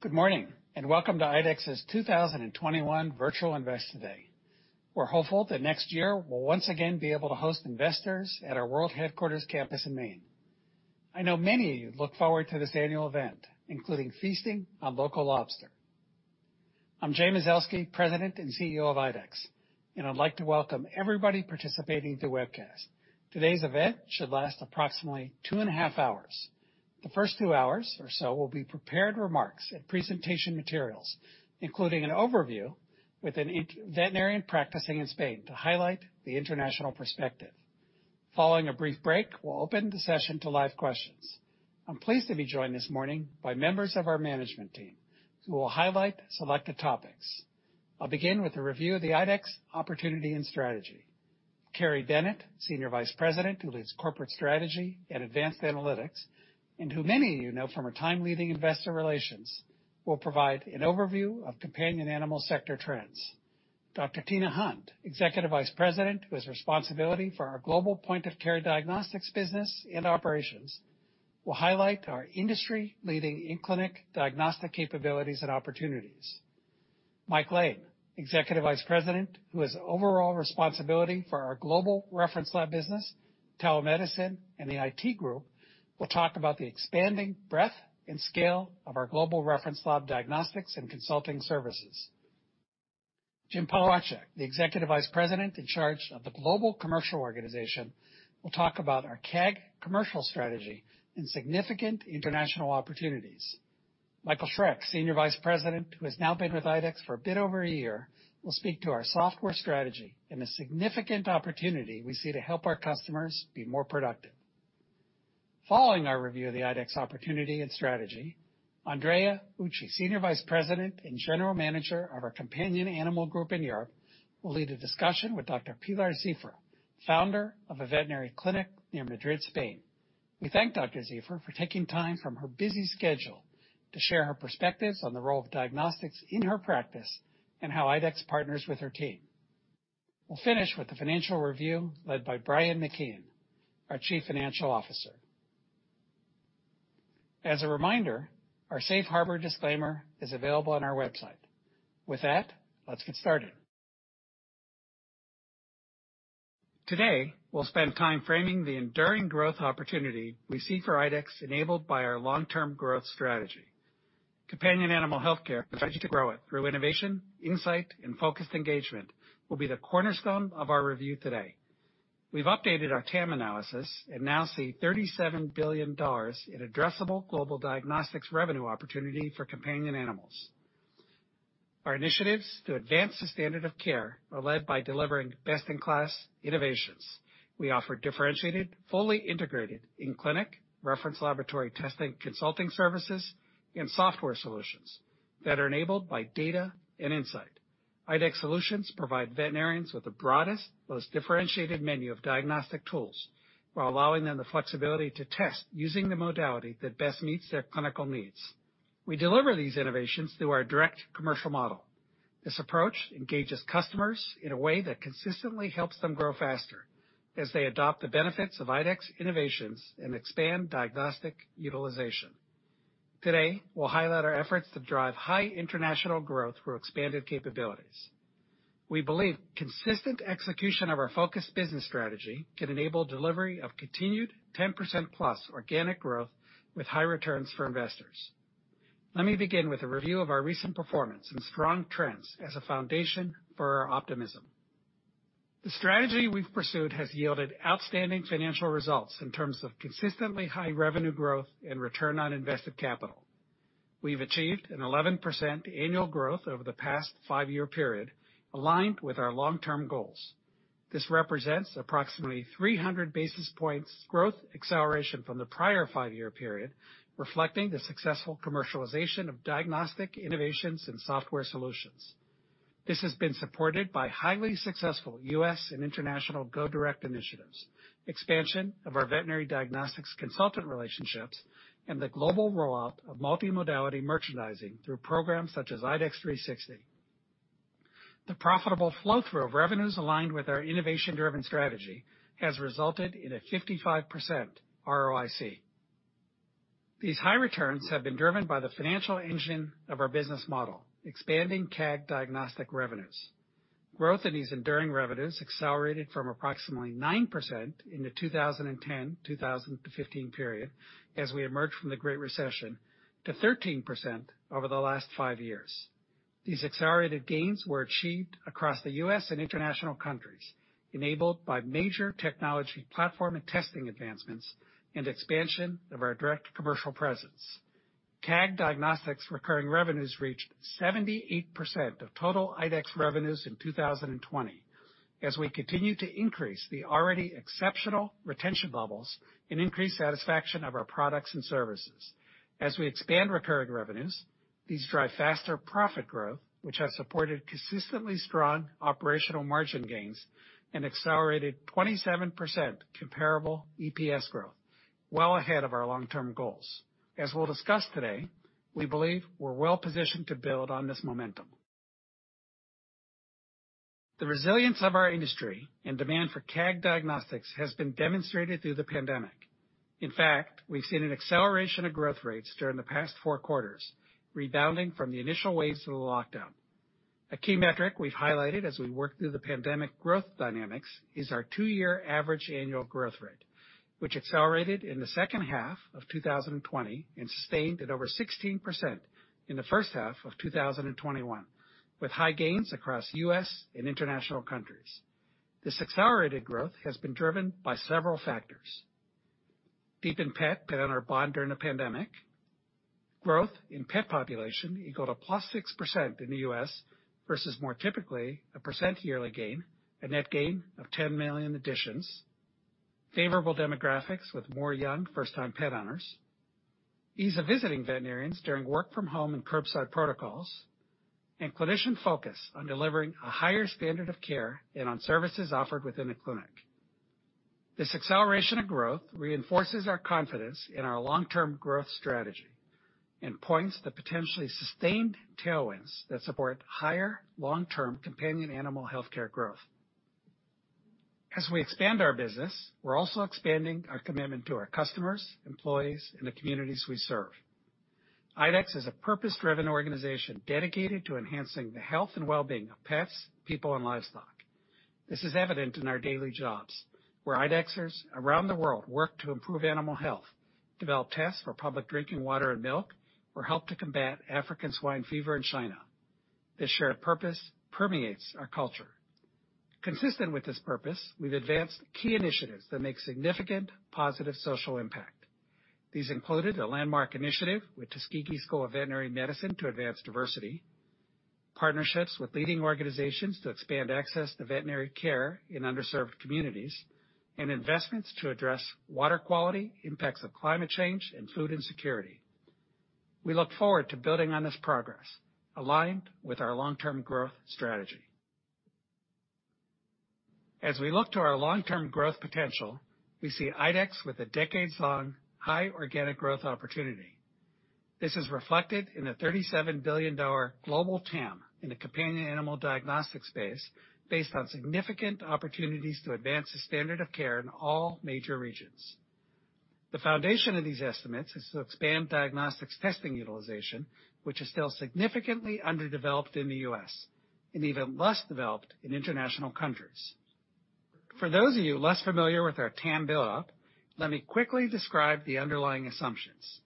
Good morning. Welcome to IDEXX's 2021 virtual Investor Day. We're hopeful that next year we'll once again be able to host investors at our world headquarters campus in Maine. I know many of you look forward to this annual event, including feasting on local lobster. I'm Jay Mazelsky, President and CEO of IDEXX, and I'd like to welcome everybody participating to the webcast. Today's event should last approximately 2.5 hours. The first two hours or so will be prepared remarks and presentation materials, including an overview with a veterinarian practicing in Spain to highlight the international perspective. Following a brief break, we'll open the session to live questions. I'm pleased to be joined this morning by members of our management team who will highlight selected topics. I'll begin with a review of the IDEXX opportunity and strategy. Kerry Bennett, Senior Vice President, who leads Corporate Strategy and Advanced Analytics, and who many of you know from her time leading Investor Relations, will provide an overview of companion animal sector trends. Dr. Tina Hunt, Executive Vice President, who has responsibility for our global Point-of-Care Diagnostics business and operations, will highlight our industry-leading in-clinic diagnostic capabilities and opportunities. Mike Lane, Executive Vice President, who has overall responsibility for our global Reference Laboratories business, telemedicine, and the IT group, will talk about the expanding breadth and scale of our global Reference Laboratories diagnostics and consulting services. Jim Polowczyk, the Executive Vice President in charge of the global commercial organization, will talk about our CAG commercial strategy and significant international opportunities. Michael Schreck, Senior Vice President, who has now been with IDEXX for a bit over a year, will speak to our software strategy and the significant opportunity we see to help our customers be more productive. Following our review of the IDEXX opportunity and strategy, Andrea Ucci, Senior Vice President and General Manager of our Companion Animal Group in Europe, will lead a discussion with Dr. Pilar Cifra, founder of a veterinary clinic near Madrid, Spain. We thank Dr. Cifra for taking time from her busy schedule to share her perspectives on the role of diagnostics in her practice and how IDEXX partners with her team. We'll finish with the financial review led by Brian McKeon, our Chief Financial Officer. As a reminder, our safe harbor disclaimer is available on our website. With that, let's get started. Today, we'll spend time framing the enduring growth opportunity we see for IDEXX enabled by our long-term growth strategy. Companion animal healthcare strategy to grow it through innovation, insight, and focused engagement will be the cornerstone of our review today. We've updated our TAM analysis and now see $37 billion in addressable global diagnostics revenue opportunity for companion animals. Our initiatives to advance the standard of care are led by delivering best-in-class innovations. We offer differentiated, fully integrated in-clinic reference laboratory testing, consulting services, and software solutions that are enabled by data and insight. IDEXX solutions provide veterinarians with the broadest, most differentiated menu of diagnostic tools while allowing them the flexibility to test using the modality that best meets their clinical needs. We deliver these innovations through our direct commercial model. This approach engages customers in a way that consistently helps them grow faster as they adopt the benefits of IDEXX innovations and expand diagnostic utilization. Today, we'll highlight our efforts to drive high international growth through expanded capabilities. We believe consistent execution of our focused business strategy can enable delivery of continued 10%+ organic growth with high returns for investors. Let me begin with a review of our recent performance and strong trends as a foundation for our optimism. The strategy we've pursued has yielded outstanding financial results in terms of consistently high revenue growth and return on invested capital. We've achieved an 11% annual growth over the past five-year period aligned with our long-term goals. This represents approximately 300 basis points growth acceleration from the prior five-year period, reflecting the successful commercialization of diagnostic innovations and software solutions. This has been supported by highly successful U.S. and international go-direct initiatives, expansion of our veterinary diagnostics consultant relationships, and the global rollout of multi-modality merchandising through programs such as IDEXX 360. The profitable flow-through of revenues aligned with our innovation-driven strategy has resulted in a 55% ROIC. These high returns have been driven by the financial engine of our business model, expanding CAG Diagnostics revenues. Growth in these enduring revenues accelerated from approximately 9% in the 2010-2015 period as we emerged from the Great Recession to 13% over the last five years. These accelerated gains were achieved across the U.S. and international countries, enabled by major technology platform and testing advancements and expansion of our direct commercial presence. CAG Diagnostics recurring revenues reached 78% of total IDEXX revenues in 2020 as we continue to increase the already exceptional retention levels and increase satisfaction of our products and services. We expand recurring revenues, these drive faster profit growth, which has supported consistently strong operational margin gains and accelerated 27% comparable EPS growth, well ahead of our long-term goals. We'll discuss today, we believe we're well-positioned to build on this momentum. The resilience of our industry and demand for CAG Diagnostics has been demonstrated through the pandemic. In fact, we've seen an acceleration of growth rates during the past 4 quarters, rebounding from the initial waves of the lockdown. A key metric we've highlighted as we work through the pandemic growth dynamics is our two-year average annual growth rate, which accelerated in the second half of 2020 and sustained at over 16% in the first half of 2021, with high gains across U.S. and international countries. This accelerated growth has been driven by several factors. Deepened pet owner bond during the pandemic. Growth in pet population equal to +6% in the U.S. versus more typically a 1% yearly gain, a net gain of 10 million additions. Favorable demographics with more young first-time pet owners. Ease of visiting veterinarians during work from home and curbside protocols, and clinician focus on delivering a higher standard of care and on services offered within a clinic. This acceleration of growth reinforces our confidence in our long-term growth strategy and points to potentially sustained tailwinds that support higher long-term companion animal healthcare growth. As we expand our business, we're also expanding our commitment to our customers, employees, and the communities we serve. IDEXX is a purpose-driven organization dedicated to enhancing the health and well-being of pets, people, and livestock. This is evident in our daily jobs, where IDEXXers around the world work to improve animal health, develop tests for public drinking water and milk, or help to combat African swine fever in China. This shared purpose permeates our culture. Consistent with this purpose, we've advanced key initiatives that make significant positive social impact. These included a landmark initiative with Tuskegee University College of Veterinary Medicine to advance diversity, partnerships with leading organizations to expand access to veterinary care in underserved communities, and investments to address water quality, impacts of climate change, and food insecurity. We look forward to building on this progress, aligned with our long-term growth strategy. As we look to our long-term growth potential, we see IDEXX with a decades-long high organic growth opportunity. This is reflected in the $37 billion global TAM in the companion animal diagnostic space based on significant opportunities to advance the standard of care in all major regions. The foundation of these estimates is to expand diagnostics testing utilization, which is still significantly underdeveloped in the U.S. and even less developed in international countries. For those of you less familiar with our TAM buildup, let me quickly describe the underlying assumptions.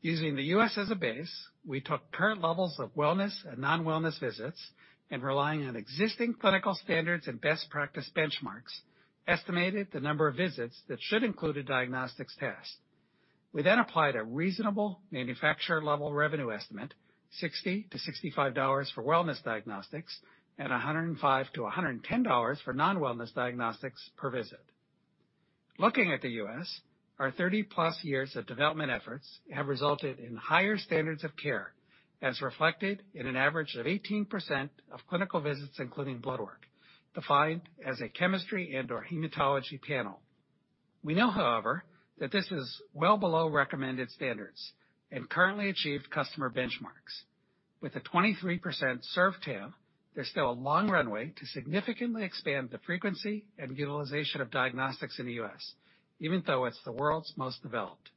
Using the U.S. as a base, we took current levels of wellness and non-wellness visits and relying on existing clinical standards and best practice benchmarks, estimated the number of visits that should include a diagnostics test. We applied a reasonable manufacturer-level revenue estimate, $60-$65 for wellness diagnostics and $105-$110 for non-wellness diagnostics per visit. Looking at the U.S., our 30+ years of development efforts have resulted in higher standards of care, as reflected in an average of 18% of clinical visits, including blood work, defined as a chemistry and/or hematology panel. We know, however, that this is well below recommended standards and currently achieved customer benchmarks. With a 23% served TAM, there's still a long runway to significantly expand the frequency and utilization of diagnostics in the U.S., even though it's the world's most developed.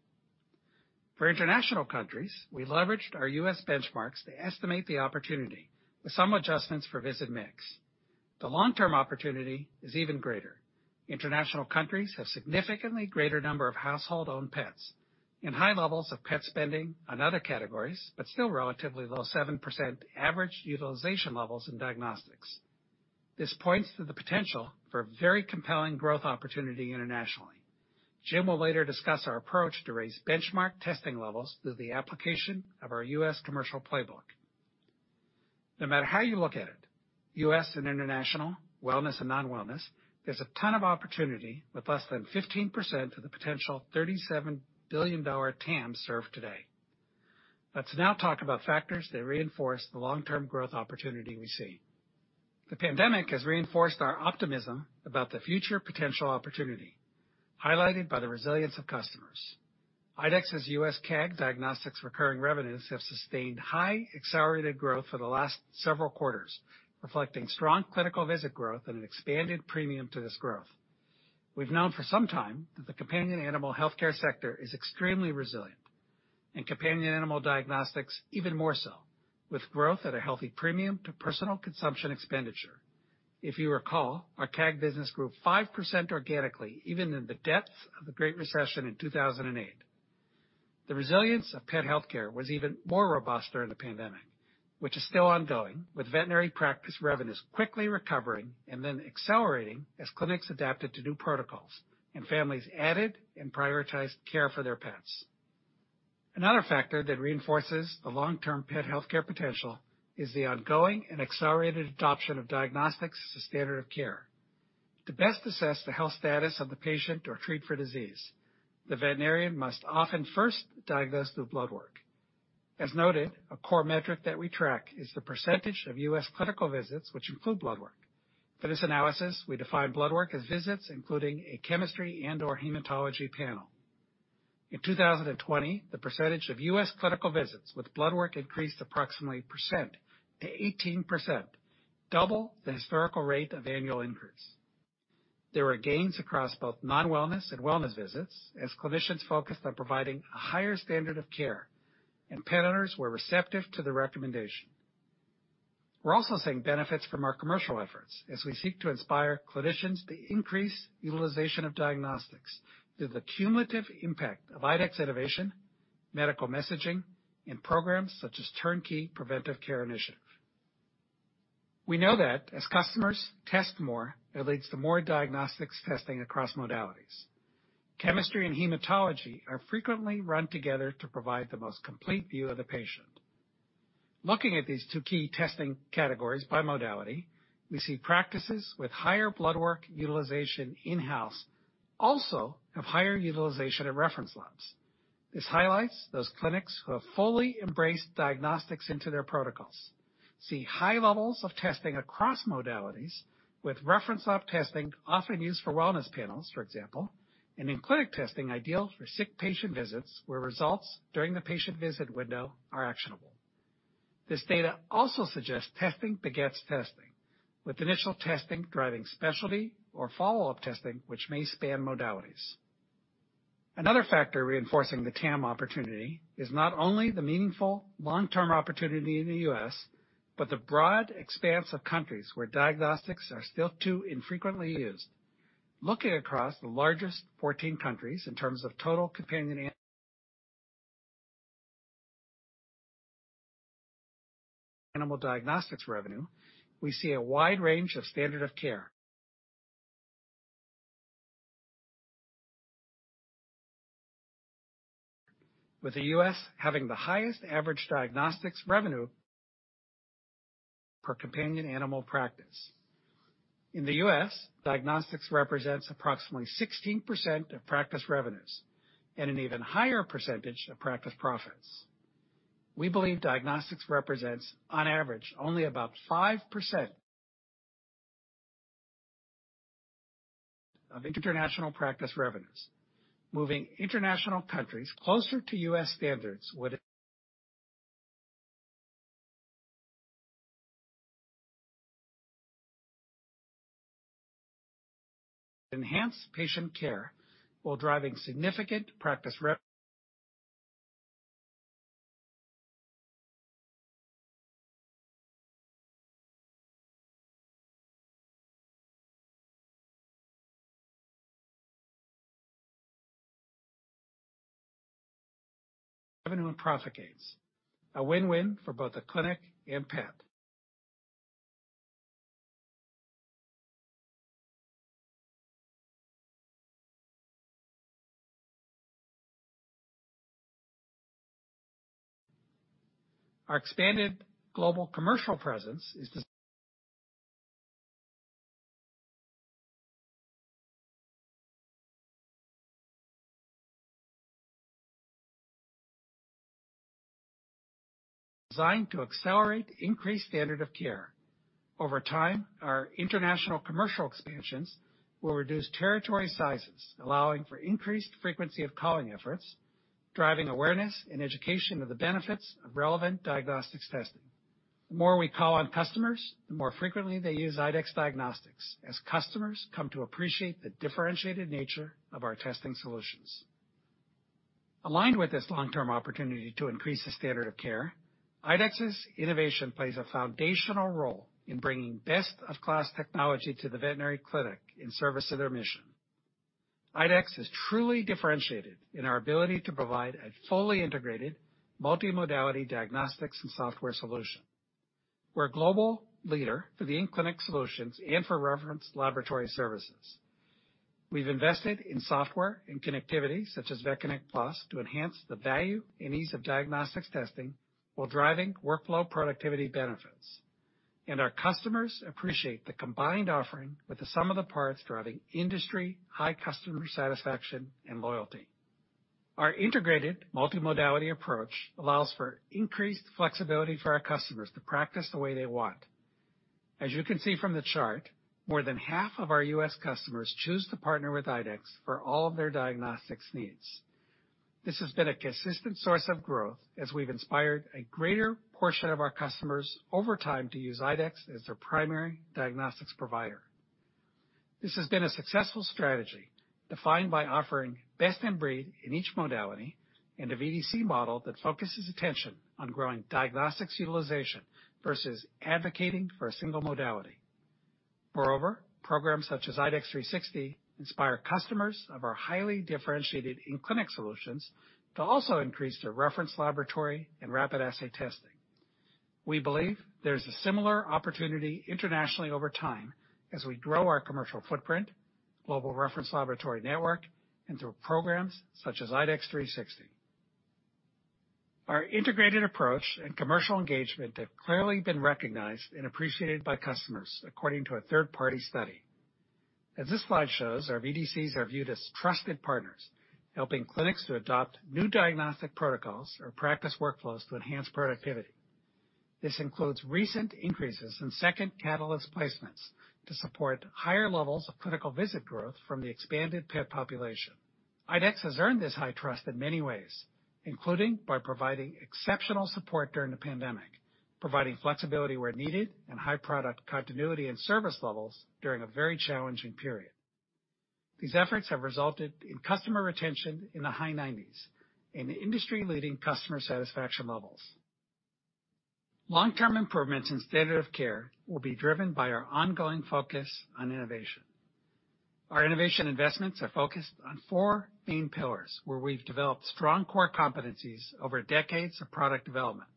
For international countries, we leveraged our U.S. benchmarks to estimate the opportunity with some adjustments for visit mix. The long-term opportunity is even greater. International countries have significantly greater number of household-owned pets and high levels of pet spending on other categories, but still relatively low 7% average utilization levels in diagnostics. This points to the potential for very compelling growth opportunity internationally. Jim will later discuss our approach to raise benchmark testing levels through the application of our U.S. commercial playbook. No matter how you look at it, U.S. and international, wellness and non-wellness, there's a ton of opportunity with less than 15% of the potential $37 billion TAM served today. Let's now talk about factors that reinforce the long-term growth opportunity we see. The pandemic has reinforced our optimism about the future potential opportunity, highlighted by the resilience of customers. IDEXX's U.S. CAG Diagnostics recurring revenues have sustained high accelerated growth for the last several quarters, reflecting strong clinical visit growth and an expanded premium to this growth. We've known for some time that the companion animal healthcare sector is extremely resilient, and companion animal diagnostics even more so, with growth at a healthy premium to personal consumption expenditure. If you recall, our CAG business grew 5% organically, even in the depths of the Great Recession in 2008. The resilience of pet healthcare was even more robust during the pandemic, which is still ongoing, with veterinary practice revenues quickly recovering and then accelerating as clinics adapted to new protocols and families added and prioritized care for their pets. Another factor that reinforces the long-term pet healthcare potential is the ongoing and accelerated adoption of diagnostics as a standard of care. To best assess the health status of the patient or treat for disease, the veterinarian must often first diagnose through blood work. As noted, a core metric that we track is the percentage of U.S. clinical visits which include blood work. For this analysis, we define blood work as visits including a chemistry and/or hematology panel. In 2020, the pecentage of U.S. clinical visits with blood work increased approximately percent to 18%, double the historical rate of annual increase. There were gains across both non-wellness and wellness visits as clinicians focused on providing a higher standard of care, and pet owners were receptive to the recommendation. We're also seeing benefits from our commercial efforts as we seek to inspire clinicians to increase utilization of diagnostics through the cumulative impact of IDEXX innovation, medical messaging, and programs such as Turnkey Preventive Care Initiative. We know that as customers test more, it leads to more diagnostics testing across modalities. Chemistry and hematology are frequently run together to provide the most complete view of the patient. Looking at these two key testing categories by modality, we see practices with higher blood work utilization in-house also have higher utilization at reference labs. This highlights those clinics who have fully embraced diagnostics into their protocols, see high levels of testing across modalities with reference lab testing often used for wellness panels, for example, and in-clinic testing ideal for sick patient visits where results during the patient visit window are actionable. This data also suggests testing begets testing, with initial testing driving specialty or follow-up testing, which may span modalities. Another factor reinforcing the TAM opportunity is not only the meaningful long-term opportunity in the U.S., but the broad expanse of countries where diagnostics are still too infrequently used. Looking across the largest 14 countries in terms of total companion animal diagnostics revenue, we see a wide range of standard of care. With the U.S. having the highest average diagnostics revenue per companion animal practice. In the U.S., diagnostics represents approximately 16% of practice revenues and an even higher percentage of practice profits. We believe diagnostics represents, on average, only about 5% of international practice revenues. Moving international countries closer to U.S. standards would enhance patient care while driving significant practice revenue and profit gains. A win-win for both the clinic and pet. Our expanded global commercial presence is designed to accelerate increased standard of care. Over time, our international commercial expansions will reduce territory sizes, allowing for increased frequency of calling efforts, driving awareness and education of the benefits of relevant diagnostics testing. The more we call on customers, the more frequently they use IDEXX diagnostics as customers come to appreciate the differentiated nature of our testing solutions. Aligned with this long-term opportunity to increase the standard of care, IDEXX's innovation plays a foundational role in bringing best-of-class technology to the veterinary clinic in service of their mission. IDEXX is truly differentiated in our ability to provide a fully integrated multi-modality diagnostics and software solution. We're a global leader for the in-clinic solutions and for reference laboratory services. We've invested in software and connectivity such as VetConnect PLUS to enhance the value and ease of diagnostics testing while driving workflow productivity benefits. Our customers appreciate the combined offering with the sum of the parts driving industry-high customer satisfaction and loyalty. Our integrated multi-modality approach allows for increased flexibility for our customers to practice the way they want. As you can see from the chart, more than half of our U.S. customers choose to partner with IDEXX for all of their diagnostics needs. This has been a consistent source of growth as we've inspired a greater portion of our customers over time to use IDEXX as their primary diagnostics provider. This has been a successful strategy defined by offering best-in-breed in each modality and a VDC model that focuses attention on growing diagnostics utilization versus advocating for a single modality. Moreover, programs such as IDEXX 360 inspire customers of our highly differentiated in-clinic solutions to also increase their reference laboratory and rapid assay testing. We believe there's a similar opportunity internationally over time as we grow our commercial footprint, global reference laboratory network, and through programs such as IDEXX 360. Our integrated approach and commercial engagement have clearly been recognized and appreciated by customers according to a third-party study. As this slide shows, our VDCs are viewed as trusted partners, helping clinics to adopt new diagnostic protocols or practice workflows to enhance productivity. This includes recent increases in second Catalyst placements to support higher levels of clinical visit growth from the expanded pet population. IDEXX has earned this high trust in many ways, including by providing exceptional support during the pandemic, providing flexibility where needed, and high product continuity and service levels during a very challenging period. These efforts have resulted in customer retention in the high nineties and industry-leading customer satisfaction levels. Long-term improvements in standard of care will be driven by our ongoing focus on innovation. Our innovation investments are focused on 4 main pillars, where we've developed strong core competencies over decades of product development.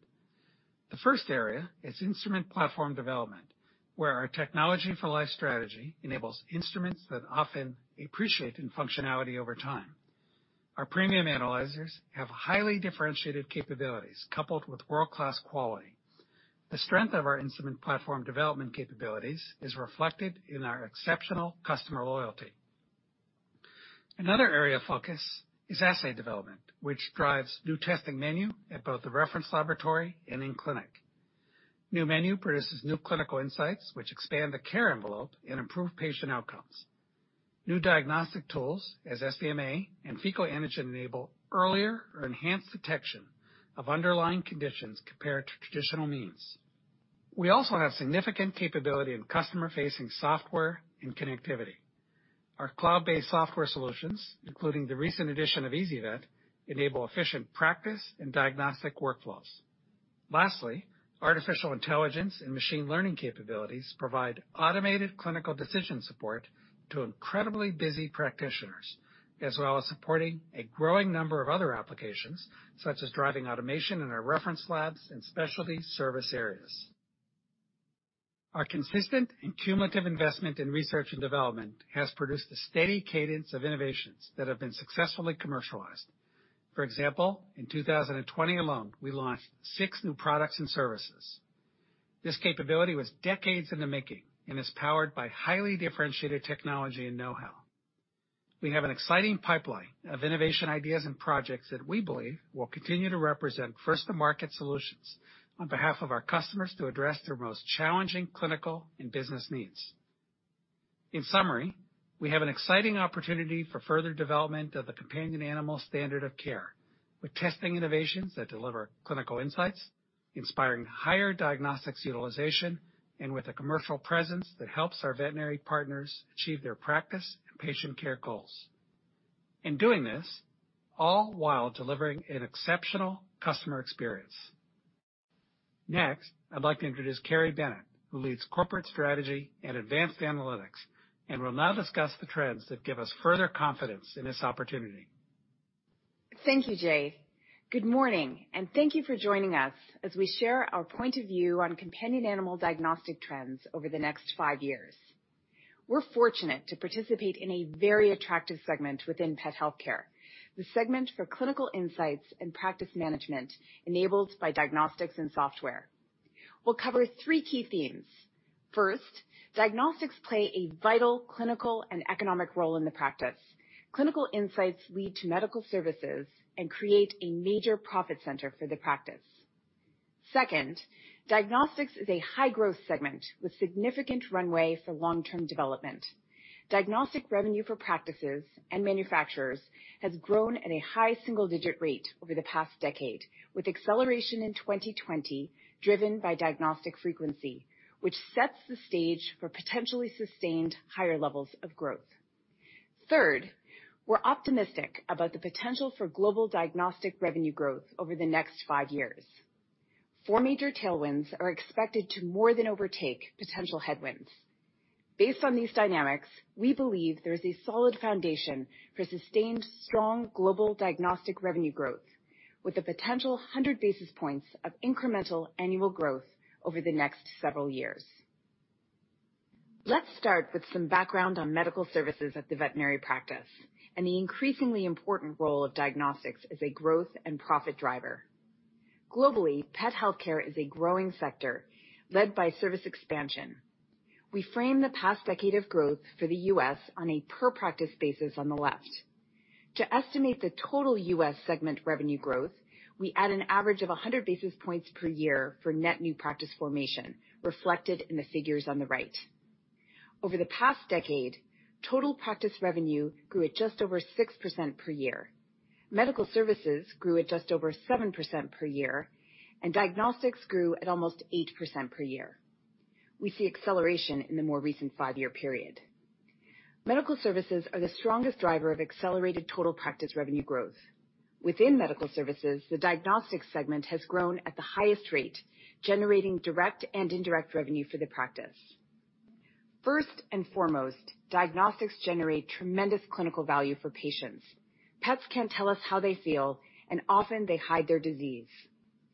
The first area is instrument platform development, where our Technology for Life strategy enables instruments that often appreciate in functionality over time. Our premium analyzers have highly differentiated capabilities coupled with world-class quality. The strength of our instrument platform development capabilities is reflected in our exceptional customer loyalty. Another area of focus is assay development, which drives new testing menu at both the reference laboratory and in clinic. New menu produces new clinical insights, which expand the care envelope and improve patient outcomes. New diagnostic tools, as SDMA and fecal antigen enable earlier or enhanced detection of underlying conditions compared to traditional means. We also have significant capability in customer-facing software and connectivity. Our cloud-based software solutions, including the recent addition of ezyVet, enable efficient practice and diagnostic workflows. Lastly, artificial intelligence and machine learning capabilities provide automated Clinical Decision Support to incredibly busy practitioners, as well as supporting a growing number of other applications, such as driving automation in our reference labs and specialty service areas. Our consistent and cumulative investment in research and development has produced a steady cadence of innovations that have been successfully commercialized. For example, in 2020 alone, we launched 6 new products and services. This capability was decades in the making and is powered by highly differentiated technology and know-how. We have an exciting pipeline of innovation ideas and projects that we believe will continue to represent first-to-market solutions on behalf of our customers to address their most challenging clinical and business needs. In summary, we have an exciting opportunity for further development of the companion animal standard of care with testing innovations that deliver clinical insights, inspiring higher diagnostics utilization, and with a commercial presence that helps our veterinary partners achieve their practice and patient care goals. In doing this, all while delivering an exceptional customer experience. Next, I'd like to introduce Kerry Bennett, who leads corporate strategy and advanced analytics and will now discuss the trends that give us further confidence in this opportunity. Thank you, Jay. Good morning, and thank you for joining us as we share our point of view on companion animal diagnostic trends over the next five years. We're fortunate to participate in a very attractive segment within pet healthcare, the segment for clinical insights and practice management enabled by diagnostics and software. We'll cover three key themes. First, diagnostics play a vital clinical and economic role in the practice. Clinical insights lead to medical services and create a major profit center for the practice. Second, diagnostics is a high-growth segment with significant runway for long-term development. Diagnostic revenue for practices and manufacturers has grown at a high single-digit rate over the past decade, with acceleration in 2020 driven by diagnostic frequency, which sets the stage for potentially sustained higher levels of growth. Third, we're optimistic about the potential for global diagnostic revenue growth over the next 5 years. Four major tailwinds are expected to more than overtake potential headwinds. Based on these dynamics, we believe there is a solid foundation for sustained strong global diagnostic revenue growth with a potential 100 basis points of incremental annual growth over the next several years. Let's start with some background on medical services at the veterinary practice and the increasingly important role of diagnostics as a growth and profit driver. Globally, pet healthcare is a growing sector led by service expansion. We frame the past decade of growth for the U.S. on a per-practice basis on the left. To estimate the total U.S. segment revenue growth, we add an average of 100 basis points per year for net new practice formation reflected in the figures on the right. Over the past decade, total practice revenue grew at just over 6% per year. Medical services grew at just over 7% per year, and diagnostics grew at almost 8% per year. We see acceleration in the more recent five-year period. Medical services are the strongest driver of accelerated total practice revenue growth. Within medical services, the diagnostics segment has grown at the highest rate, generating direct and indirect revenue for the practice. First and foremost, diagnostics generate tremendous clinical value for patients. Pets can't tell us how they feel, and often they hide their disease.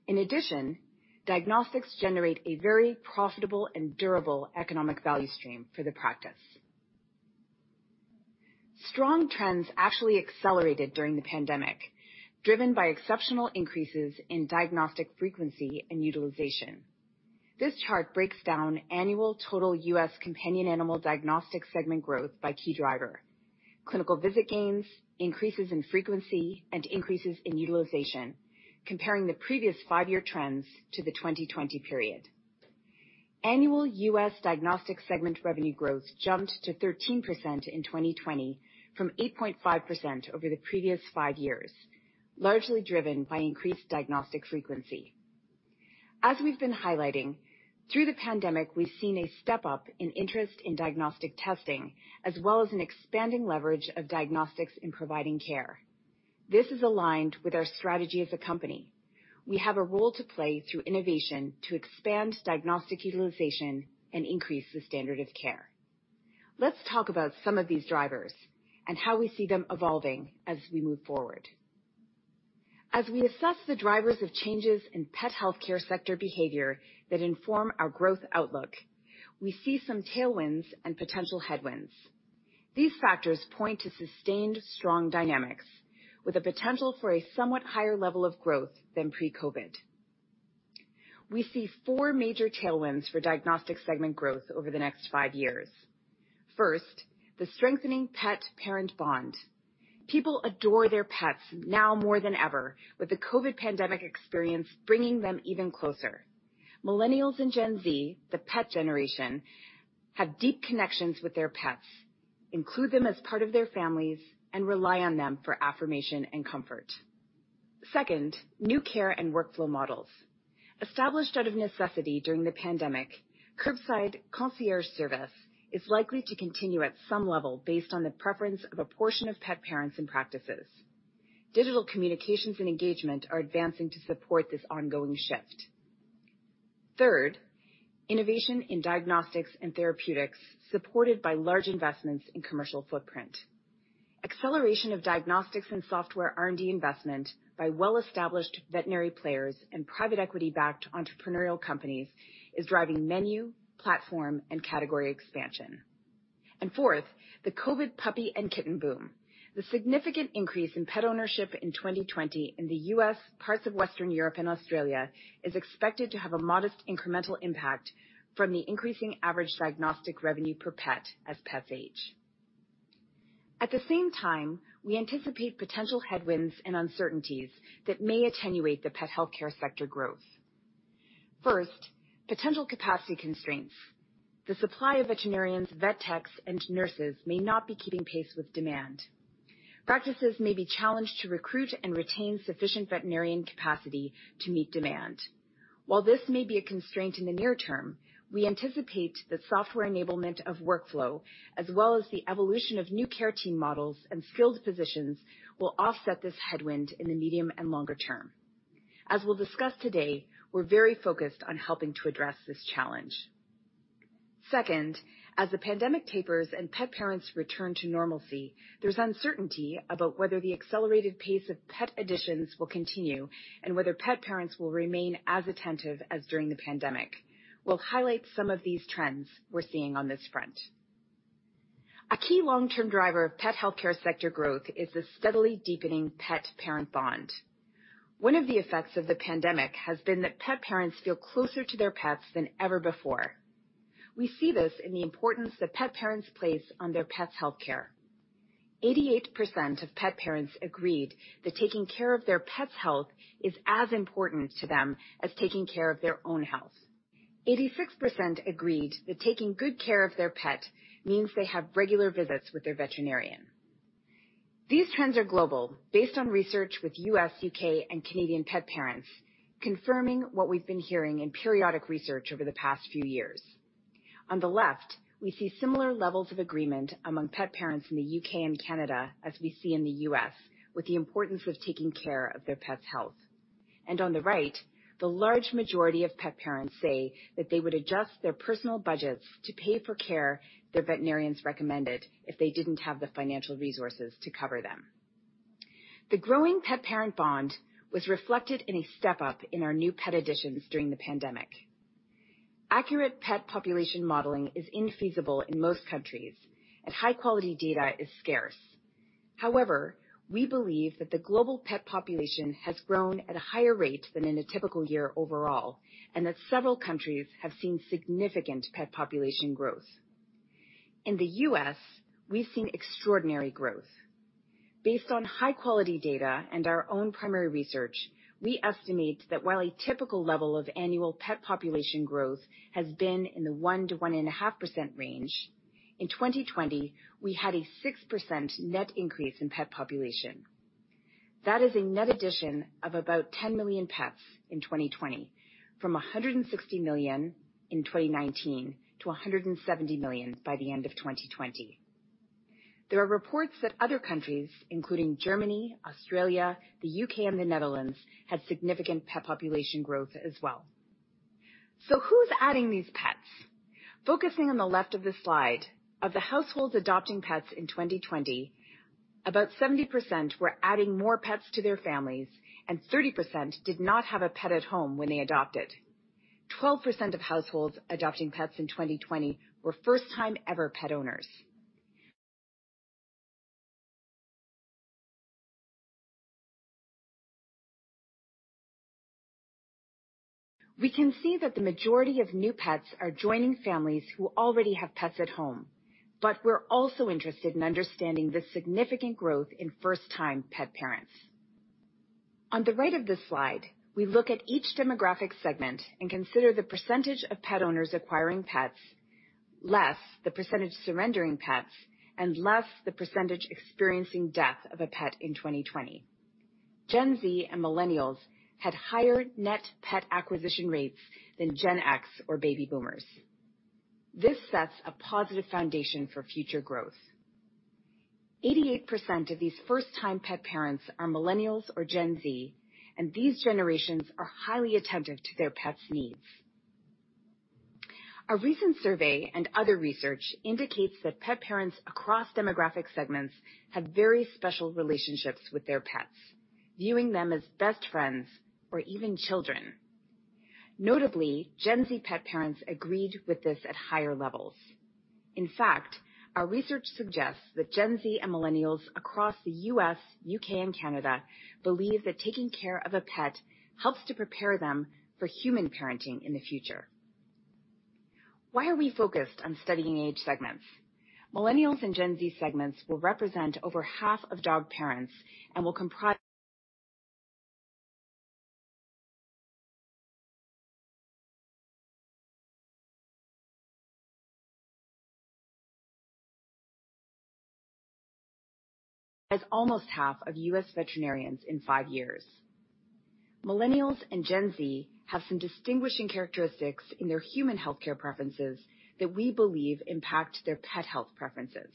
In addition, diagnostics generate a very profitable and durable economic value stream for the practice. Strong trends actually accelerated during the pandemic, driven by exceptional increases in diagnostic frequency and utilization. This chart breaks down annual total U.S. companion animal diagnostic segment growth by key driver. Clinical visit gains, increases in frequency, and increases in utilization, comparing the previous five-year trends to the 2020 period. Annual U.S. diagnostic segment revenue growth jumped to 13% in 2020 from 8.5% over the previous 5 years, largely driven by increased diagnostic frequency. As we've been highlighting, through the pandemic, we've seen a step up in interest in diagnostic testing, as well as an expanding leverage of diagnostics in providing care. This is aligned with our strategy as a company. We have a role to play through innovation to expand diagnostic utilization and increase the standard of care. Let's talk about some of these drivers and how we see them evolving as we move forward. As we assess the drivers of changes in pet healthcare sector behavior that inform our growth outlook, we see some tailwinds and potential headwinds. These factors point to sustained strong dynamics with a potential for a somewhat higher level of growth than pre-COVID. We see four major tailwinds for diagnostic segment growth over the next five years. First, the strengthening pet-parent bond. People adore their pets now more than ever, with the COVID pandemic experience bringing them even closer. Millennials and Gen Z, the pet generation, have deep connections with their pets, include them as part of their families, and rely on them for affirmation and comfort. Second, new care and workflow models. Established out of necessity during the pandemic, curbside concierge service is likely to continue at some level based on the preference of a portion of pet parents and practices. Digital communications and engagement are advancing to support this ongoing shift. Third, innovation in diagnostics and therapeutics supported by large investments in commercial footprint. Acceleration of diagnostics and software R&D investment by well-established veterinary players and private equity-backed entrepreneurial companies is driving menu, platform, and category expansion. Fourth, the COVID puppy and kitten boom. The significant increase in pet ownership in 2020 in the U.S., parts of Western Europe and Australia, is expected to have a modest incremental impact from the increasing average diagnostic revenue per pet as pets age. At the same time, we anticipate potential headwinds and uncertainties that may attenuate the pet healthcare sector growth. First, potential capacity constraints. The supply of veterinarians, vet techs, and nurses may not be keeping pace with demand. Practices may be challenged to recruit and retain sufficient veterinarian capacity to meet demand. While this may be a constraint in the near term, we anticipate that software enablement of workflow, as well as the evolution of new care team models and skilled positions, will offset this headwind in the medium and longer term. As we'll discuss today, we're very focused on helping to address this challenge. As the pandemic tapers and pet parents return to normalcy, there's uncertainty about whether the accelerated pace of pet additions will continue and whether pet parents will remain as attentive as during the pandemic. We'll highlight some of these trends we're seeing on this front. A key long-term driver of pet healthcare sector growth is the steadily deepening pet-parent bond. One of the effects of the pandemic has been that pet parents feel closer to their pets than ever before. We see this in the importance that pet parents place on their pet's healthcare. 88% of pet parents agreed that taking care of their pet's health is as important to them as taking care of their own health. 86% agreed that taking good care of their pet means they have regular visits with their veterinarian. These trends are global based on research with U.S., U.K., and Canadian pet parents, confirming what we've been hearing in periodic research over the past few years. On the left, we see similar levels of agreement among pet parents in the U.K. and Canada as we see in the U.S., with the importance of taking care of their pet's health. On the right, the large majority of pet parents say that they would adjust their personal budgets to pay for care their veterinarians recommended if they didn't have the financial resources to cover them. The growing pet-parent bond was reflected in a step-up in our new pet additions during the pandemic. Accurate pet population modeling is infeasible in most countries. High-quality data is scarce. We believe that the global pet population has grown at a higher rate than in a typical year overall, and that several countries have seen significant pet population growth. In the U.S., we've seen extraordinary growth. Based on high-quality data and our own primary research, we estimate that while a typical level of annual pet population growth has been in the 1% to 1.5% range, in 2020, we had a 6% net increase in pet population. That is a net addition of about 10 million pets in 2020, from 160 million in 2019 to 170 million by the end of 2020. There are reports that other countries, including Germany, Australia, the U.K., and the Netherlands, had significant pet population growth as well. Who's adding these pets? Focusing on the left of the slide, of the households adopting pets in 2020, about 70% were adding more pets to their families, and 30% did not have a pet at home when they adopted. 12% of households adopting pets in 2020 were first-time ever pet owners. We can see that the majority of new pets are joining families who already have pets at home. We're also interested in understanding the significant growth in first-time pet parents. On the right of this slide, we look at each demographic segment and consider the percentage of pet owners acquiring pets, less the percentage surrendering pets, and less the percentage experiencing death of a pet in 2020. Gen Z and Millennials had higher net pet acquisition rates than Gen X or Baby Boomers. This sets a positive foundation for future growth. 88% of these first-time pet parents are Millennials or Gen Z, and these generations are highly attentive to their pets' needs. A recent survey and other research indicates that pet parents across demographic segments have very special relationships with their pets, viewing them as best friends or even children. Notably, Gen Z pet parents agreed with this at higher levels. In fact, our research suggests that Gen Z and Millennials across the U.S., U.K., and Canada believe that taking care of a pet helps to prepare them for human parenting in the future. Why are we focused on studying age segments? Millennials and Gen Z segments will represent over half of dog parents and will comprise as almost half of U.S. veterinarians in five years. Millennials and Gen Z have some distinguishing characteristics in their human healthcare preferences that we believe impact their pet health preferences.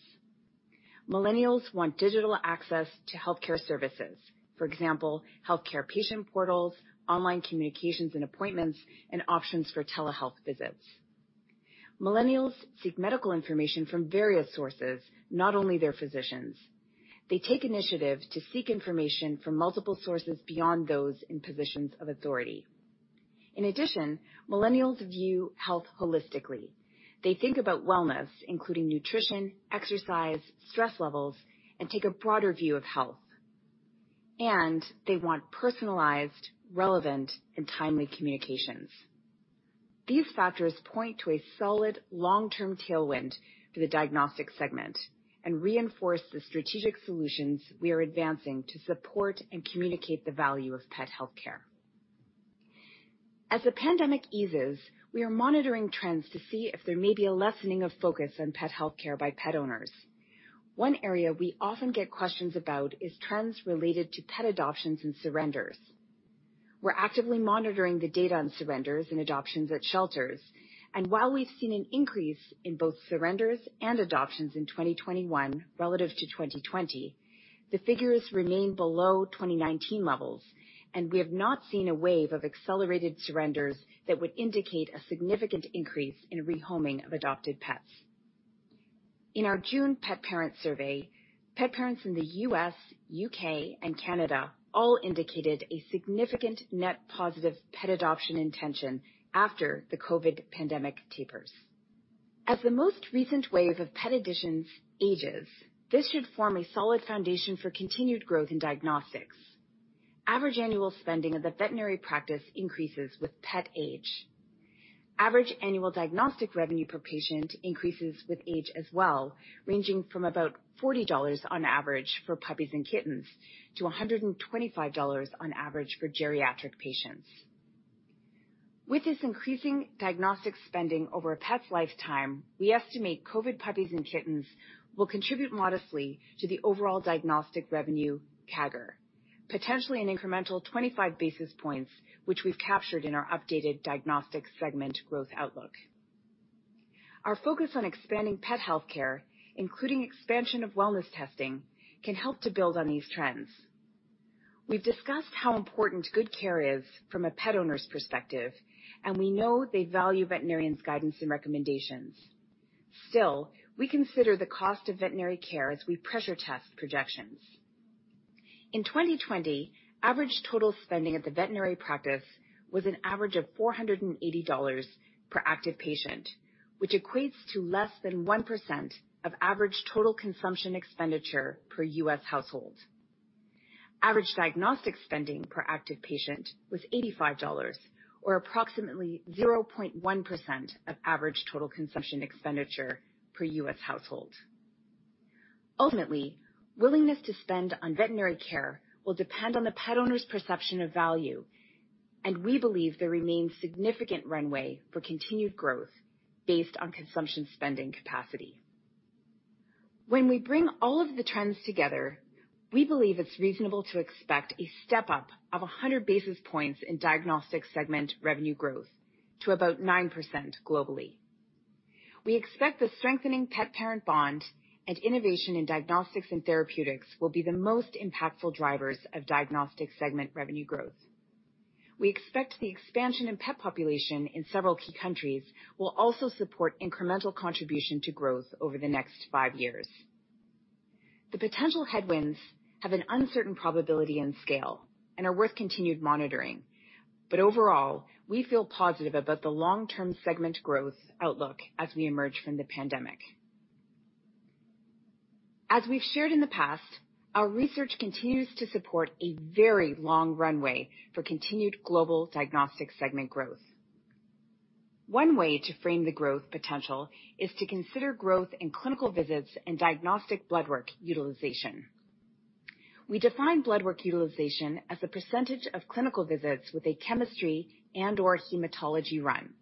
Millennials want digital access to healthcare services. For example, healthcare patient portals, online communications and appointments, and options for telehealth visits. Millennials seek medical information from various sources, not only their physicians. They take initiative to seek information from multiple sources beyond those in positions of authority. In addition, Millennials view health holistically. They think about wellness, including nutrition, exercise, stress levels, and take a broader view of health, and they want personalized, relevant, and timely communications. These factors point to a solid long-term tailwind for the diagnostic segment and reinforce the strategic solutions we are advancing to support and communicate the value of pet healthcare. As the pandemic eases, we are monitoring trends to see if there may be a lessening of focus on pet healthcare by pet owners. One area we often get questions about is trends related to pet adoptions and surrenders. We're actively monitoring the data on surrenders and adoptions at shelters, and while we've seen an increase in both surrenders and adoptions in 2021 relative to 2020, the figures remain below 2019 levels, and we have not seen a wave of accelerated surrenders that would indicate a significant increase in rehoming of adopted pets. In our June pet parent survey, pet parents in the U.S., U.K., and Canada all indicated a significant net positive pet adoption intention after the COVID pandemic tapers. As the most recent wave of pet additions ages, this should form a solid foundation for continued growth in diagnostics. Average annual spending at the veterinary practice increases with pet age. Average annual diagnostic revenue per patient increases with age as well, ranging from about $40 on average for puppies and kittens to $125 on average for geriatric patients. With this increasing diagnostic spending over a pet's lifetime, we estimate COVID puppies and kittens will contribute modestly to the overall diagnostic revenue CAGR, potentially an incremental 25 basis points, which we've captured in our updated diagnostics segment growth outlook. Our focus on expanding pet healthcare, including expansion of wellness testing, can help to build on these trends. We've discussed how important good care is from a pet owner's perspective, and we know they value veterinarians' guidance and recommendations. Still, we consider the cost of veterinary care as we pressure test projections. In 2020, average total spending at the veterinary practice was an average of $480 per active patient, which equates to less than 1% of average total consumption expenditure per U.S. household. Average diagnostic spending per active patient was $85 or approximately 0.1% of average total consumption expenditure per U.S. household. Ultimately, willingness to spend on veterinary care will depend on the pet owner's perception of value, and we believe there remains significant runway for continued growth based on consumption spending capacity. When we bring all of the trends together, we believe it's reasonable to expect a step-up of 100 basis points in diagnostics segment revenue growth to about 9% globally. We expect the strengthening pet-parent bond and innovation in diagnostics and therapeutics will be the most impactful drivers of diagnostics segment revenue growth. We expect the expansion in pet population in several key countries will also support incremental contribution to growth over the next five years. The potential headwinds have an uncertain probability and scale and are worth continued monitoring. Overall, we feel positive about the long-term segment growth outlook as we emerge from the pandemic. As we've shared in the past, our research continues to support a very long runway for continued global diagnostic segment growth. One way to frame the growth potential is to consider growth in clinical visits and diagnostic blood work utilization. We define blood work utilization as a percentage of clinical visits with a chemistry and/or hematology run.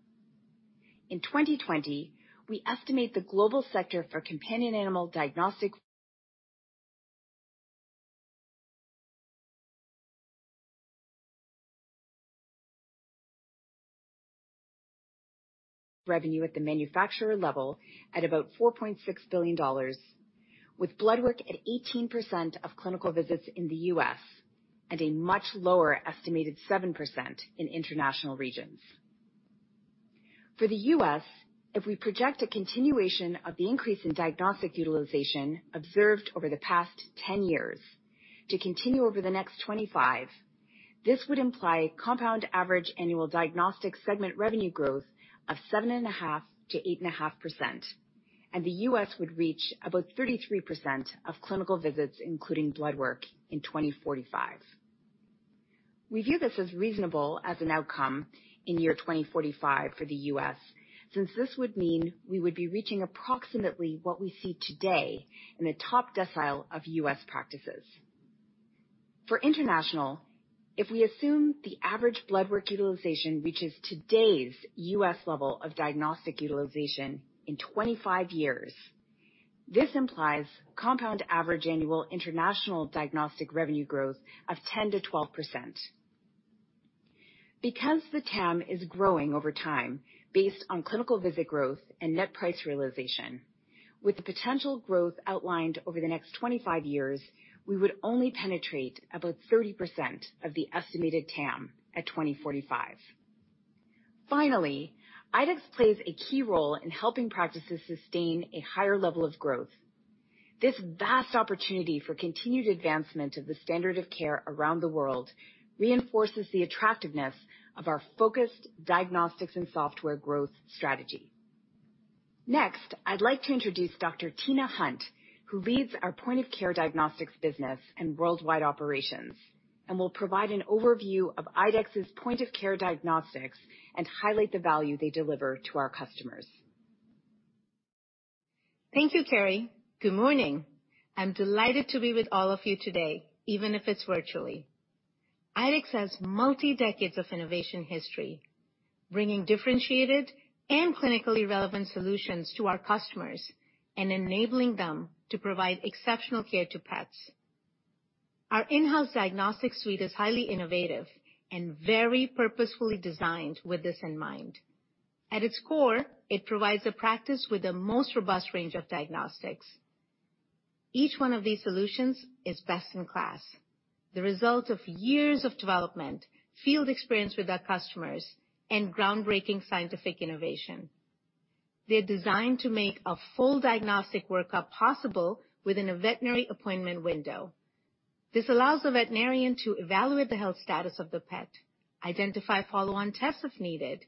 In 2020, we estimate the global sector for companion animal diagnostic revenue at the manufacturer level at about $4.6 billion, with blood work at 18% of clinical visits in the U.S. and a much lower estimated 7% in international regions. For the U.S., if we project a continuation of the increase in diagnostic utilization observed over the past 10 years to continue over the next 25, this would imply compound average annual diagnostic segment revenue growth of 7.5%-8.5%, and the U.S. would reach about 33% of clinical visits, including blood work in 2045. We view this as reasonable as an outcome in year 2045 for the U.S., since this would mean we would be reaching approximately what we see today in the top decile of U.S. practices. For international, if we assume the average blood work utilization reaches today's U.S. level of diagnostic utilization in 25 years, this implies compound average annual international diagnostic revenue growth of 10%-12%. Because the TAM is growing over time based on clinical visit growth and net price realization, with the potential growth outlined over the next 25 years, we would only penetrate about 30% of the estimated TAM at 2045. Finally, IDEXX plays a key role in helping practices sustain a higher level of growth. This vast opportunity for continued advancement of the standard of care around the world reinforces the attractiveness of our focused diagnostics and software growth strategy. Next, I'd like to introduce Dr. Tina Hunt, who leads our Point-of-Care Diagnostics business and worldwide operations and will provide an overview of IDEXX's Point-of-Care Diagnostics and highlight the value they deliver to our customers. Thank you, Kerry. Good morning. I'm delighted to be with all of you today, even if it's virtually. IDEXX has multidecades of innovation history, bringing differentiated and clinically relevant solutions to our customers and enabling them to provide exceptional care to pets. Our in-house diagnostic suite is highly innovative and very purposefully designed with this in mind. At its core, it provides a practice with the most robust range of diagnostics. Each one of these solutions is best in class, the result of years of development, field experience with our customers, and groundbreaking scientific innovation. They're designed to make a full diagnostic workup possible within a veterinary appointment window. This allows the veterinarian to evaluate the health status of the pet, identify follow-on tests if needed,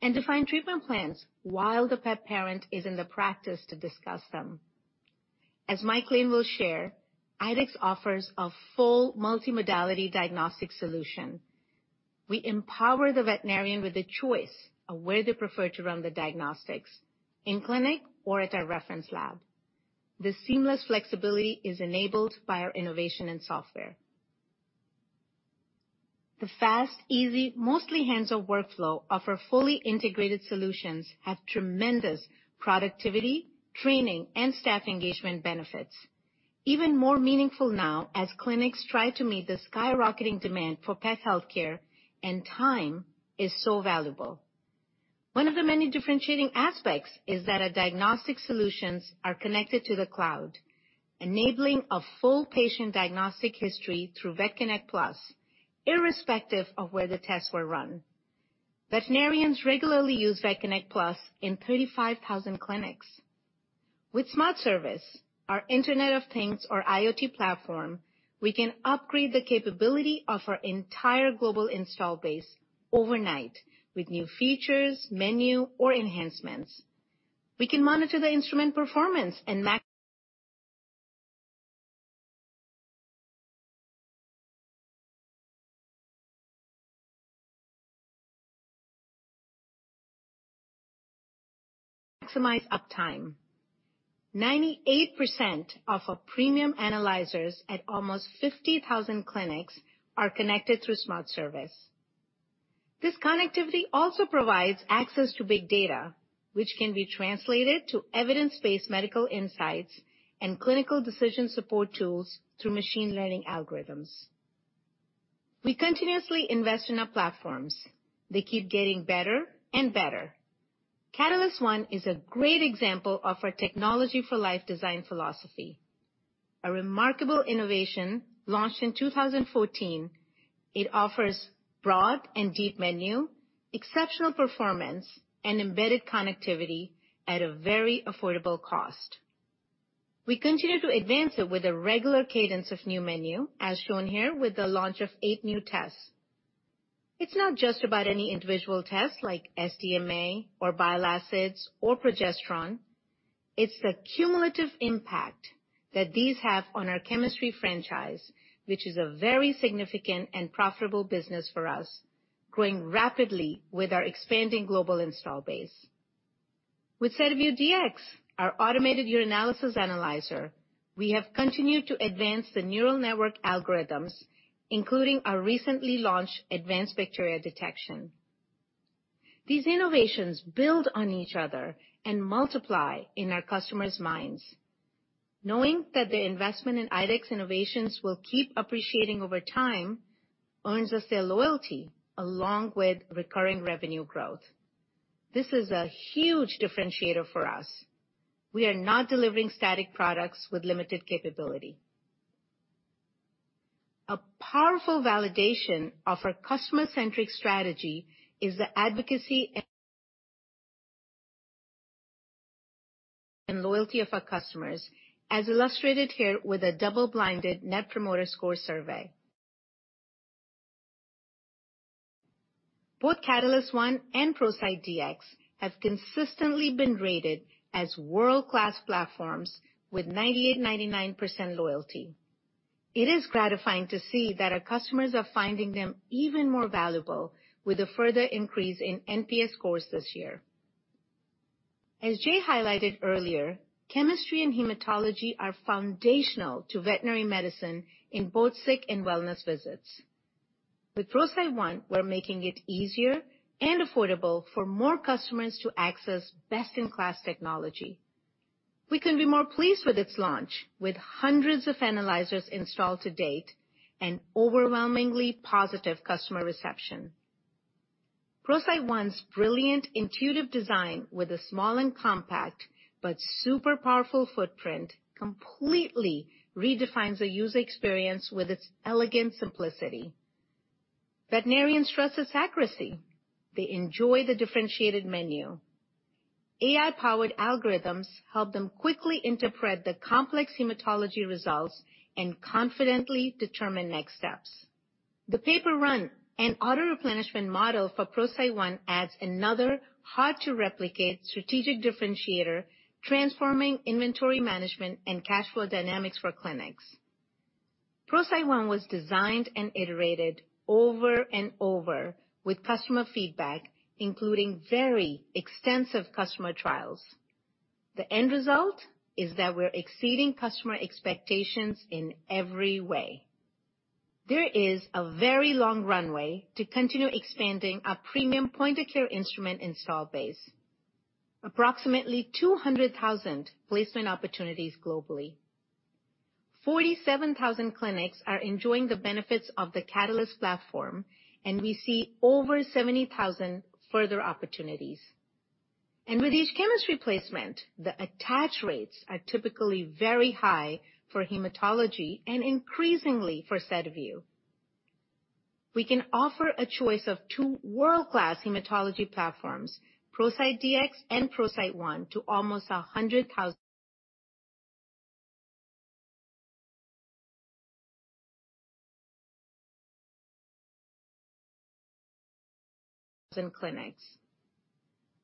and define treatment plans while the pet parent is in the practice to discuss them. As Mike Lane will share, IDEXX offers a full multi-modality diagnostic solution. We empower the veterinarian with the choice of where they prefer to run the diagnostics, in clinic or at our reference lab. This seamless flexibility is enabled by our innovation in software. The fast, easy, mostly hands-on workflow of our fully integrated solutions have tremendous productivity, training, and staff engagement benefits. Even more meaningful now as clinics try to meet the skyrocketing demand for pet healthcare and time is so valuable. One of the many differentiating aspects is that our diagnostic solutions are connected to the cloud, enabling a full patient diagnostic history through VetConnect PLUS, irrespective of where the tests were run. Veterinarians regularly use VetConnect PLUS in 35,000 clinics. With SmartService, our Internet of Things or IoT platform, we can upgrade the capability of our entire global install base overnight with new features, menu, or enhancements. We can monitor the instrument performance and maximize uptime. 98% of our premium analyzers at almost 50,000 clinics are connected through SmartService. This connectivity also provides access to big data, which can be translated to evidence-based medical insights and Clinical Decision Support tools through machine learning algorithms. We continuously invest in our platforms. They keep getting better and better. Catalyst One is a great example of our Technology for Life design philosophy. A remarkable innovation launched in 2014, it offers broad and deep menu, exceptional performance, and embedded connectivity at a very affordable cost. We continue to advance it with a regular cadence of new menu, as shown here with the launch of eight new tests. It's not just about any individual test like SDMA or bile acids or progesterone. It's the cumulative impact that these have on our chemistry franchise, which is a very significant and profitable business for us, growing rapidly with our expanding global install base. With SediVue Dx, our automated urinalysis analyzer, we have continued to advance the neural network algorithms, including our recently launched advanced bacteria detection. These innovations build on each other and multiply in our customers' minds. Knowing that the investment in IDEXX innovations will keep appreciating over time earns us their loyalty along with recurring revenue growth. This is a huge differentiator for us. We are not delivering static products with limited capability. A powerful validation of our customer-centric strategy is the advocacy and loyalty of our customers, as illustrated here with a double-blinded Net Promoter Score survey. Both Catalyst One and ProCyte Dx have consistently been rated as world-class platforms with 98%, 99% loyalty. It is gratifying to see that our customers are finding them even more valuable with a further increase in NPS scores this year. As Jay highlighted earlier, chemistry and hematology are foundational to veterinary medicine in both sick and wellness visits. With ProCyte One, we're making it easier and affordable for more customers to access best-in-class technology. We couldn't be more pleased with its launch, with hundreds of analyzers installed to date and overwhelmingly positive customer reception. ProCyte One's brilliant intuitive design with a small and compact but super powerful footprint completely redefines the user experience with its elegant simplicity. Veterinarians trust its accuracy. They enjoy the differentiated menu. AI-powered algorithms help them quickly interpret the complex hematology results and confidently determine next steps. The pay-per run and auto-replenishment model for ProCyte One adds another hard-to-replicate strategic differentiator, transforming inventory management and cash flow dynamics for clinics. ProCyte One was designed and iterated over and over with customer feedback, including very extensive customer trials. The end result is that we're exceeding customer expectations in every way. There is a very long runway to continue expanding our premium point-of-care instrument install base. Approximately 200,000 placement opportunities globally. 47,000 clinics are enjoying the benefits of the Catalyst platform. We see over 70,000 further opportunities. With each chemistry placement, the attach rates are typically very high for hematology and increasingly for SediVue. We can offer a choice of two world-class hematology platforms, ProCyte Dx and ProCyte One, to almost 100,000 clinics.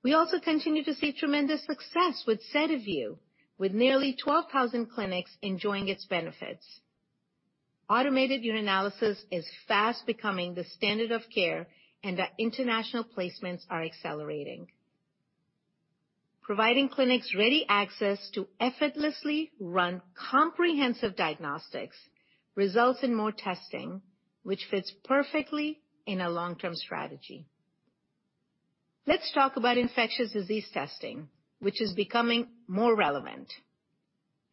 We also continue to see tremendous success with SediVue, with nearly 12,000 clinics enjoying its benefits. Automated urinalysis is fast becoming the standard of care, and our international placements are accelerating. Providing clinics ready access to effortlessly run comprehensive diagnostics results in more testing, which fits perfectly in our long-term strategy. Let's talk about infectious disease testing, which is becoming more relevant,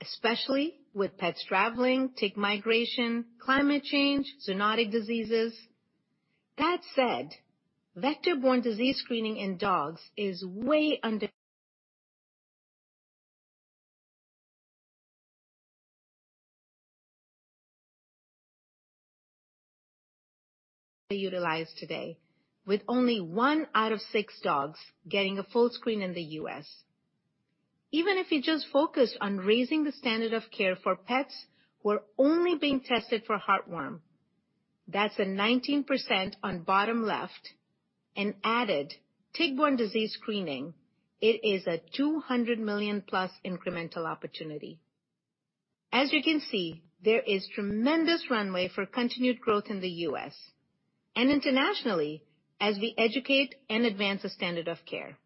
especially with pets traveling, tick migration, climate change, zoonotic diseases. That said, vector-borne disease screening in dogs is way underutilized today, with only one out of six dogs getting a full screen in the U.S. Even if you just focus on raising the standard of care for pets who are only being tested for heartworm, that's a 19% on bottom left, and added tick-borne disease screening, it is a $200 million-plus incremental opportunity. As you can see, there is tremendous runway for continued growth in the U.S. and internationally as we educate and advance the standard of care.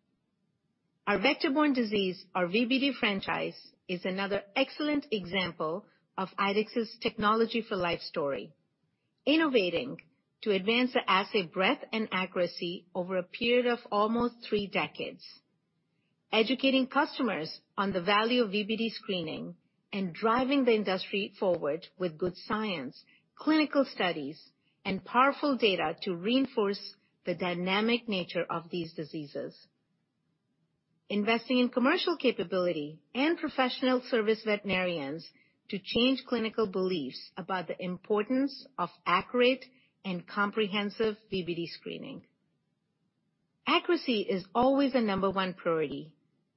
Our vector-borne disease, our VBD franchise, is another excellent example of IDEXX's Technology for Life story, innovating to advance the assay breadth and accuracy over a period of almost three decades. Educating customers on the value of VBD screening and driving the industry forward with good science, clinical studies, and powerful data to reinforce the dynamic nature of these diseases. Investing in commercial capability and professional service veterinarians to change clinical beliefs about the importance of accurate and comprehensive VBD screening. Accuracy is always the number one priority,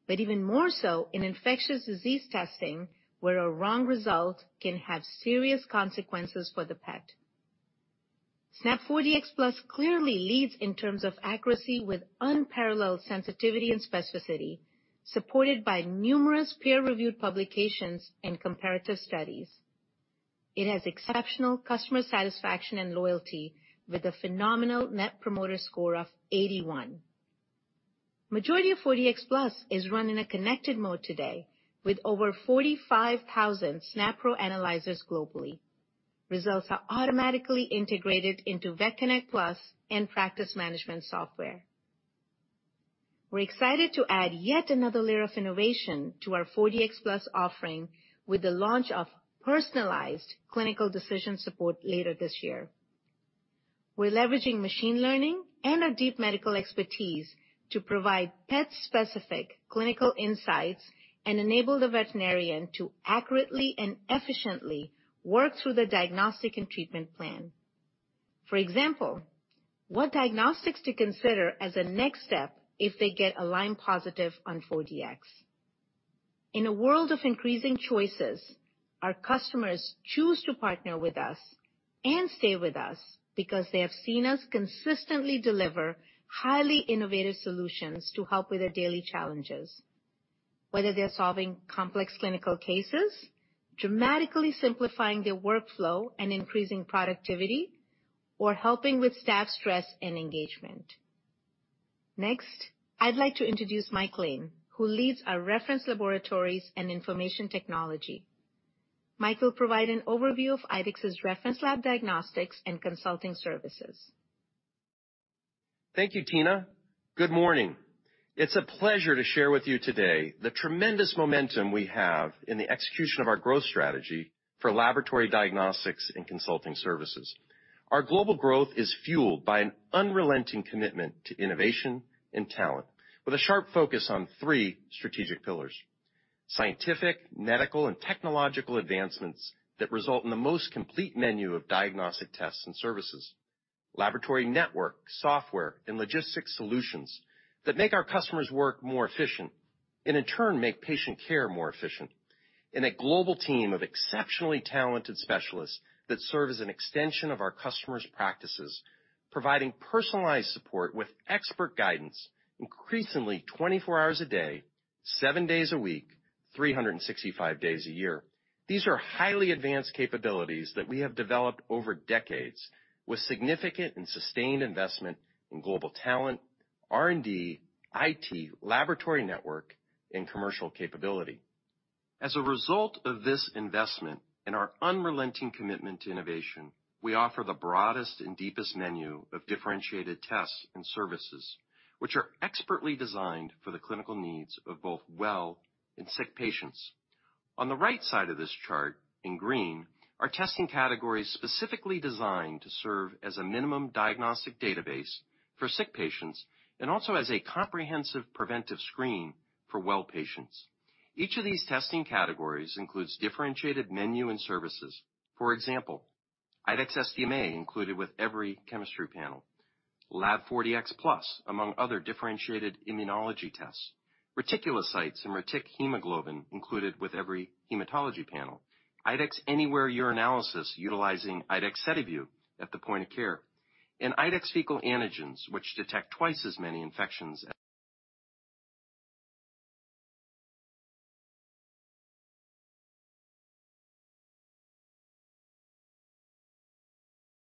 but even more so in infectious disease testing, where a wrong result can have serious consequences for the pet. SNAP 4Dx Plus clearly leads in terms of accuracy with unparalleled sensitivity and specificity, supported by numerous peer-reviewed publications and comparative studies. It has exceptional customer satisfaction and loyalty with a phenomenal Net Promoter Score of 81. Majority of 4Dx Plus is run in a connected mode today with over 45,000 SNAP Pro analyzers globally. Results are automatically integrated into VetConnect PLUS and practice management software. We're excited to add yet another layer of innovation to our 4Dx Plus offering with the launch of personalized Clinical Decision Support later this year. We're leveraging machine learning and our deep medical expertise to provide pet-specific clinical insights and enable the veterinarian to accurately and efficiently work through the diagnostic and treatment plan. For example, what diagnostics to consider as a next step if they get a Lyme positive on 4Dx. In a world of increasing choices, our customers choose to partner with us and stay with us because they have seen us consistently deliver highly innovative solutions to help with their daily challenges, whether they are solving complex clinical cases, dramatically simplifying their workflow and increasing productivity, or helping with staff stress and engagement. Next, I'd like to introduce Mike Lane, who leads our reference laboratories and information technology. Mike will provide an overview of IDEXX's reference lab diagnostics and consulting services. Thank you, Tina. Good morning. It's a pleasure to share with you today the tremendous momentum we have in the execution of our growth strategy for laboratory diagnostics and consulting services. Our global growth is fueled by an unrelenting commitment to innovation and talent with a sharp focus on three strategic pillars. Scientific, medical, and technological advancements that result in the most complete menu of diagnostic tests and services. Laboratory network, software, and logistics solutions that make our customers' work more efficient and in turn, make patient care more efficient. A global team of exceptionally talented specialists that serve as an extension of our customers' practices, providing personalized support with expert guidance, increasingly 24 hours a day, seven days a week, 365 days a year. These are highly advanced capabilities that we have developed over decades with significant and sustained investment in global talent, R&D, IT, laboratory network, and commercial capability. As a result of this investment and our unrelenting commitment to innovation, we offer the broadest and deepest menu of differentiated tests and services, which are expertly designed for the clinical needs of both well and sick patients. On the right side of this chart, in green, are testing categories specifically designed to serve as a minimum diagnostic database for sick patients and also as a comprehensive preventive screen for well patients. Each of these testing categories includes differentiated menu and services. For example, IDEXX SDMA included with every chemistry panel. Lab 4Dx Plus, among other differentiated immunology tests. Reticulocytes and Retic hemoglobin included with every hematology panel. IDEXX Anywhere Urinalysis utilizing IDEXX SediVue at the point of care. IDEXX Fecal Antigens, which detect twice as many infections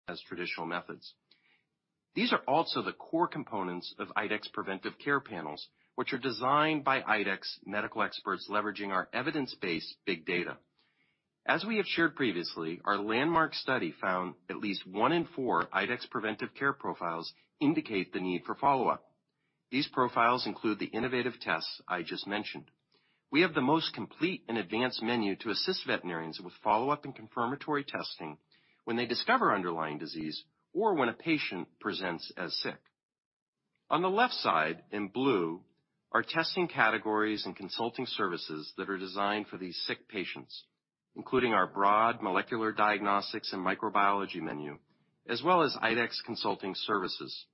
as traditional methods. These are also the core components of IDEXX Preventive Care panels, which are designed by IDEXX medical experts leveraging our evidence-based big data. As we have shared previously, our landmark study found at least one in four IDEXX Preventive Care profiles indicate the need for follow-up. These profiles include the innovative tests I just mentioned. We have the most complete and advanced menu to assist veterinarians with follow-up and confirmatory testing when they discover underlying disease or when a patient presents as sick. On the left side, in blue, are testing categories and consulting services that are designed for these sick patients, including our broad molecular diagnostics and microbiology menu, as well as IDEXX Consulting Services.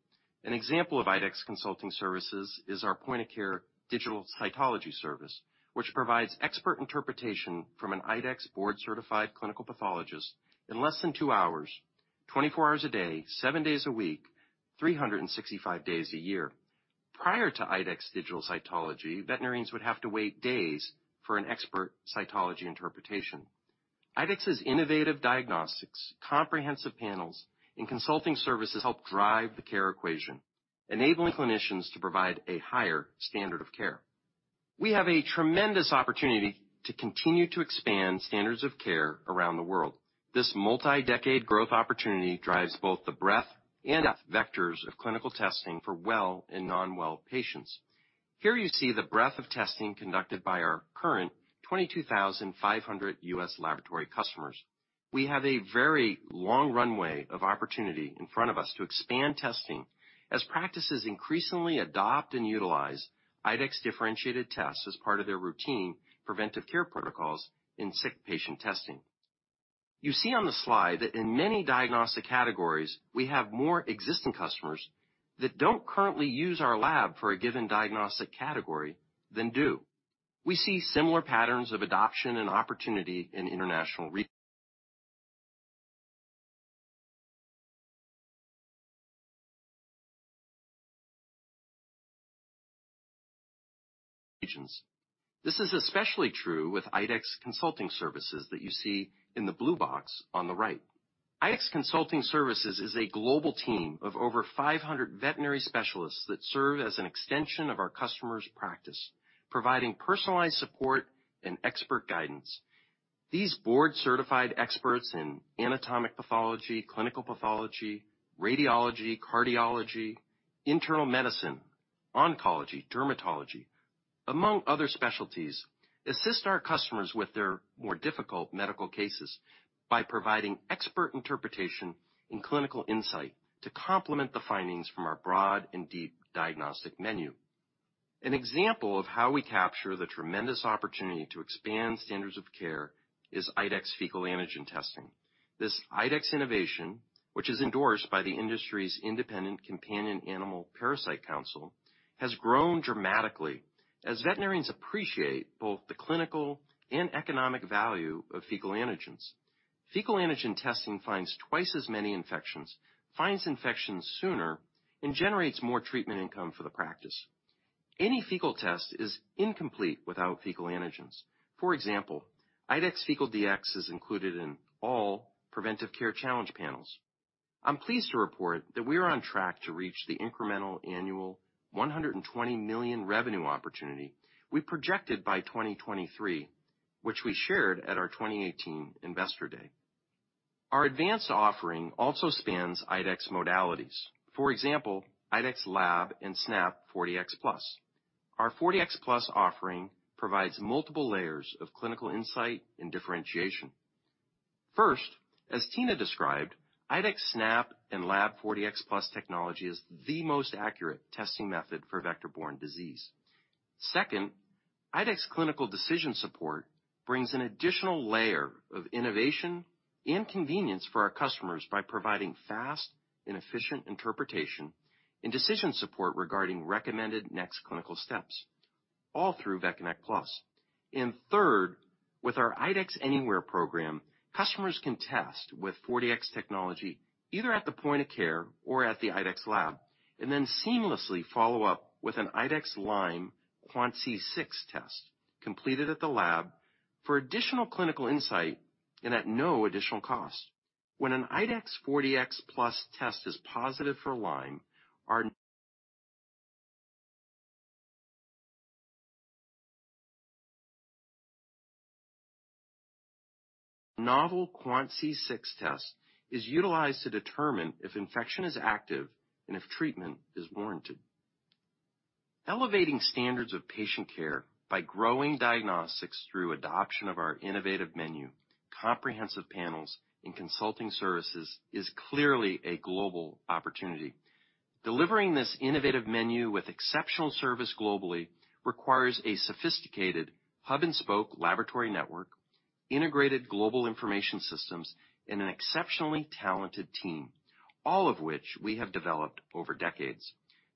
An example of IDEXX Consulting Services is our point-of-care digital cytology service, which provides expert interpretation from an IDEXX board-certified clinical pathologist in less than two hours, 24 hours a day, seven days a week, 365 days a year. Prior to IDEXX Digital Cytology, veterinarians would have to wait days for an expert cytology interpretation. IDEXX's innovative diagnostics, comprehensive panels, and consulting services help drive the care equation, enabling clinicians to provide a higher standard of care. We have a tremendous opportunity to continue to expand standards of care around the world. This multi-decade growth opportunity drives both the breadth and depth vectors of clinical testing for well and non-well patients. Here you see the breadth of testing conducted by our current 22,500 U.S. laboratory customers. We have a very long runway of opportunity in front of us to expand testing as practices increasingly adopt and utilize IDEXX differentiated tests as part of their routine preventive care protocols in sick patient testing. You see on the slide that in many diagnostic categories, we have more existing customers that don't currently use our lab for a given diagnostic category than do. We see similar patterns of adoption and opportunity in international regions. This is especially true with IDEXX Consulting Services that you see in the blue box on the right. IDEXX Consulting Services is a global team of over 500 veterinary specialists that serve as an extension of our customer's practice, providing personalized support and expert guidance. These board-certified experts in anatomic pathology, clinical pathology, radiology, cardiology, internal medicine, oncology, dermatology, among other specialties, assist our customers with their more difficult medical cases by providing expert interpretation and clinical insight to complement the findings from our broad and deep diagnostic menu. An example of how we capture the tremendous opportunity to expand standards of care is IDEXX Fecal Dx antigen testing. This IDEXX innovation, which is endorsed by the industry's independent Companion Animal Parasite Council, has grown dramatically as veterinarians appreciate both the clinical and economic value of fecal antigens. Fecal antigen testing finds twice as many infections, finds infections sooner, and generates more treatment income for the practice. Any fecal test is incomplete without fecal antigens. For example, IDEXX Fecal Dx is included in all preventive care challenge panels. I'm pleased to report that we are on track to reach the incremental annual $120 million revenue opportunity we projected by 2023, which we shared at our 2018 Investor Day. Our advanced offering also spans IDEXX modalities. For example, IDEXX Lab and SNAP 4Dx Plus. Our 4Dx Plus offering provides multiple layers of clinical insight and differentiation. First, as Tina described, IDEXX SNAP and Lab 4Dx Plus technology is the most accurate testing method for vector-borne disease. Second, IDEXX Clinical Decision Support brings an additional layer of innovation and convenience for our customers by providing fast and efficient interpretation and decision support regarding recommended next clinical steps, all through VetConnect PLUS. Third, with our IDEXX Anywhere program, customers can test with 4Dx technology either at the point of care or at the IDEXX lab, and then seamlessly follow up with an IDEXX Lyme Quant C6 test completed at the lab for additional clinical insight and at no additional cost. When an IDEXX 4Dx Plus test is positive for Lyme, our novel Quant C6 test is utilized to determine if infection is active and if treatment is warranted. Elevating standards of patient care by growing diagnostics through adoption of our innovative menu, comprehensive panels, and consulting services is clearly a global opportunity. Delivering this innovative menu with exceptional service globally requires a sophisticated hub-and-spoke laboratory network, integrated global information systems, and an exceptionally talented team, all of which we have developed over decades.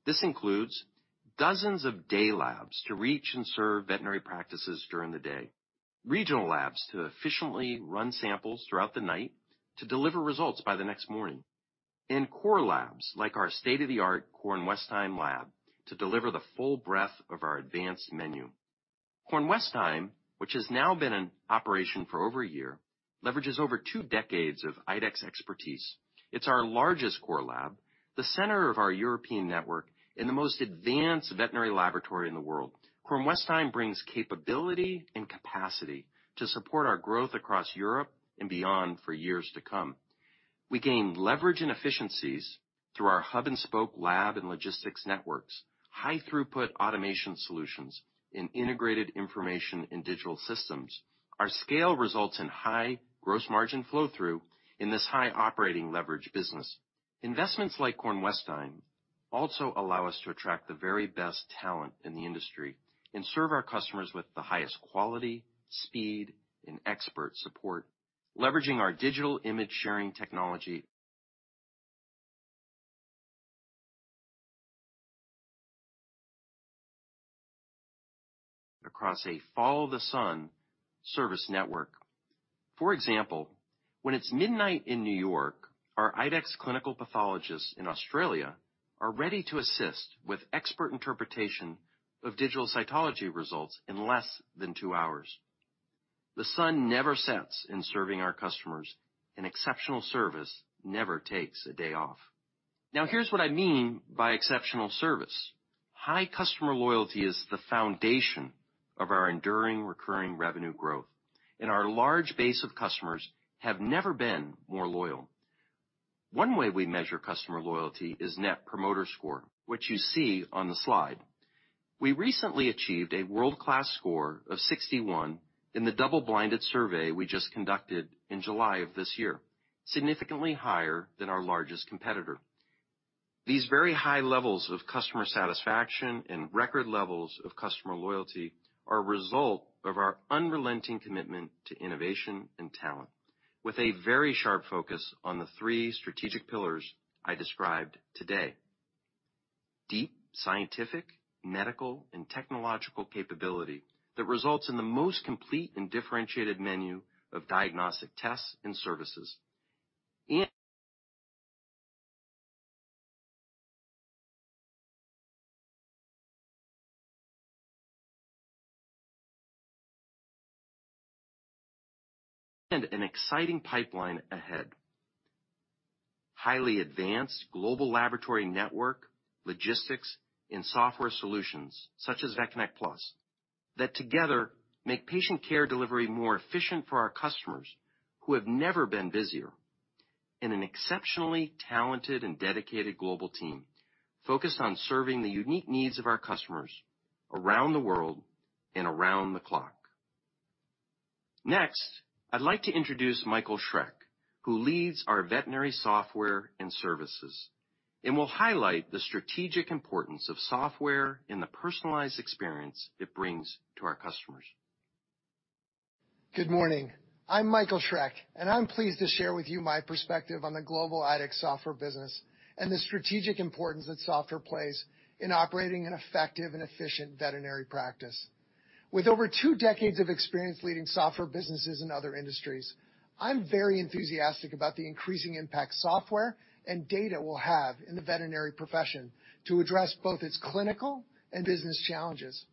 This includes dozens of day labs to reach and serve veterinary practices during the day, regional labs to efficiently run samples throughout the night to deliver results by the next morning. In core labs, like our state-of-the-art Kornwestheim lab, to deliver the full breadth of our advanced menu. Kornwestheim, which has now been in operation for over a year, leverages over two decades of IDEXX expertise. It's our largest core lab, the center of our European network, and the most advanced veterinary laboratory in the world. Kornwestheim brings capability and capacity to support our growth across Europe and beyond for years to come. We gain leverage and efficiencies through our hub-and-spoke lab and logistics networks, high throughput automation solutions, and integrated information in digital systems. Our scale results in high gross margin flow through in this high operating leverage business. Investments like Kornwestheim also allow us to attract the very best talent in the industry and serve our customers with the highest quality, speed, and expert support, leveraging our digital image sharing technology across a follow-the-sun service network. For example, when it's midnight in New York, our IDEXX clinical pathologists in Australia are ready to assist with expert interpretation of digital cytology results in less than two hours. The sun never sets in serving our customers, and exceptional service never takes a day off. Now, here's what I mean by exceptional service. High customer loyalty is the foundation of our enduring recurring revenue growth, and our large base of customers have never been more loyal. One way we measure customer loyalty is Net Promoter Score, which you see on the slide. We recently achieved a world-class score of 61 in the double-blinded survey we just conducted in July of this year, significantly higher than our largest competitor. These very high levels of customer satisfaction and record levels of customer loyalty are a result of our unrelenting commitment to innovation and talent, with a very sharp focus on the three strategic pillars I described today. Deep scientific, medical, and technological capability that results in the most complete and differentiated menu of diagnostic tests and services. An exciting pipeline ahead. Highly advanced global laboratory network, logistics and software solutions such as VetConnect PLUS, that together make patient care delivery more efficient for our customers who have never been busier. An exceptionally talented and dedicated global team focused on serving the unique needs of our customers around the world and around the clock. Next, I'd like to introduce Michael Schreck, who leads our Veterinary Software and Services and will highlight the strategic importance of software in the personalized experience it brings to our customers. Good morning. I'm Michael Schreck, and I'm pleased to share with you my perspective on the global IDEXX software business and the strategic importance that software plays in operating an effective and efficient veterinary practice. With over two decades of experience leading software businesses in other industries, I'm very enthusiastic about the increasing impact software and data will have in the veterinary profession to address both its clinical and business challenges.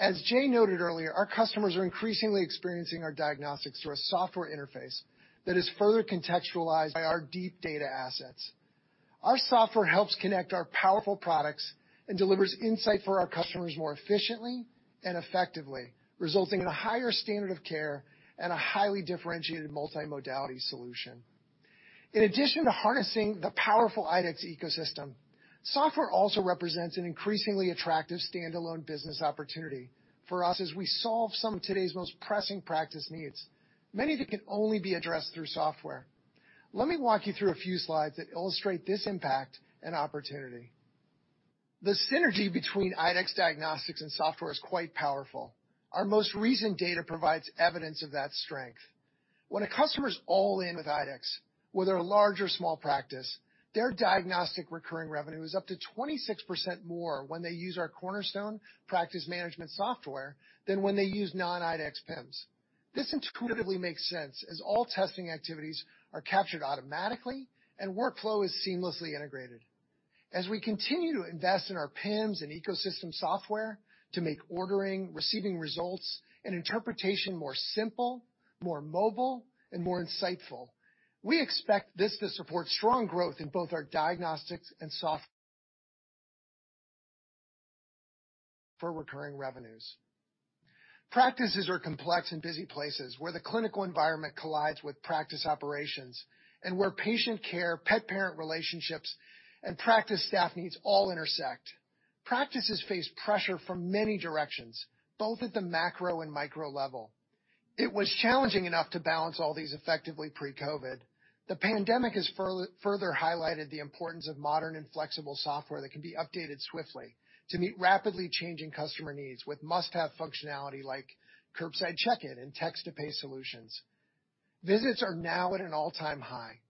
As Jay noted earlier, our customers are increasingly experiencing our diagnostics through a software interface that is further contextualized by our deep data assets. Our software helps connect our powerful products and delivers insight for our customers more efficiently and effectively, resulting in a higher standard of care and a highly differentiated multi-modality solution. In addition to harnessing the powerful IDEXX ecosystem, software also represents an increasingly attractive standalone business opportunity for us as we solve some of today's most pressing practice needs, many that can only be addressed through software. Let me walk you through a few slides that illustrate this impact and opportunity. The synergy between IDEXX diagnostics and software is quite powerful. Our most recent data provides evidence of that strength. When a customer is all in with IDEXX, whether a large or small practice, their diagnostic recurring revenue is up to 26% more when they use our Cornerstone practice management software than when they use non-IDEXX PIMS. This intuitively makes sense as all testing activities are captured automatically and workflow is seamlessly integrated. As we continue to invest in our PIMS and ecosystem software to make ordering, receiving results, and interpretation more simple, more mobile, and more insightful, we expect this to support strong growth in both our diagnostics and software recurring revenues. Practices are complex and busy places where the clinical environment collides with practice operations and where patient care, pet-parent relationships, and practice staff needs all intersect. Practices face pressure from many directions, both at the macro and micro level. It was challenging enough to balance all these effectively pre-COVID. The pandemic has further highlighted the importance of modern and flexible software that can be updated swiftly to meet rapidly changing customer needs with must-have functionality like curbside check-in and text-to-pay solutions. Visits are now at an all-time high.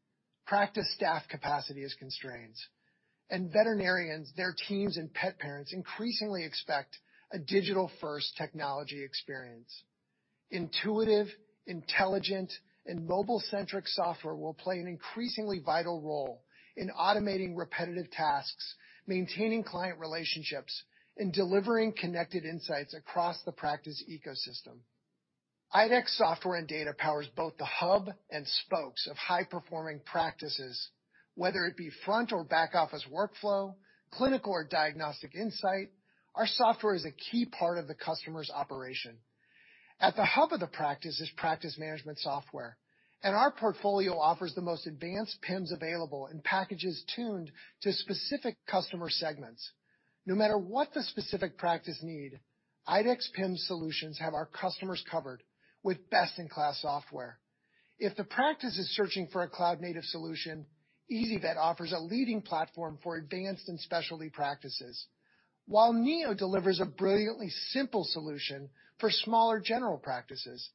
Practice staff capacity is constrained, and veterinarians, their teams, and pet parents increasingly expect a digital-first technology experience. Intuitive, intelligent, and mobile-centric software will play an increasingly vital role in automating repetitive tasks, maintaining client relationships, and delivering connected insights across the practice ecosystem. IDEXX software and data powers both the hub and spokes of high-performing practices, whether it be front or back office workflow, clinical or diagnostic insight, our software is a key part of the customer's operation. At the hub of the practice is practice management software, and our portfolio offers the most advanced PIMS available in packages tuned to specific customer segments. No matter what the specific practice need, IDEXX PIM solutions have our customers covered with best-in-class software. If the practice is searching for a cloud-native solution, ezyVet offers a leading platform for advanced and specialty practices, while Neo delivers a brilliantly simple solution for smaller general practices.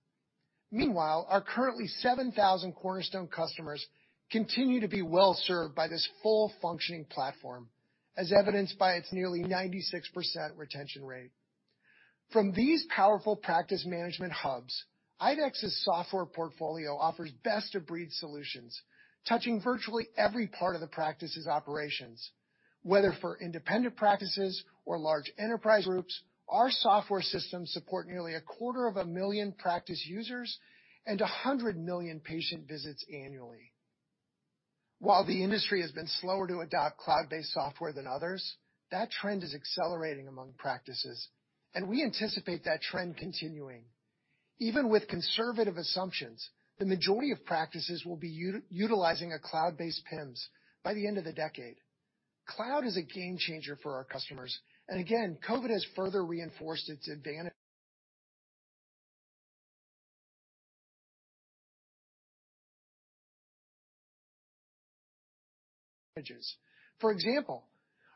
Meanwhile, our currently 7,000 Cornerstone customers continue to be well-served by this full functioning platform, as evidenced by its nearly 96% retention rate. From these powerful practice management hubs, IDEXX's software portfolio offers best of breed solutions, touching virtually every part of the practice's operations. Whether for independent practices or large enterprise groups, our software systems support nearly a quarter of a million practice users and 100 million patient visits annually. While the industry has been slower to adopt cloud-based software than others, that trend is accelerating among practices, and we anticipate that trend continuing. Even with conservative assumptions, the majority of practices will be utilizing a cloud-based PIMS by the end of the decade. Cloud is a game changer for our customers. Again, COVID has further reinforced its advantage. For example,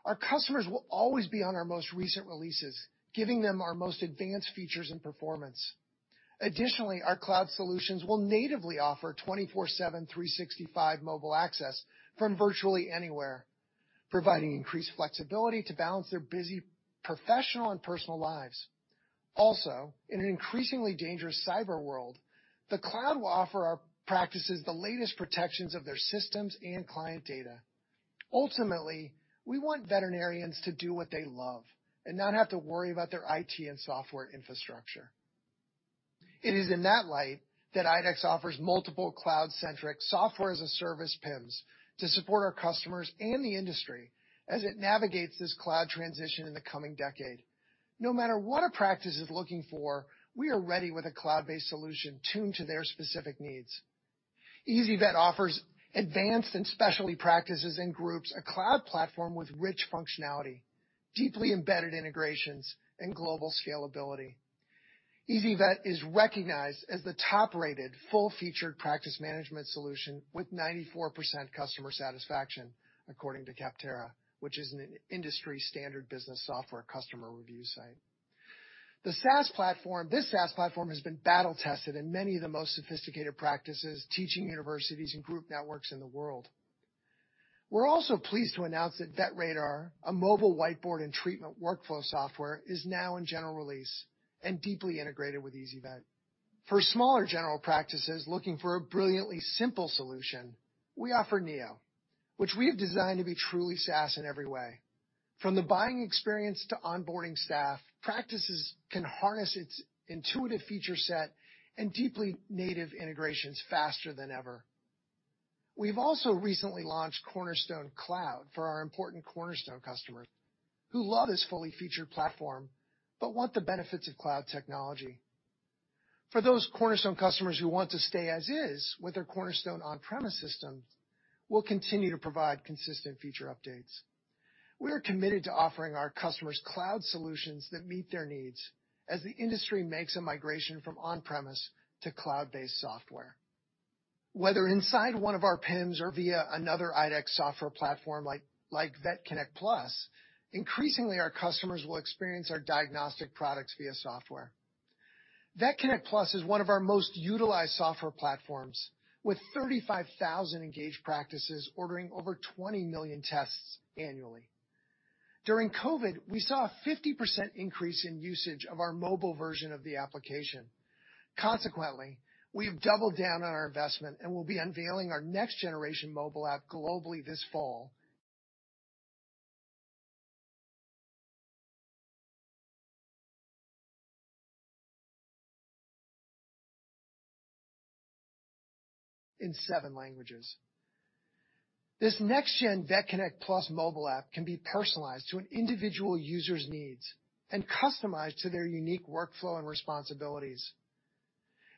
our customers will always be on our most recent releases, giving them our most advanced features and performance. Additionally, our cloud solutions will natively offer 24/7, 365 mobile access from virtually anywhere, providing increased flexibility to balance their busy professional and personal lives. Also, in an increasingly dangerous cyber world, the cloud will offer our practices the latest protections of their systems and client data. Ultimately, we want veterinarians to do what they love and not have to worry about their IT and software infrastructure. It is in that light that IDEXX offers multiple cloud-centric software as a service PIMS to support our customers and the industry as it navigates this cloud transition in the coming decade. No matter what a practice is looking for, we are ready with a cloud-based solution tuned to their specific needs. ezyVet offers advanced and specialty practices and groups a cloud platform with rich functionality, deeply embedded integrations, and global scalability. ezyVet is recognized as the top-rated, full-featured practice management solution with 94% customer satisfaction, according to Capterra, which is an industry standard business software customer review site. This SaaS platform has been battle tested in many of the most sophisticated practices, teaching universities and group networks in the world. We're also pleased to announce that Vet Radar, a mobile whiteboard and treatment workflow software, is now in general release and deeply integrated with ezyVet. For smaller general practices looking for a brilliantly simple solution, we offer Neo, which we have designed to be truly SaaS in every way. From the buying experience to onboarding staff, practices can harness its intuitive feature set and deeply native integrations faster than ever. We've also recently launched Cornerstone Cloud for our important Cornerstone customers who love this fully featured platform, but want the benefits of cloud technology. For those Cornerstone customers who want to stay as is with their Cornerstone on-premise systems, we'll continue to provide consistent feature updates. We are committed to offering our customers cloud solutions that meet their needs as the industry makes a migration from on-premise to cloud-based software. Whether inside one of our PIMS or via another IDEXX software platform like VetConnect PLUS, increasingly, our customers will experience our diagnostic products via software. VetConnect PLUS is one of our most utilized software platforms with 35,000 engaged practices ordering over 20 million tests annually. During COVID, we saw a 50% increase in usage of our mobile version of the application. Consequently, we've doubled down on our investment and will be unveiling our next-generation mobile app globally this fall. In seven languages. This next-gen VetConnect PLUS mobile app can be personalized to an individual user's needs and customized to their unique workflow and responsibilities.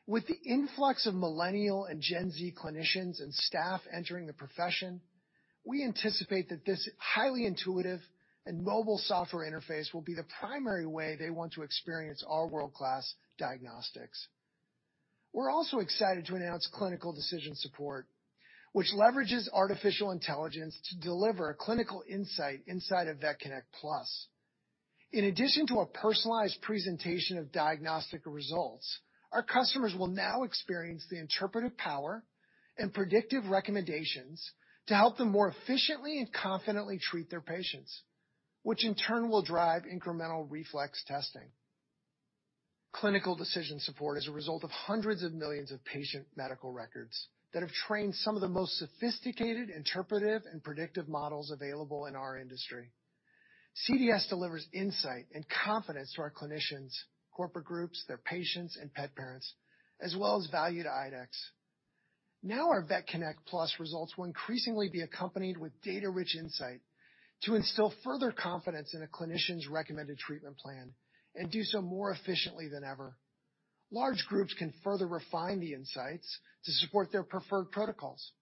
With the influx of Millennial and Gen Z clinicians and staff entering the profession, we anticipate that this highly intuitive and mobile software interface will be the primary way they want to experience our world-class diagnostics. We're also excited to announce Clinical Decision Support, which leverages artificial intelligence to deliver a clinical insight inside of VetConnect PLUS. In addition to a personalized presentation of diagnostic results, our customers will now experience the interpretive power and predictive recommendations to help them more efficiently and confidently treat their patients, which in turn will drive incremental reflex testing. Clinical Decision Support is a result of hundreds of millions of patient medical records that have trained some of the most sophisticated interpretive and predictive models available in our industry. CDS delivers insight and confidence to our clinicians, corporate groups, their patients, and pet parents, as well as value to IDEXX. Now, our VetConnect PLUS results will increasingly be accompanied with data-rich insight to instill further confidence in a clinician's recommended treatment plan and do so more efficiently than ever. Large groups can further refine the insights to support their preferred protocols,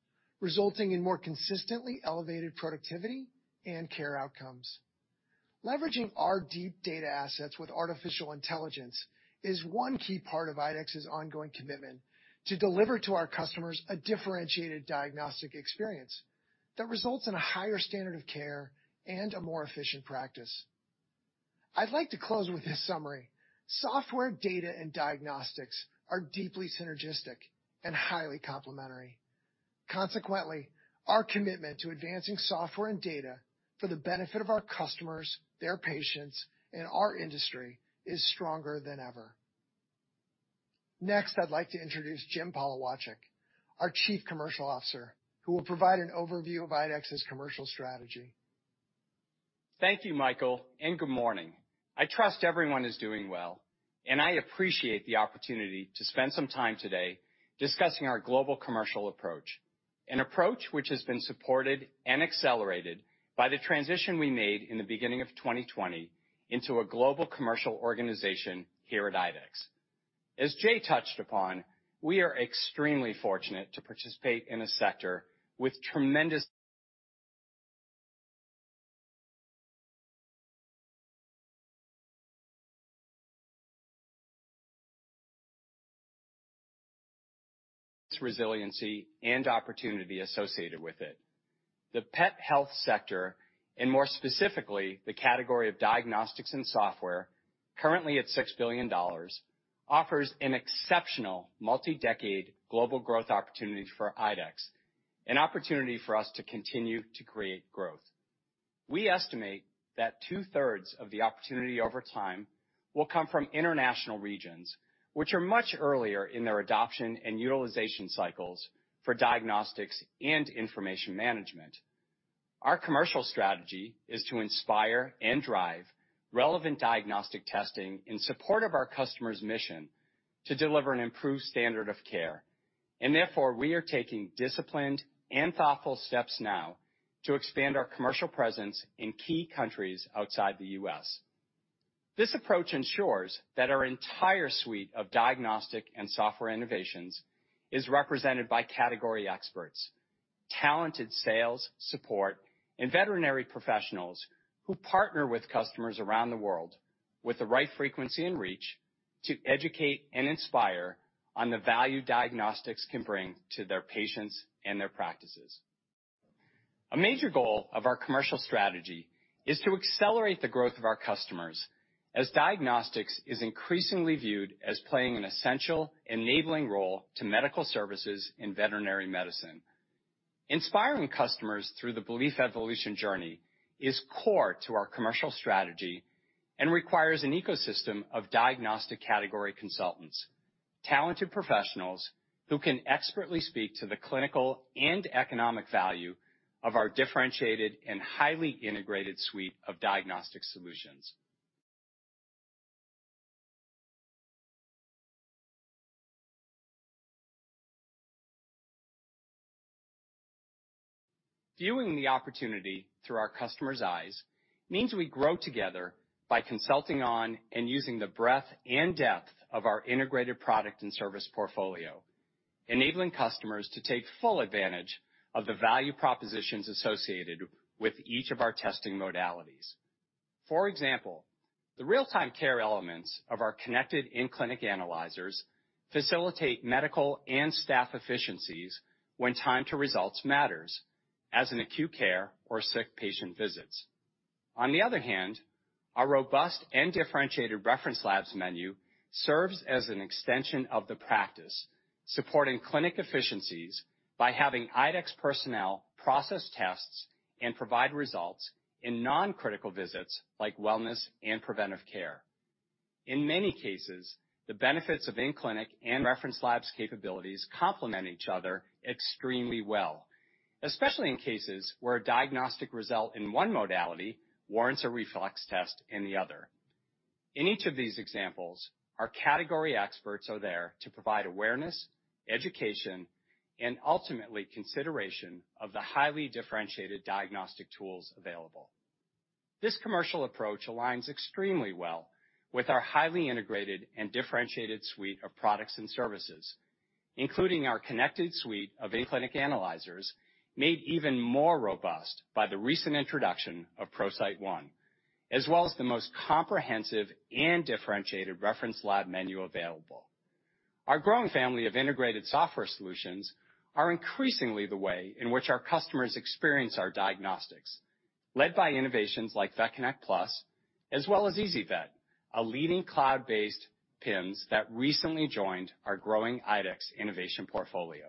resulting in more consistently elevated productivity and care outcomes. Leveraging our deep data assets with artificial intelligence is one key part of IDEXX's ongoing commitment to deliver to our customers a differentiated diagnostic experience that results in a higher standard of care and a more efficient practice. I'd like to close with this summary. Software data and diagnostics are deeply synergistic and highly complementary. Consequently, our commitment to advancing software and data for the benefit of our customers, their patients, and our industry is stronger than ever. Next, I'd like to introduce Jim Polowczyk, our Chief Commercial Officer, who will provide an overview of IDEXX's commercial strategy. Thank you, Michael. Good morning. I trust everyone is doing well. I appreciate the opportunity to spend some time today discussing our global commercial approach, an approach which has been supported and accelerated by the transition we made in the beginning of 2020 into a global commercial organization here at IDEXX. As Jay touched upon, we are extremely fortunate to participate in a sector with tremendous resiliency and opportunity associated with it. The pet health sector, and more specifically, the category of diagnostics and software, currently at $6 billion, offers an exceptional multi-decade global growth opportunity for IDEXX, an opportunity for us to continue to create growth. We estimate that two-thirds of the opportunity over time will come from international regions, which are much earlier in their adoption and utilization cycles for diagnostics and information management. Our commercial strategy is to inspire and drive relevant diagnostic testing in support of our customer's mission to deliver an improved standard of care, and therefore, we are taking disciplined and thoughtful steps now to expand our commercial presence in key countries outside the U.S. This approach ensures that our entire suite of diagnostic and software innovations is represented by category experts, talented sales, support, and veterinary professionals who partner with customers around the world with the right frequency and reach to educate and inspire on the value diagnostics can bring to their patients and their practices. A major goal of our commercial strategy is to accelerate the growth of our customers as diagnostics is increasingly viewed as playing an essential enabling role to medical services in veterinary medicine. Inspiring customers through the belief evolution journey is core to our commercial strategy and requires an ecosystem of diagnostic category consultants, talented professionals who can expertly speak to the clinical and economic value of our differentiated and highly integrated suite of diagnostic solutions. Viewing the opportunity through our customer's eyes means we grow together by consulting on and using the breadth and depth of our integrated product and service portfolio, enabling customers to take full advantage of the value propositions associated with each of our testing modalities. For example, the real-time care elements of our connected in-clinic analyzers facilitate medical and staff efficiencies when time to results matters as in acute care or sick patient visits. On the other hand, our robust and differentiated reference labs menu serves as an extension of the practice, supporting clinic efficiencies by having IDEXX personnel process tests and provide results in non-critical visits like wellness and preventive care. In many cases, the benefits of in-clinic and reference labs capabilities complement each other extremely well, especially in cases where a diagnostic result in one modality warrants a reflex test in the other. In each of these examples, our category experts are there to provide awareness, education, and ultimately consideration of the highly differentiated diagnostic tools available. This commercial approach aligns extremely well with our highly integrated and differentiated suite of products and services, including our connected suite of in-clinic analyzers, made even more robust by the recent introduction of ProCyte One, as well as the most comprehensive and differentiated reference lab menu available. Our growing family of integrated software solutions are increasingly the way in which our customers experience our diagnostics, led by innovations like VetConnect PLUS, as well as ezyVet, a leading cloud-based PIMS that recently joined our growing IDEXX innovation portfolio.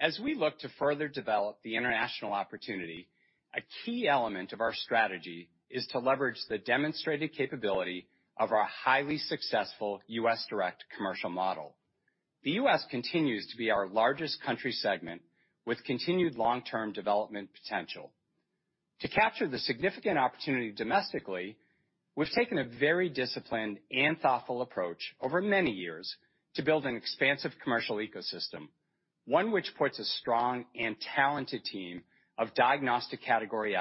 As we look to further develop the international opportunity, a key element of our strategy is to leverage the demonstrated capability of our highly successful U.S. direct commercial model. The U.S. continues to be our largest country segment with continued long-term development potential. To capture the significant opportunity domestically, we've taken a very disciplined and thoughtful approach over many years to build an expansive commercial ecosystem, one which puts a strong and talented team of diagnostic category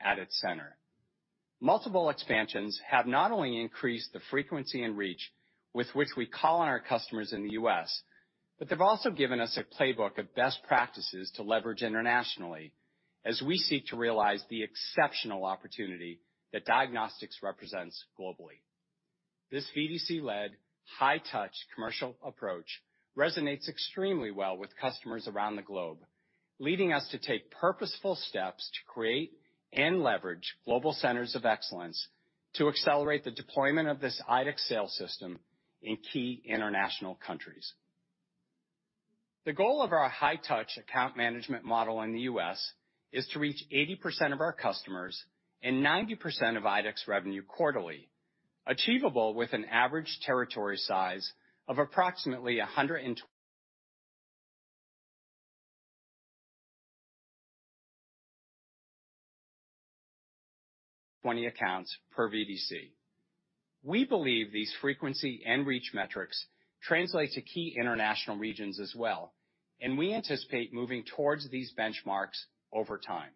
at its center. Multiple expansions have not only increased the frequency and reach with which we call on our customers in the U.S., but they've also given us a playbook of best practices to leverage internationally as we seek to realize the exceptional opportunity that diagnostics represents globally. This VDC-led, high-touch commercial approach resonates extremely well with customers around the globe, leading us to take purposeful steps to create and leverage global centers of excellence to accelerate the deployment of this IDEXX sales system in key international countries. The goal of our high-touch account management model in the U.S. is to reach 80% of our customers and 90% of IDEXX revenue quarterly, achievable with an average territory size of approximately 120 accounts per VDC. We believe these frequency and reach metrics translate to key international regions as well, and we anticipate moving towards these benchmarks over time.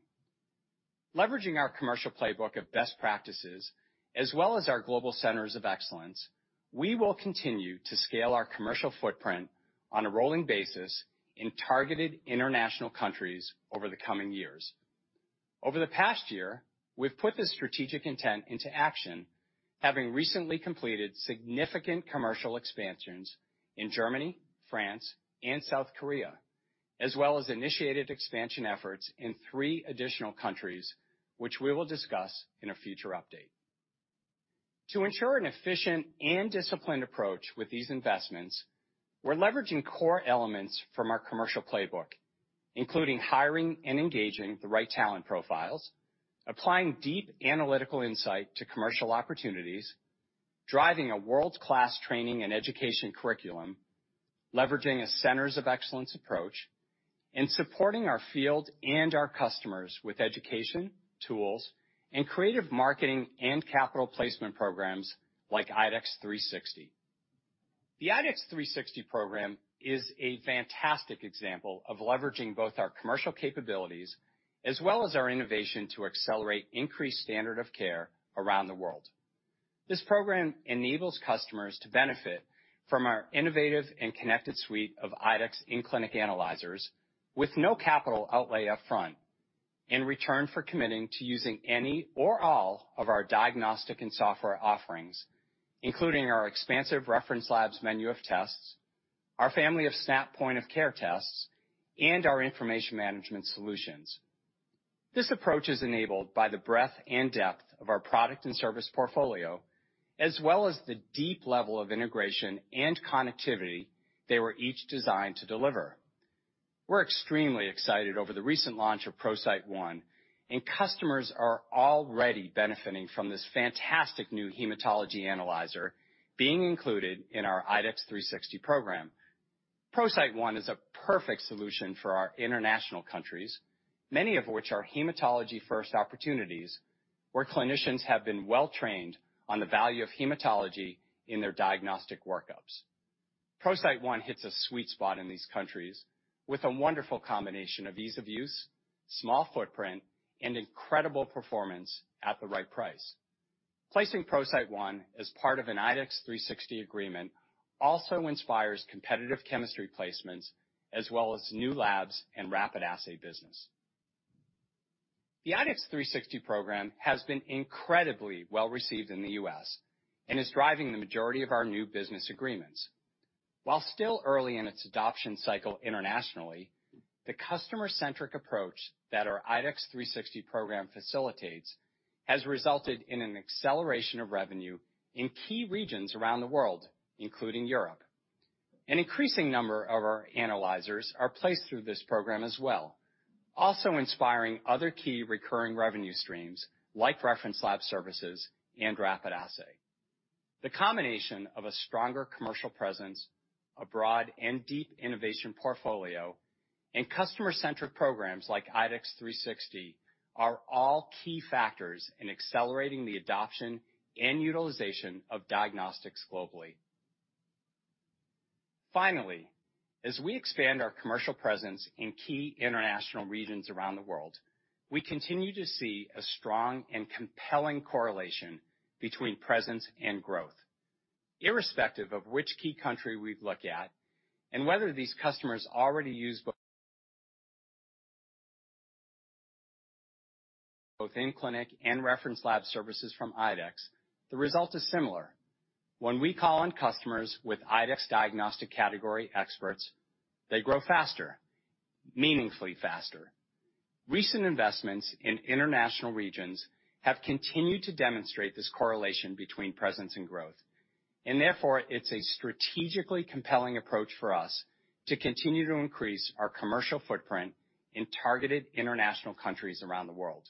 Leveraging our commercial playbook of best practices, as well as our global centers of excellence, we will continue to scale our commercial footprint on a rolling basis in targeted international countries over the coming years. Over the past year, we've put this strategic intent into action, having recently completed significant commercial expansions in Germany, France, and South Korea, as well as initiated expansion efforts in three additional countries, which we will discuss in a future update. To ensure an efficient and disciplined approach with these investments, we're leveraging core elements from our commercial playbook, including hiring and engaging the right talent profiles, applying deep analytical insight to commercial opportunities, driving a world-class training and education curriculum, leveraging a centers of excellence approach, and supporting our field and our customers with education, tools, and creative marketing and capital placement programs like IDEXX 360. The IDEXX 360 program is a fantastic example of leveraging both our commercial capabilities as well as our innovation to accelerate increased standard of care around the world. This program enables customers to benefit from our innovative and connected suite of IDEXX in-clinic analyzers with no capital outlay up front in return for committing to using any or all of our diagnostic and software offerings, including our expansive reference labs menu of tests, our family of SNAP point-of-care tests, and our information management solutions. This approach is enabled by the breadth and depth of our product and service portfolio, as well as the deep level of integration and connectivity they were each designed to deliver. We're extremely excited over the recent launch of ProCyte One. Customers are already benefiting from this fantastic new hematology analyzer being included in our IDEXX 360 program. ProCyte One is a perfect solution for our international countries, many of which are hematology-first opportunities where clinicians have been well trained on the value of hematology in their diagnostic workups. ProCyte One hits a sweet spot in these countries with a wonderful combination of ease of use, small footprint, and incredible performance at the right price. Placing ProCyte One as part of an IDEXX 360 agreement also inspires competitive chemistry placements as well as new labs and rapid assay business. The IDEXX 360 program has been incredibly well received in the U.S. and is driving the majority of our new business agreements. While still early in its adoption cycle internationally, the customer-centric approach that our IDEXX 360 program facilitates has resulted in an acceleration of revenue in key regions around the world, including Europe. An increasing number of our analyzers are placed through this program as well, also inspiring other key recurring revenue streams like reference lab services and rapid assay. The combination of a stronger commercial presence, a broad and deep innovation portfolio, and customer-centric programs like IDEXX 360 are all key factors in accelerating the adoption and utilization of diagnostics globally. Finally, as we expand our commercial presence in key international regions around the world, we continue to see a strong and compelling correlation between presence and growth. Irrespective of which key country we look at and whether these customers already use both in-clinic and reference lab services from IDEXX, the result is similar. When we call on customers with IDEXX diagnostic category experts, they grow faster, meaningfully faster. Recent investments in international regions have continued to demonstrate this correlation between presence and growth, and therefore, it's a strategically compelling approach for us to continue to increase our commercial footprint in targeted international countries around the world.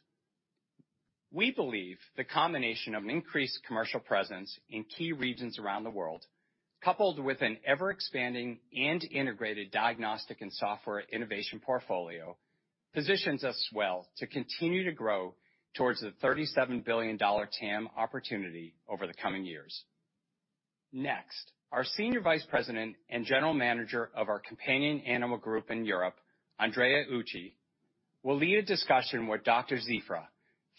We believe the combination of an increased commercial presence in key regions around the world, coupled with an ever-expanding and integrated diagnostic and software innovation portfolio, positions us well to continue to grow towards the $37 billion TAM opportunity over the coming years. Next, our Senior Vice President and General Manager of our Companion Animal Group in Europe, Andrea Ucci, will lead a discussion with Dr. Cifra,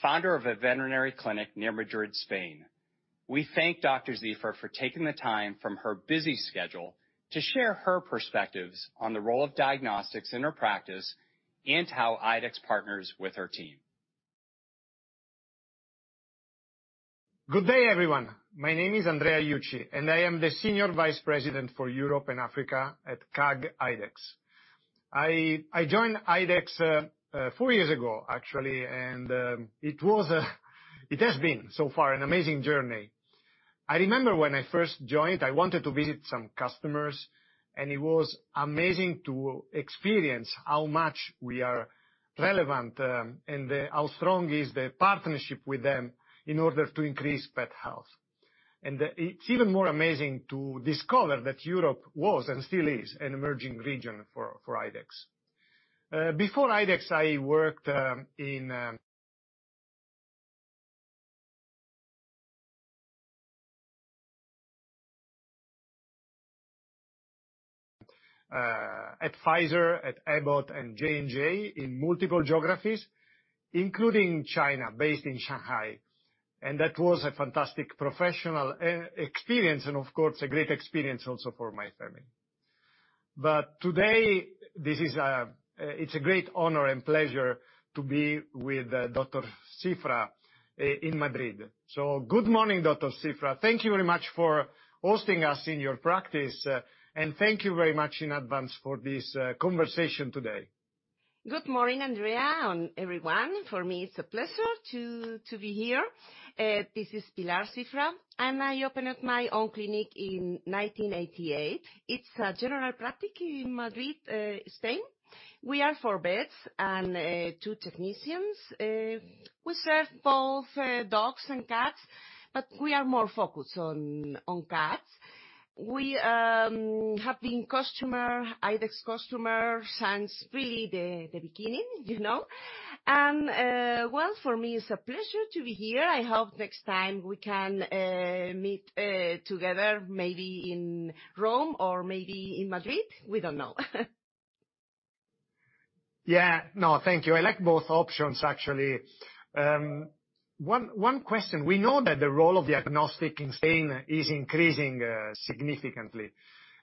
founder of a veterinary clinic near Madrid, Spain. We thank Dr. Cifra for taking the time from her busy schedule to share her perspectives on the role of diagnostics in her practice and how IDEXX partners with her team. Good day, everyone. My name is Andrea Ucci, and I am the Senior Vice President for Europe and Africa at CAG IDEXX. I joined IDEXX four years ago, actually, and it has been so far an amazing journey. I remember when I first joined, I wanted to visit some customers, and it was amazing to experience how much we are relevant, and how strong is the partnership with them in order to increase pet health. It's even more amazing to discover that Europe was and still is an emerging region for IDEXX. Before IDEXX, I worked at Pfizer, at Abbott, and J&J in multiple geographies, including China, based in Shanghai. That was a fantastic professional experience and of course, a great experience also for my family. Today, it's a great honor and pleasure to be with Dr. Cifra in Madrid. Good morning, Dr. Cifra. Thank you very much for hosting us in your practice, and thank you very much in advance for this conversation today. Good morning, Andrea, and everyone. For me, it's a pleasure to be here. This is Pilar Cifra. I opened my own clinic in 1988. It's a general practice in Madrid, Spain. We are four vets and two technicians. We serve both dogs and cats, but we are more focused on cats. We have been IDEXX customer since really the beginning, you know. Well, for me, it's a pleasure to be here. I hope next time we can meet together, maybe in Rome or maybe in Madrid. We don't know. Yeah. No, thank you. I like both options, actually. One question. We know that the role of diagnostic in Spain is increasing significantly,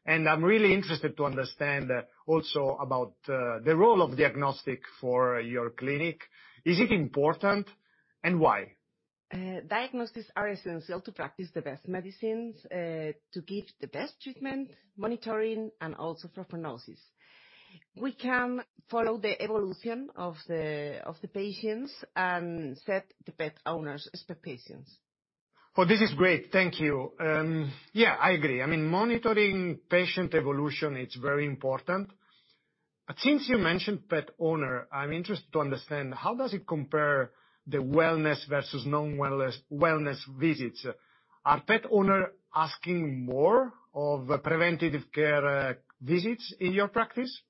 and I'm really interested to understand also about the role of diagnostic for your clinic. Is it important, and why? Diagnosis are essential to practice the best medicines, to give the best treatment, monitoring, and also for prognosis. We can follow the evolution of the patients and set the pet owners' expectations. Well, this is great. Thank you. Yeah, I agree. I mean, monitoring patient evolution, it's very important. Since you mentioned pet owner, I'm interested to understand how does it compare the wellness versus non-wellness, wellness visits? Are pet owner asking more of preventative care visits in your practice?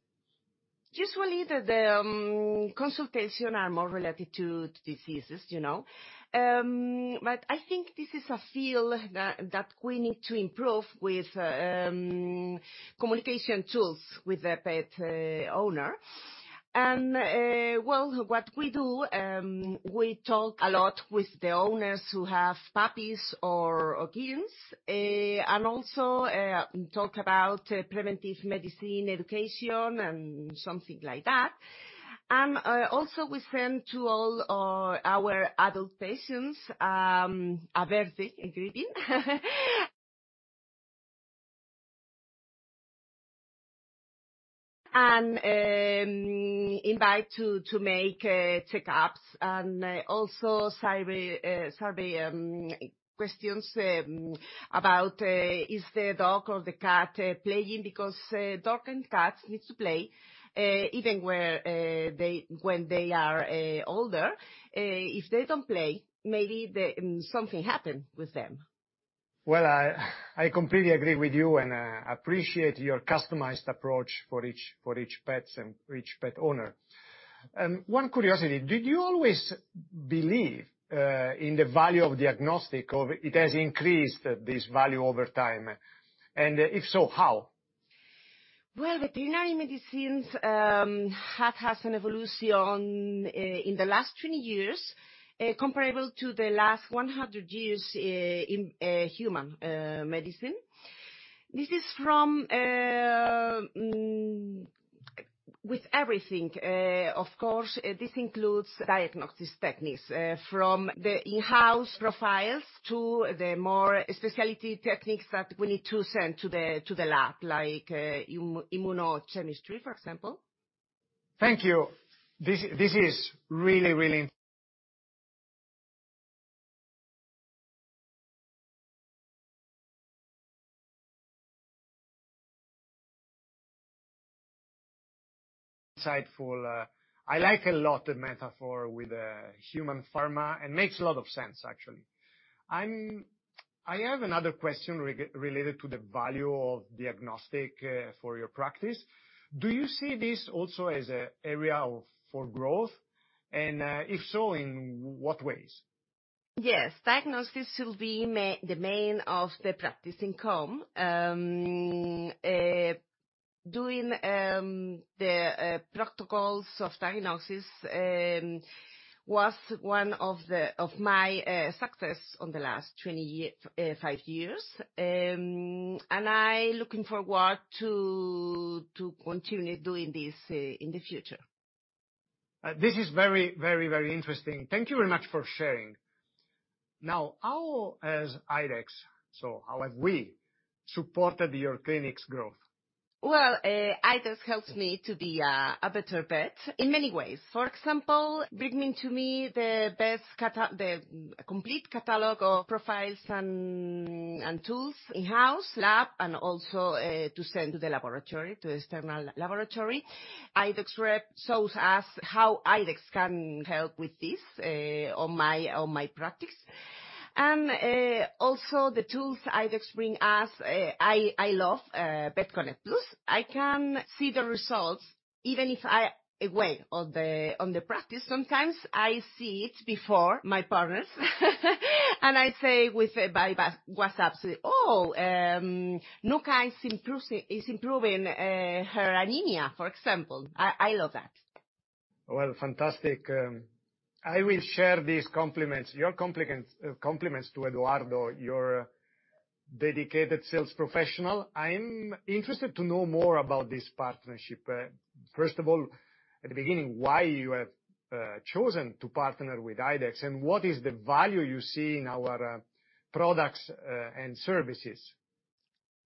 Usually the consultation are more related to diseases, you know. I think this is a field that we need to improve with communication tools with the pet owner. Well, what we do, we talk a lot with the owners who have puppies or kittens, and also talk about preventive medicine education and something like that. Also, we send to all our adult patients, a birthday greeting and invite to make checkups and also survey questions about is the dog or the cat playing, because dogs and cats need to play, even when they are older. If they don't play, maybe something happened with them. Well, I completely agree with you and appreciate your customized approach for each pet and each pet owner. One curiosity, did you always believe in the value of diagnostics, or it has increased this value over time? If so, how? Well, the primary medicines have had an evolution in the last 20 years, comparable to the last 100 years in human medicine. This is from with everything. Of course, this includes diagnosis techniques from the in-house profiles to the more specialty techniques that we need to send to the lab, like immunochemistry, for example. Thank you. This is really insightful. I like a lot the metaphor with human pharma. It makes a lot of sense, actually. I have another question related to the value of diagnostic for your practice. Do you see this also as an area for growth, and if so, in what ways? Yes. Diagnosis will be the main of the practice income. doing the protocols of diagnosis was one of my success on the last 20 year, 5 years. I looking forward to continue doing this in the future. This is very, very, very interesting. Thank you very much for sharing. How has IDEXX, so how have we, supported your clinic's growth? Well, IDEXX helps me to be a better vet in many ways. For example, bringing to me the best complete catalog of profiles and tools in-house lab, and also to send to the laboratory, to external laboratory. IDEXX rep shows us how IDEXX can help with this on my practice. Also the tools IDEXX bring us, I love VetConnect PLUS. I can see the results even if I'm away on the practice. Sometimes I see it before my partners and I say by WhatsApp, "Oh, Nuka is improving her anemia," for example. I love that. Well, fantastic. I will share these compliments, your compliments to Eduardo, your dedicated sales professional. I'm interested to know more about this partnership. First of all, at the beginning, why you have chosen to partner with IDEXX, and what is the value you see in our products and services?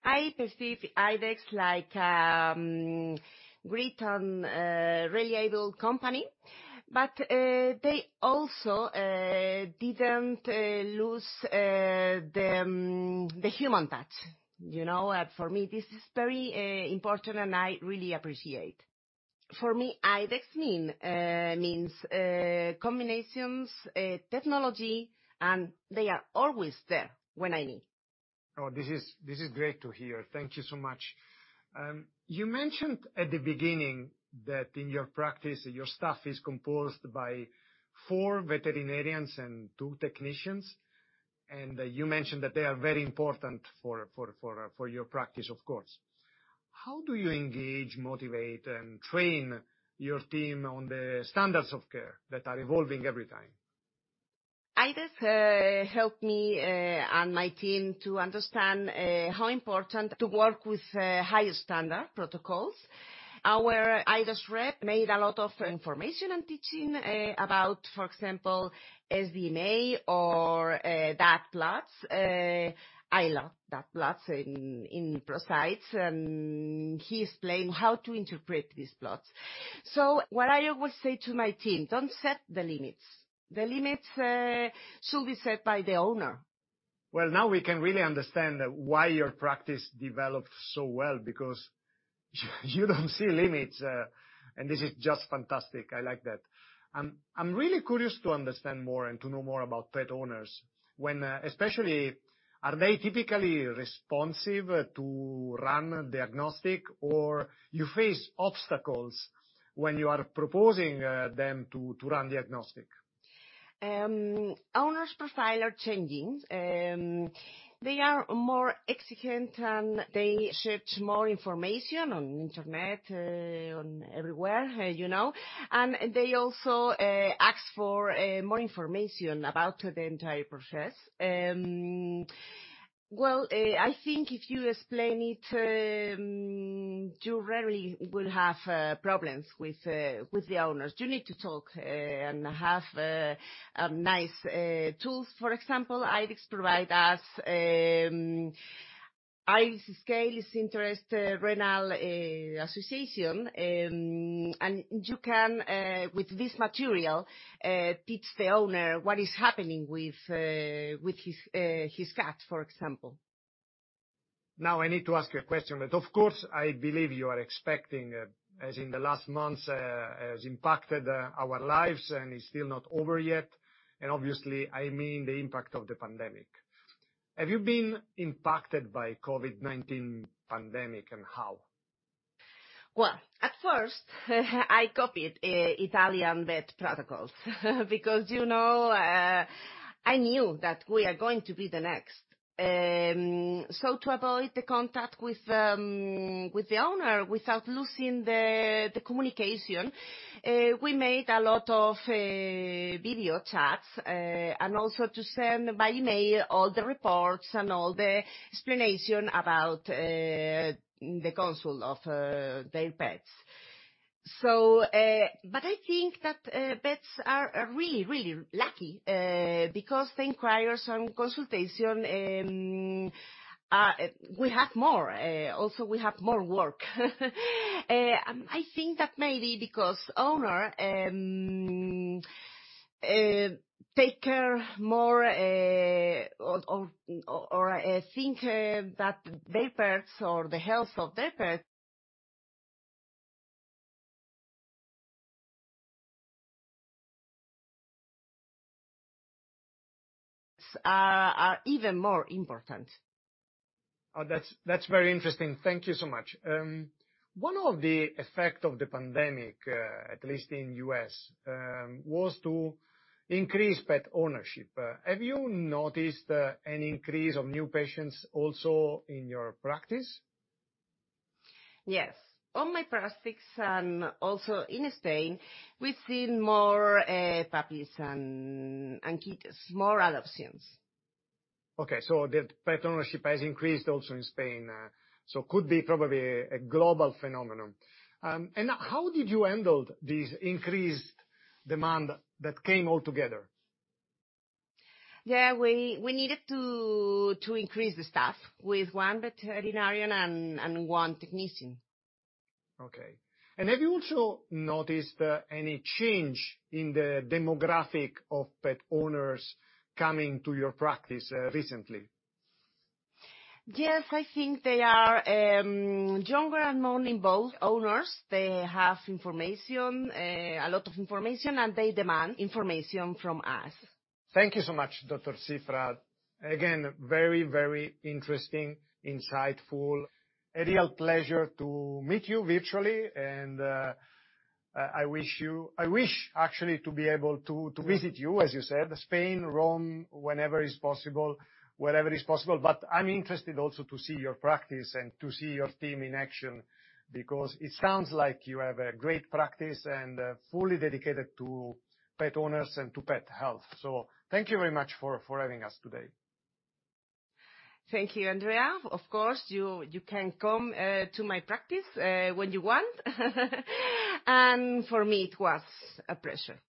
I perceive IDEXX like a great and reliable company. They also didn't lose the human touch, you know. For me, this is very important, and I really appreciate. For me, IDEXX means combinations technology, and they are always there when I need. This is great to hear. Thank you so much. You mentioned at the beginning that in your practice, your staff is composed by four veterinarians and two technicians, and you mentioned that they are very important for your practice, of course. How do you engage, motivate and train your team on the standards of care that are evolving every time? IDEXX helped me and my team to understand how important to work with high standard protocols. Our IDEXX rep made a lot of information and teaching about, for example, SDMA or dot plots. I love dot plots in ProCyte, and he explained how to interpret these plots. What I always say to my team, "Don't set the limits. The limits should be set by the owner. Well, now we can really understand why your practice developed so well, because you don't see limits. This is just fantastic. I like that. I'm really curious to understand more and to know more about pet owners. When, especially are they typically responsive to run diagnostic or you face obstacles when you are proposing them to run diagnostic? Owners profile are changing. They are more exigent, and they search more information on internet, on everywhere, you know. They also ask for more information about the entire process. I think if you explain it, you rarely will have problems with the owners. You need to talk and have nice tools. For example, IDEXX provide us IRIS scale. Oh, that's very interesting. Thank you so much. One of the effect of the pandemic, at least in U.S., was to increase pet ownership. Have you noticed an increase of new patients also in your practice? Yes. All my practices and also in Spain, we've seen more puppies and kittens. More adoptions. Okay. The pet ownership has increased also in Spain. Could be probably a global phenomenon. How did you handled this increased demand that came all together? Yeah. We needed to increase the staff with one veterinarian and one technician. Okay. Have you also noticed, any change in the demographic of pet owners coming to your practice, recently? Yes. I think they are younger and more involved owners. They have information, a lot of information, and they demand information from us. Thank you so much, Dr. Cifra. Again, very interesting, insightful. A real pleasure to meet you virtually. I wish actually to be able to visit you, as you said, Spain, Rome, whenever is possible, wherever is possible. I'm interested also to see your practice and to see your team in action, because it sounds like you have a great practice and fully dedicated to pet owners and to pet health. Thank you very much for having us today. Thank you, Andrea. Of course, you can come to my practice when you want. For me, it was a pleasure.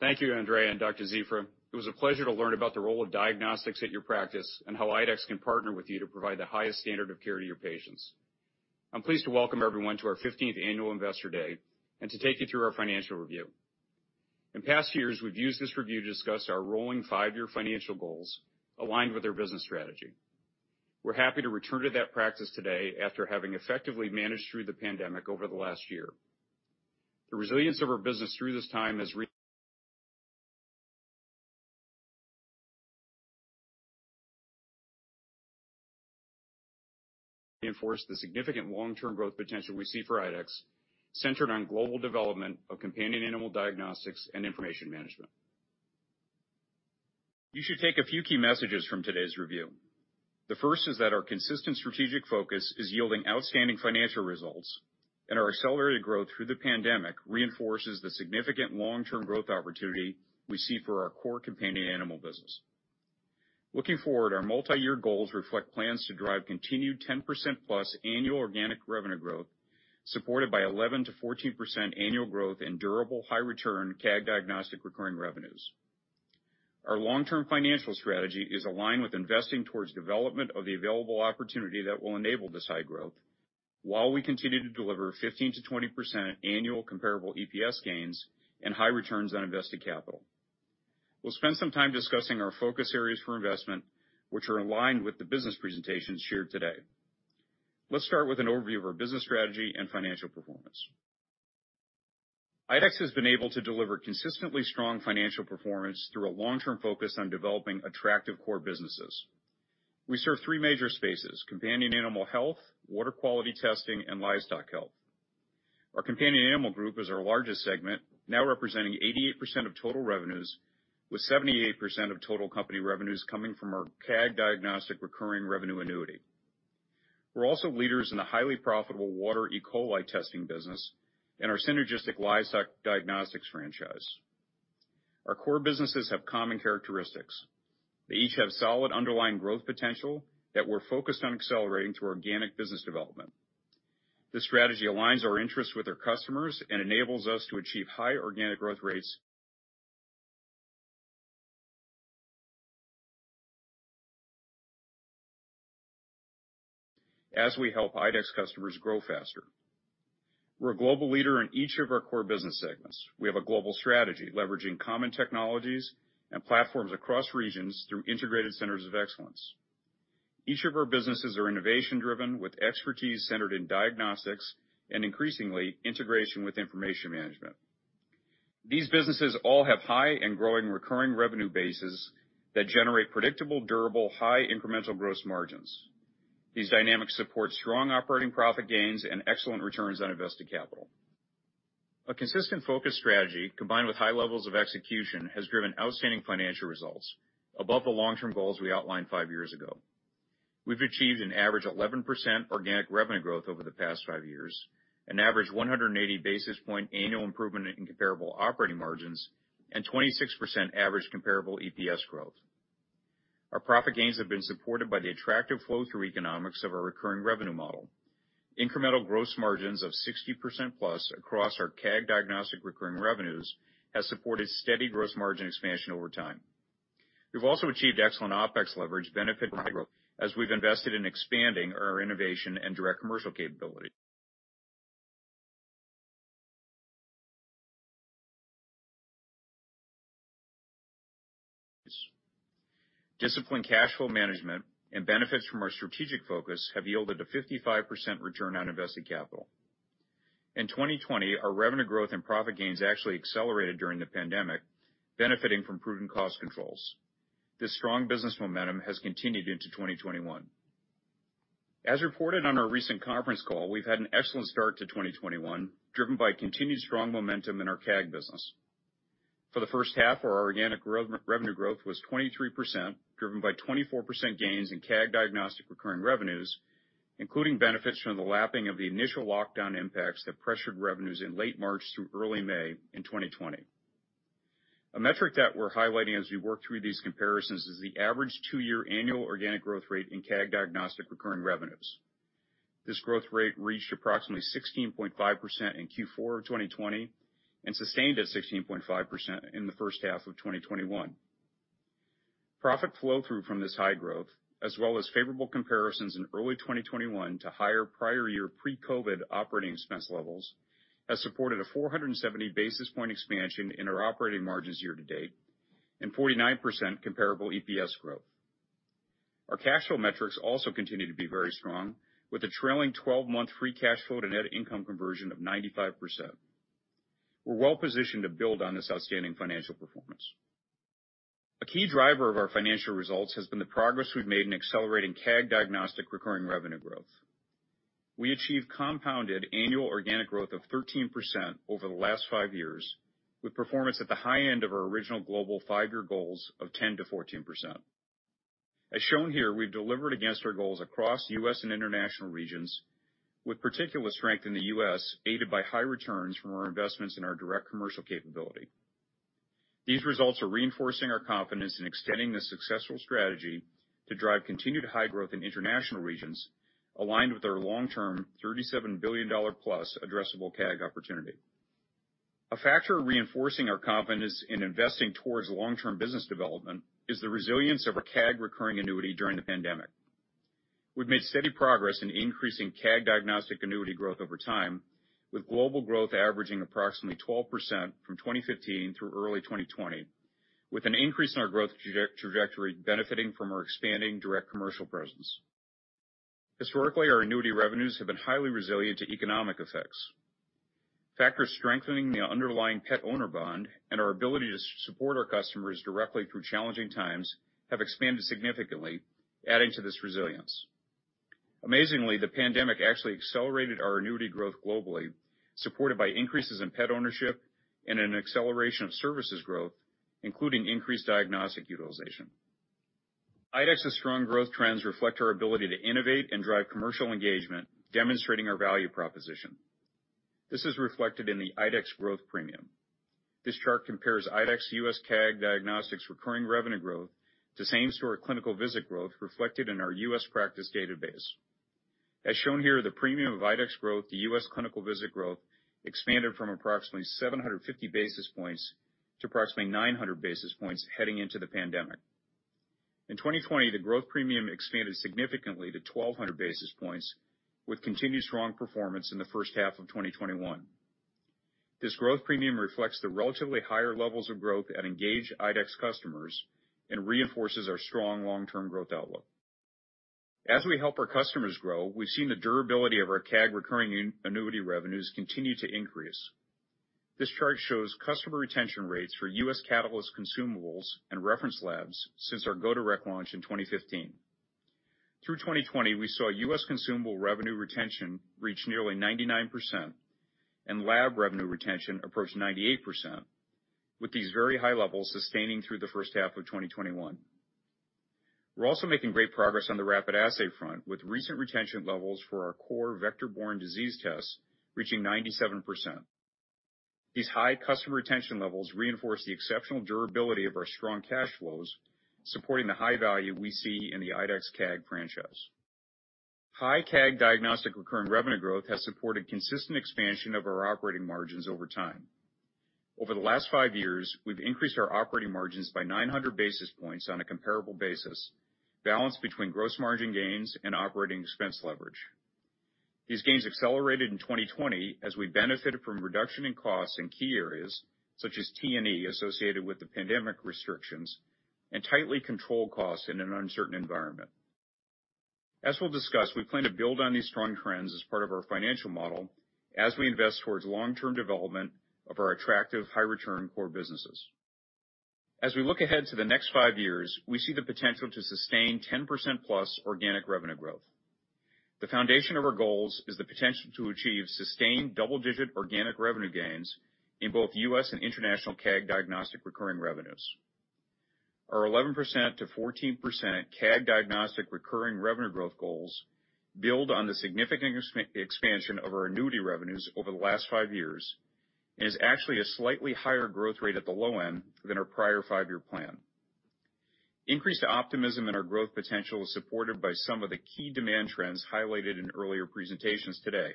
Thank you, Andrea and Dr. Cifra. It was a pleasure to learn about the role of diagnostics at your practice and how IDEXX can partner with you to provide the highest standard of care to your patients. I'm pleased to welcome everyone to our 15th annual Investor Day and to take you through our financial review. In past years, we've used this review to discuss our rolling five-year financial goals aligned with their business strategy. We're happy to return to that practice today after having effectively managed through the pandemic over the last year. The resilience of our business through this time has reinforced the significant long-term growth potential we see for IDEXX, centered on global development of companion animal diagnostics and information management. You should take a few key messages from today's review. The first is that our consistent strategic focus is yielding outstanding financial results, and our accelerated growth through the pandemic reinforces the significant long-term growth opportunity we see for our core companion animal business. Looking forward, our multi-year goals reflect plans to drive continued 10% plus annual organic revenue growth, supported by 11%-14% annual growth in durable high return CAG Diagnostics recurring revenues. Our long-term financial strategy is aligned with investing towards development of the available opportunity that will enable this high growth while we continue to deliver 15%-20% annual comparable EPS gains and high returns on invested capital. We'll spend some time discussing our focus areas for investment, which are aligned with the business presentations shared today. Let's start with an overview of our business strategy and financial performance. IDEXX has been able to deliver consistently strong financial performance through a long-term focus on developing attractive core businesses. We serve three major spaces: companion animal health, water quality testing, and livestock health. Our Companion Animal Group is our largest segment, now representing 88% of total revenues, with 78% of total company revenues coming from our CAG Diagnostics recurring revenue annuity. We're also leaders in the highly profitable water E. coli testing business and our synergistic livestock diagnostics franchise. Our core businesses have common characteristics. They each have solid underlying growth potential that we're focused on accelerating through organic business development. This strategy aligns our interests with our customers and enables us to achieve high organic growth rates as we help IDEXX customers grow faster. We're a global leader in each of our core business segments. We have a global strategy, leveraging common technologies and platforms across regions through integrated centers of excellence. Each of our businesses are innovation-driven with expertise centered in diagnostics and increasingly integration with information management. These businesses all have high and growing recurring revenue bases that generate predictable, durable, high incremental gross margins. These dynamics support strong operating profit gains and excellent returns on invested capital. A consistent focus strategy, combined with high levels of execution, has driven outstanding financial results above the long-term goals we outlined five years ago. We've achieved an average 11% organic revenue growth over the past five years, an average 180 basis point annual improvement in comparable operating margins, and 26% average comparable EPS growth. Our profit gains have been supported by the attractive flow through economics of our recurring revenue model. Incremental gross margins of 60% plus across our CAG Diagnostics recurring revenues has supported steady gross margin expansion over time. We've also achieved excellent OpEx leverage benefit from high growth as we've invested in expanding our innovation and direct commercial capabilities. Disciplined cash flow management and benefits from our strategic focus have yielded a 55% return on invested capital. In 2020, our revenue growth and profit gains actually accelerated during the pandemic, benefiting from proven cost controls. This strong business momentum has continued into 2021. As reported on our recent conference call, we've had an excellent start to 2021, driven by continued strong momentum in our CAG business. For the first half, our organic revenue growth was 23%, driven by 24% gains in CAG Diagnostics recurring revenues, including benefits from the lapping of the initial lockdown impacts that pressured revenues in late March through early May in 2020. A metric that we're highlighting as we work through these comparisons is the average two-year annual organic growth rate in CAG Diagnostics recurring revenues. This growth rate reached approximately 16.5% in Q4 of 2020 and sustained at 16.5% in the first half of 2021. Profit flow through from this high growth, as well as favorable comparisons in early 2021 to higher prior year pre-COVID operating expense levels, has supported a 470 basis point expansion in our operating margins year to date and 49% comparable EPS growth. Our cash flow metrics also continue to be very strong, with a trailing twelve-month free cash flow to net income conversion of 95%. We're well-positioned to build on this outstanding financial performance. A key driver of our financial results has been the progress we've made in accelerating CAG Diagnostics recurring revenue growth. We achieved compounded annual organic growth of 13% over the last five years, with performance at the high end of our original global five-year goals of 10%-14%. As shown here, we've delivered against our goals across U.S. and international regions, with particular strength in the U.S., aided by high returns from our investments in our direct commercial capability. These results are reinforcing our confidence in extending this successful strategy to drive continued high growth in international regions, aligned with our long-term $37 billion-plus addressable CAG opportunity. A factor reinforcing our confidence in investing towards long-term business development is the resilience of our CAG recurring annuity during the pandemic. We've made steady progress in increasing CAG Diagnostics annuity growth over time, with global growth averaging approximately 12% from 2015 through early 2020, with an increase in our growth trajectory benefiting from our expanding direct commercial presence. Historically, our annuity revenues have been highly resilient to economic effects. Factors strengthening the underlying pet owner bond and our ability to support our customers directly through challenging times have expanded significantly, adding to this resilience. Amazingly, the pandemic actually accelerated our annuity growth globally, supported by increases in pet ownership and an acceleration of services growth, including increased diagnostic utilization. IDEXX's strong growth trends reflect our ability to innovate and drive commercial engagement, demonstrating our value proposition. This is reflected in the IDEXX growth premium. This chart compares IDEXX U.S. CAG Diagnostics recurring revenue growth to same store clinical visit growth reflected in our U.S. practice database. As shown here, the premium of IDEXX growth to U.S. clinical visit growth expanded from approximately 750 basis points to approximately 900 basis points heading into the pandemic. In 2020, the growth premium expanded significantly to 1,200 basis points, with continued strong performance in the first half of 2021. This growth premium reflects the relatively higher levels of growth at engaged IDEXX customers and reinforces our strong long-term growth outlook. As we help our customers grow, we've seen the durability of our CAG recurring annuity revenues continue to increase. This chart shows customer retention rates for U.S. Catalyst consumables and reference labs since our go-direct launch in 2015. Through 2020, we saw U.S. consumable revenue retention reach nearly 99% and lab revenue retention approach 98%, with these very high levels sustaining through the first half of 2021. We're also making great progress on the rapid assay front, with recent retention levels for our core vector-borne disease tests reaching 97%. These high customer retention levels reinforce the exceptional durability of our strong cash flows, supporting the high value we see in the IDEXX CAG franchise. High CAG Diagnostics recurring revenue growth has supported consistent expansion of our operating margins over time. Over the last 5 years, we've increased our operating margins by 900 basis points on a comparable basis, balanced between gross margin gains and operating expense leverage. These gains accelerated in 2020 as we benefited from reduction in costs in key areas, such as T&E associated with the pandemic restrictions and tightly controlled costs in an uncertain environment. As we'll discuss, we plan to build on these strong trends as part of our financial model as we invest towards long-term development of our attractive high-return core businesses. As we look ahead to the next 5 years, we see the potential to sustain 10%-plus organic revenue growth. The foundation of our goals is the potential to achieve sustained double-digit organic revenue gains in both U.S. and international CAG Diagnostics recurring revenues. Our 11%-14% CAG Diagnostics recurring revenue growth goals build on the significant expansion of our annuity revenues over the last 5 years and is actually a slightly higher growth rate at the low end than our prior 5-year plan. Increased optimism in our growth potential is supported by some of the key demand trends highlighted in earlier presentations today,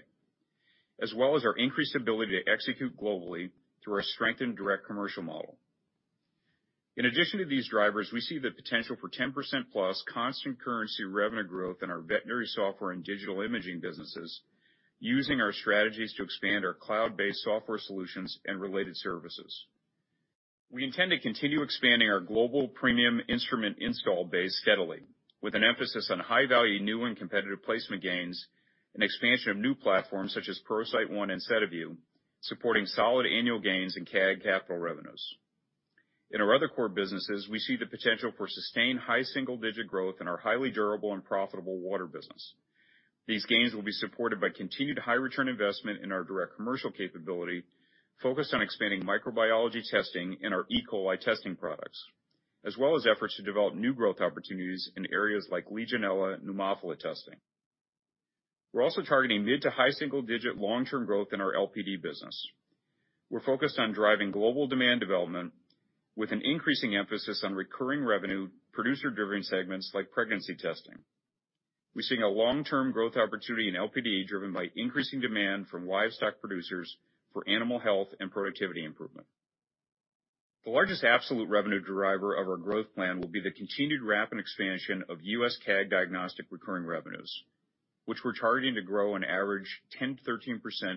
as well as our increased ability to execute globally through our strengthened direct commercial model. In addition to these drivers, we see the potential for 10%-plus constant currency revenue growth in our veterinary software and digital imaging businesses using our strategies to expand our cloud-based software solutions and related services. We intend to continue expanding our global premium instrument install base steadily, with an emphasis on high-value new and competitive placement gains and expansion of new platforms such as ProCyte One and SediVue, supporting solid annual gains in CAG capital revenues. In our other core businesses, we see the potential for sustained high single-digit growth in our highly durable and profitable water business. These gains will be supported by continued high-return investment in our direct commercial capability, focused on expanding microbiology testing and our E. coli testing products, as well as efforts to develop new growth opportunities in areas like Legionella pneumophila testing. We're also targeting mid to high single-digit long-term growth in our LPD business. We're focused on driving global demand development with an increasing emphasis on recurring revenue producer-driven segments like pregnancy testing. We're seeing a long-term growth opportunity in LPD driven by increasing demand from livestock producers for animal health and productivity improvement. The largest absolute revenue driver of our growth plan will be the continued rapid expansion of U.S. CAG Diagnostics recurring revenues, which we're targeting to grow on average 10%-13%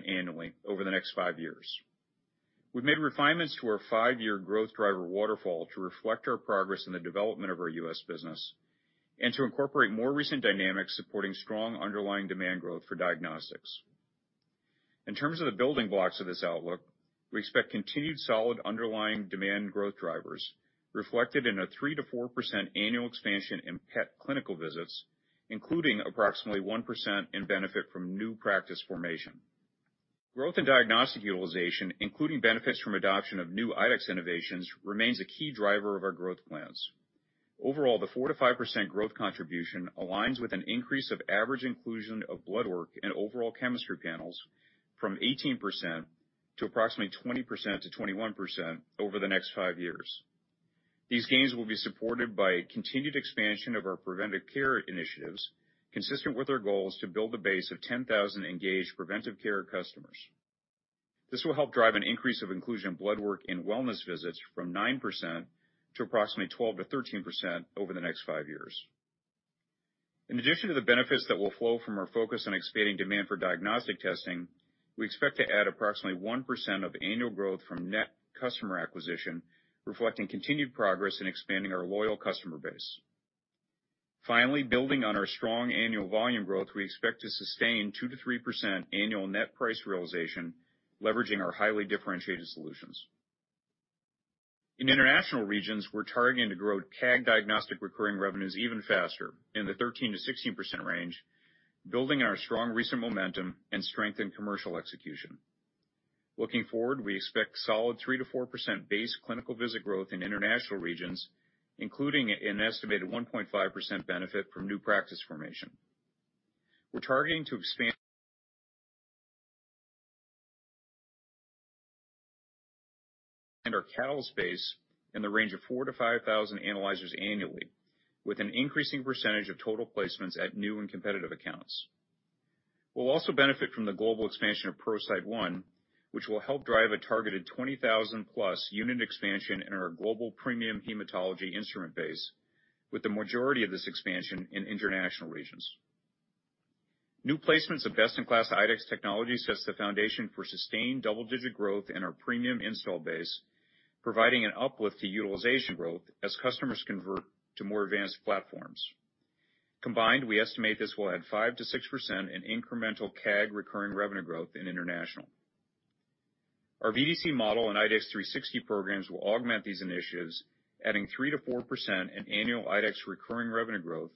annually over the next five years. We've made refinements to our five-year growth driver waterfall to reflect our progress in the development of our U.S. business. To incorporate more recent dynamics supporting strong underlying demand growth for diagnostics. In terms of the building blocks of this outlook, we expect continued solid underlying demand growth drivers reflected in a 3%-4% annual expansion in pet clinical visits, including approximately 1% in benefit from new practice formation. Growth in diagnostic utilization, including benefits from adoption of new IDEXX innovations, remains a key driver of our growth plans. Overall, the 4%-5% growth contribution aligns with an increase of average inclusion of blood work and overall chemistry panels from 18% to approximately 20%-21% over the next 5 years. These gains will be supported by continued expansion of our Preventive Care initiatives, consistent with our goals to build a base of 10,000 engaged Preventive Care customers. This will help drive an increase of inclusion blood work in wellness visits from 9% to approximately 12%-13% over the next five years. In addition to the benefits that will flow from our focus on expanding demand for diagnostic testing, we expect to add approximately 1% of annual growth from net customer acquisition, reflecting continued progress in expanding our loyal customer base. Finally, building on our strong annual volume growth, we expect to sustain 2%-3% annual net price realization, leveraging our highly differentiated solutions. In international regions, we're targeting to grow CAG Diagnostics recurring revenues even faster in the 13%-16% range, building on our strong recent momentum and strengthen commercial execution. Looking forward, we expect solid 3%-4% base clinical visit growth in international regions, including an estimated 1.5% benefit from new practice formation. We're targeting to expand our Catalyst space in the range of 4,000-5,000 analyzers annually, with an increasing percentage of total placements at new and competitive accounts. We'll also benefit from the global expansion of ProCyte One, which will help drive a targeted 20,000-plus unit expansion in our global premium hematology instrument base, with the majority of this expansion in international regions. New placements of best-in-class IDEXX technology sets the foundation for sustained double-digit growth in our premium install base, providing an uplift to utilization growth as customers convert to more advanced platforms. Combined, we estimate this will add 5%-6% in incremental CAG recurring revenue growth in international. Our VDC model and IDEXX 360 programs will augment these initiatives, adding 3%-4% in annual IDEXX recurring revenue growth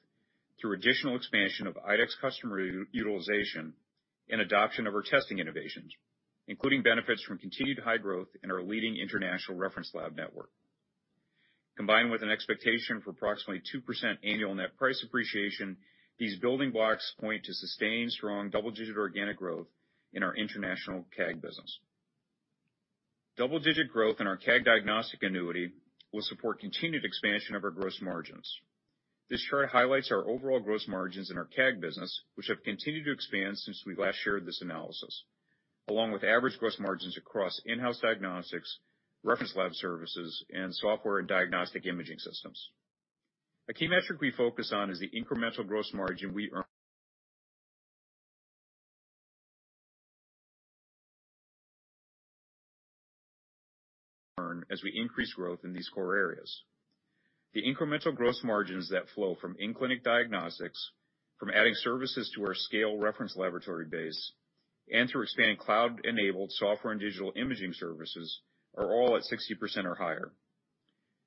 through additional expansion of IDEXX customer utilization and adoption of our testing innovations, including benefits from continued high growth in our leading international reference lab network. Combined with an expectation for approximately 2% annual net price appreciation, these building blocks point to sustained strong double-digit organic growth in our international CAG business. Double-digit growth in our CAG diagnostic annuity will support continued expansion of our gross margins. This chart highlights our overall gross margins in our CAG business, which have continued to expand since we last shared this analysis, along with average gross margins across in-house diagnostics, reference lab services, and software and diagnostic imaging systems. A key metric we focus on is the incremental gross margin we earn as we increase growth in these core areas. The incremental gross margins that flow from in-clinic diagnostics, from adding services to our scale reference laboratory base, and through expanding cloud-enabled software and digital imaging services are all at 60% or higher.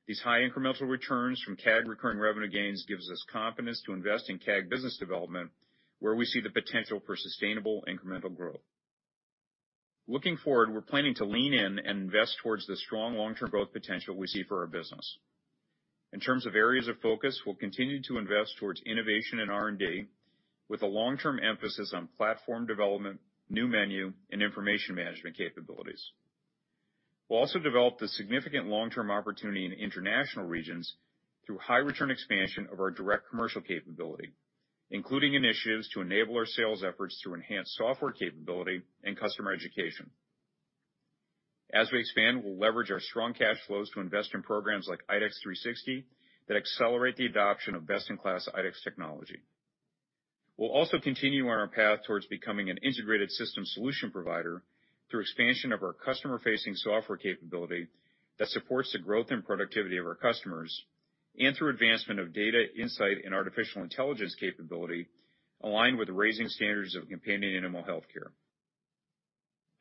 These high incremental returns from CAG recurring revenue gains gives us confidence to invest in CAG business development, where we see the potential for sustainable incremental growth. Looking forward, we're planning to lean in and invest towards the strong long-term growth potential we see for our business. In terms of areas of focus, we'll continue to invest towards innovation and R&D with a long-term emphasis on platform development, new menu, and information management capabilities. We'll also develop the significant long-term opportunity in international regions through high-return expansion of our direct commercial capability, including initiatives to enable our sales efforts through enhanced software capability and customer education. As we expand, we'll leverage our strong cash flows to invest in programs like IDEXX 360 that accelerate the adoption of best-in-class IDEXX technology. We'll also continue on our path towards becoming an integrated system solution provider through expansion of our customer-facing software capability that supports the growth and productivity of our customers and through advancement of data insight and artificial intelligence capability aligned with raising standards of companion animal healthcare.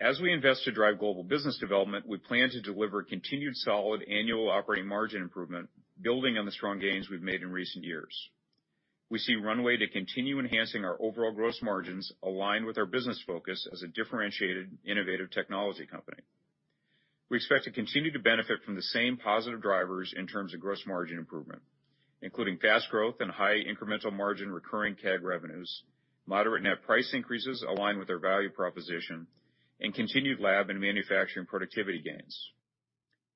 As we invest to drive global business development, we plan to deliver continued solid annual operating margin improvement, building on the strong gains we've made in recent years. We see runway to continue enhancing our overall gross margins aligned with our business focus as a differentiated innovative technology company. We expect to continue to benefit from the same positive drivers in terms of gross margin improvement, including fast growth and high incremental margin recurring CAG revenues, moderate net price increases aligned with our value proposition, and continued lab and manufacturing productivity gains.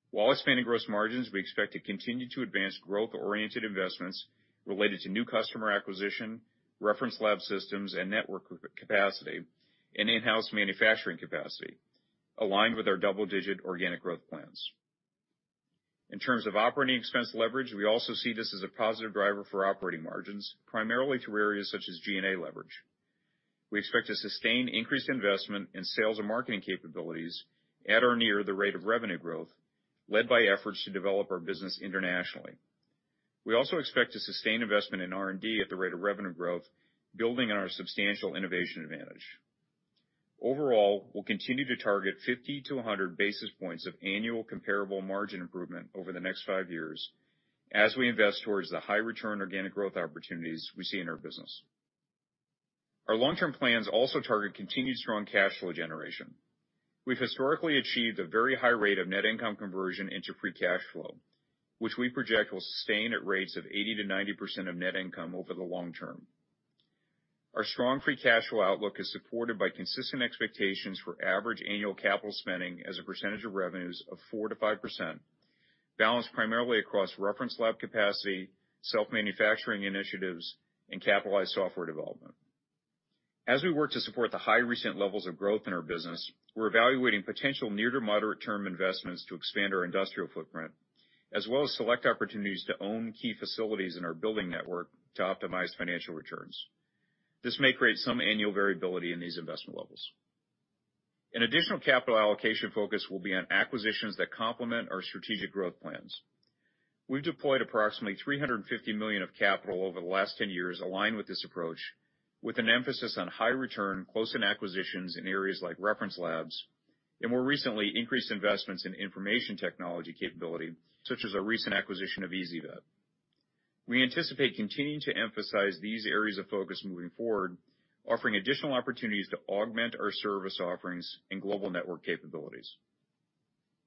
While expanding gross margins, we expect to continue to advance growth-oriented investments related to new customer acquisition, reference lab systems and network capacity, and in-house manufacturing capacity aligned with our double-digit organic growth plans. In terms of operating expense leverage, we also see this as a positive driver for operating margins, primarily through areas such as G&A leverage. We expect to sustain increased investment in sales and marketing capabilities at or near the rate of revenue growth, led by efforts to develop our business internationally. We also expect to sustain investment in R&D at the rate of revenue growth, building on our substantial innovation advantage. We'll continue to target 50 to 100 basis points of annual comparable margin improvement over the next five years as we invest towards the high return organic growth opportunities we see in our business. Our long-term plans also target continued strong cash flow generation. We've historically achieved a very high rate of net income conversion into free cash flow, which we project will sustain at rates of 80% to 90% of net income over the long term. Our strong free cash flow outlook is supported by consistent expectations for average annual capital spending as a percentage of revenues of 4%-5%, balanced primarily across reference lab capacity, self-manufacturing initiatives, and capitalized software development. As we work to support the high recent levels of growth in our business, we're evaluating potential near to moderate term investments to expand our industrial footprint, as well as select opportunities to own key facilities in our building network to optimize financial returns. This may create some annual variability in these investment levels. An additional capital allocation focus will be on acquisitions that complement our strategic growth plans. We've deployed approximately $350 million of capital over the last 10 years aligned with this approach, with an emphasis on high return close-in acquisitions in areas like reference labs, and more recently, increased investments in information technology capability, such as our recent acquisition of ezyVet. We anticipate continuing to emphasize these areas of focus moving forward, offering additional opportunities to augment our service offerings and global network capabilities.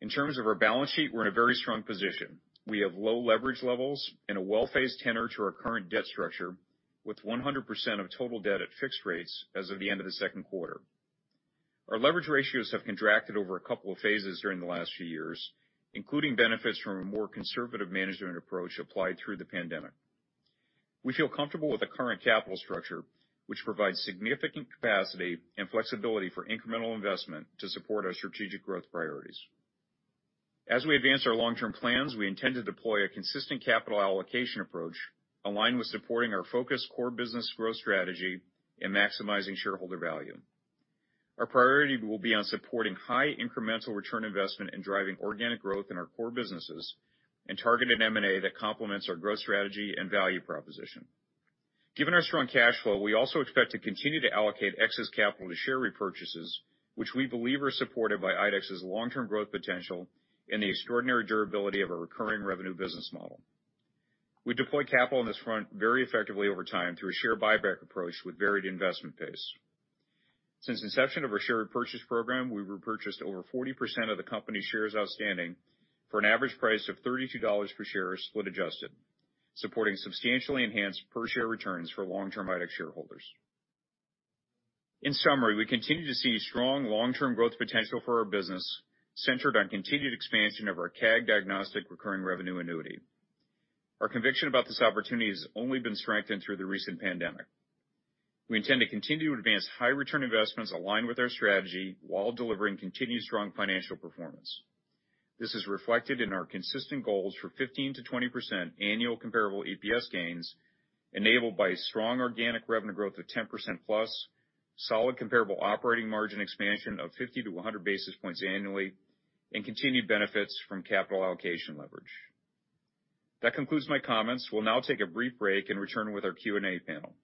In terms of our balance sheet, we're in a very strong position. We have low leverage levels and a well-phased tenor to our current debt structure, with 100% of total debt at fixed rates as of the end of the second quarter. Our leverage ratios have contracted over a couple of phases during the last few years, including benefits from a more conservative management approach applied through the pandemic. We feel comfortable with the current capital structure, which provides significant capacity and flexibility for incremental investment to support our strategic growth priorities. As we advance our long-term plans, we intend to deploy a consistent capital allocation approach aligned with supporting our focused core business growth strategy and maximizing shareholder value. Our priority will be on supporting high incremental return investment and driving organic growth in our core businesses and targeted M&A that complements our growth strategy and value proposition. Given our strong cash flow, we also expect to continue to allocate excess capital to share repurchases, which we believe are supported by IDEXX's long-term growth potential and the extraordinary durability of our recurring revenue business model. We deploy capital on this front very effectively over time through a share buyback approach with varied investment pace. Since inception of our share repurchase program, we've repurchased over 40% of the company shares outstanding for an average price of $32 per share, split adjusted, supporting substantially enhanced per share returns for long-term IDEXX shareholders. In summary, we continue to see strong long-term growth potential for our business centered on continued expansion of our CAG Diagnostics recurring revenue annuity. Our conviction about this opportunity has only been strengthened through the recent pandemic. We intend to continue to advance high return investments aligned with our strategy while delivering continued strong financial performance. This is reflected in our consistent goals for 15%-20% annual comparable EPS gains enabled by strong organic revenue growth of 10%+, solid comparable operating margin expansion of 50-100 basis points annually, and continued benefits from capital allocation leverage. That concludes my comments. We'll now take a brief break and return with our Q&A panel.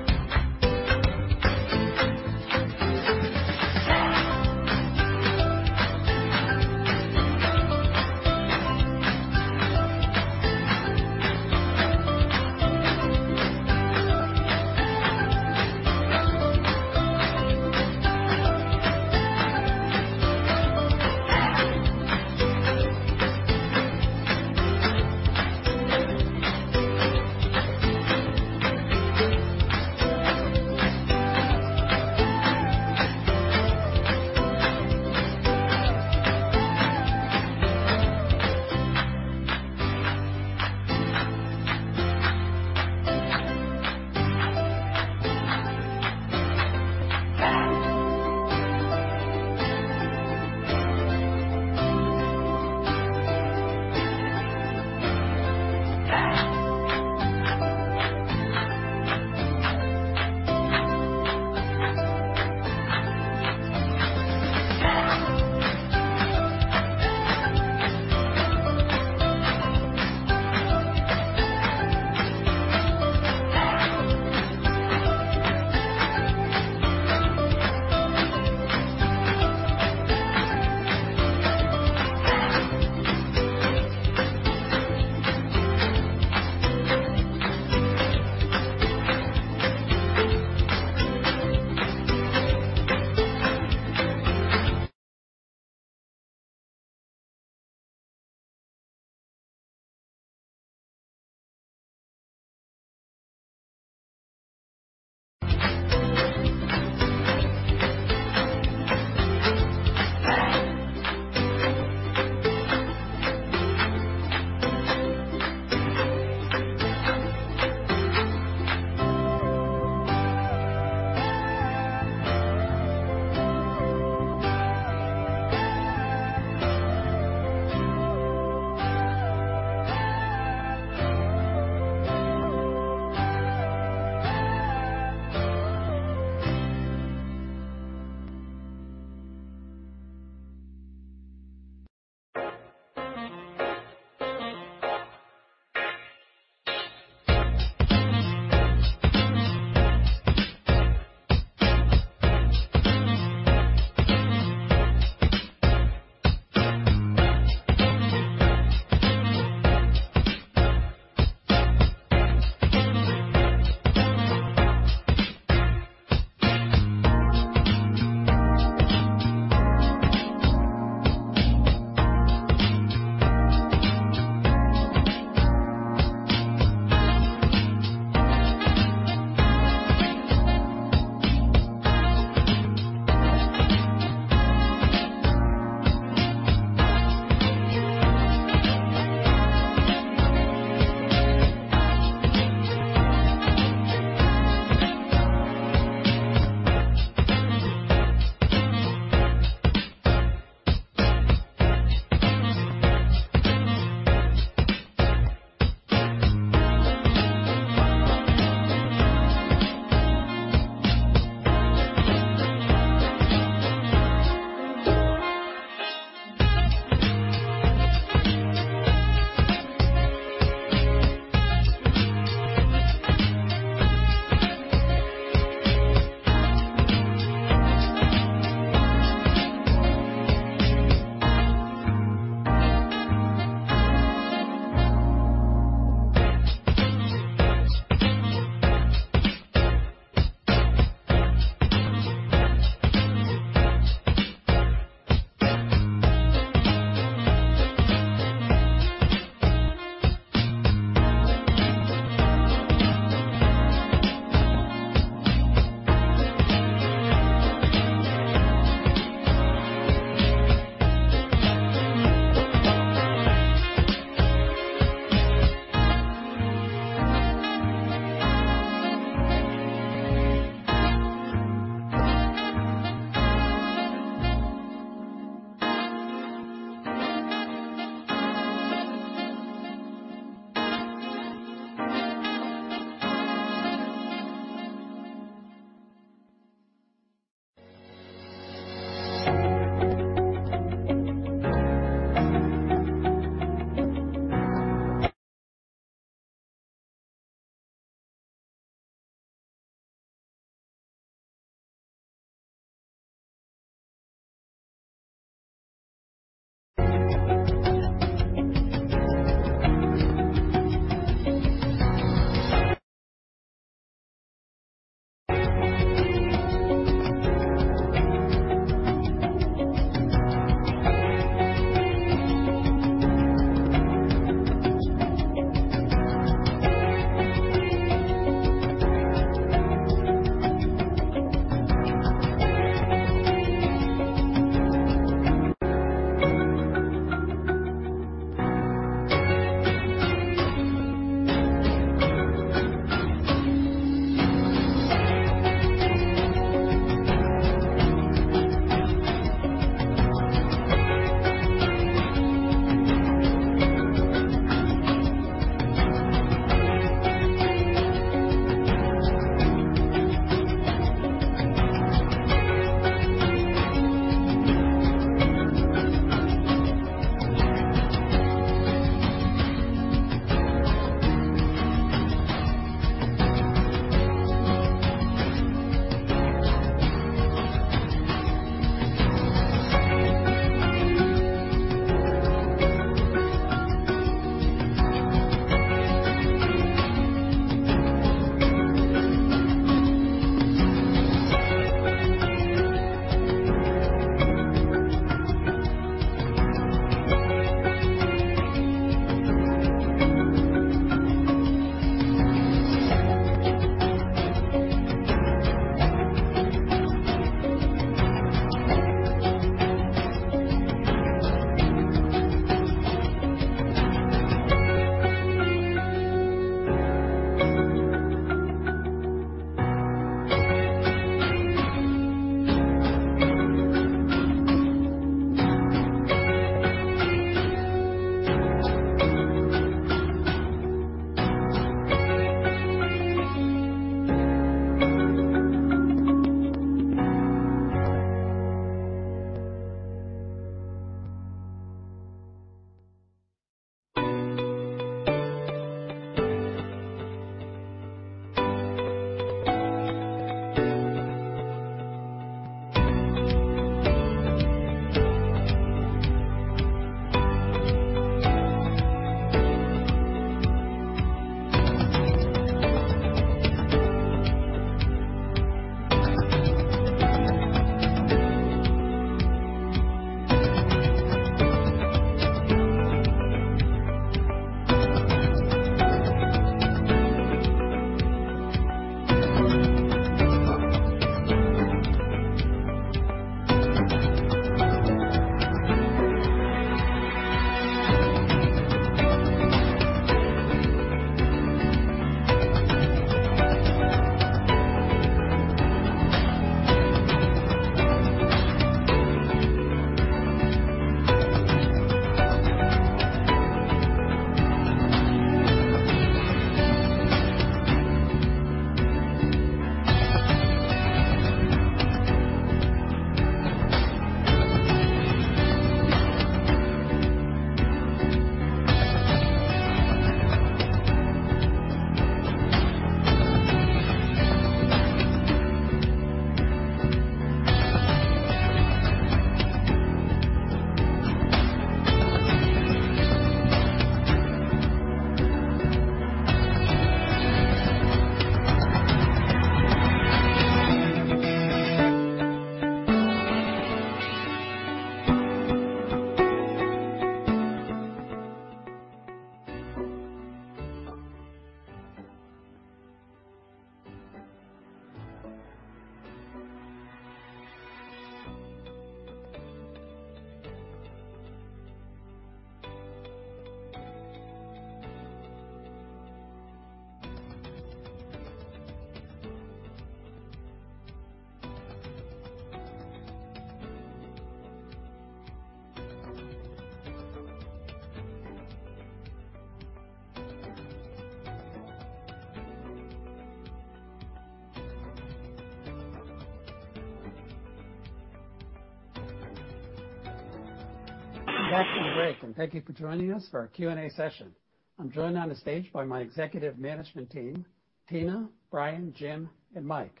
Welcome back from the break, and thank you for joining us for our Q&A session. I'm joined on the stage by my executive management team, Tina, Brian, Jim, and Mike.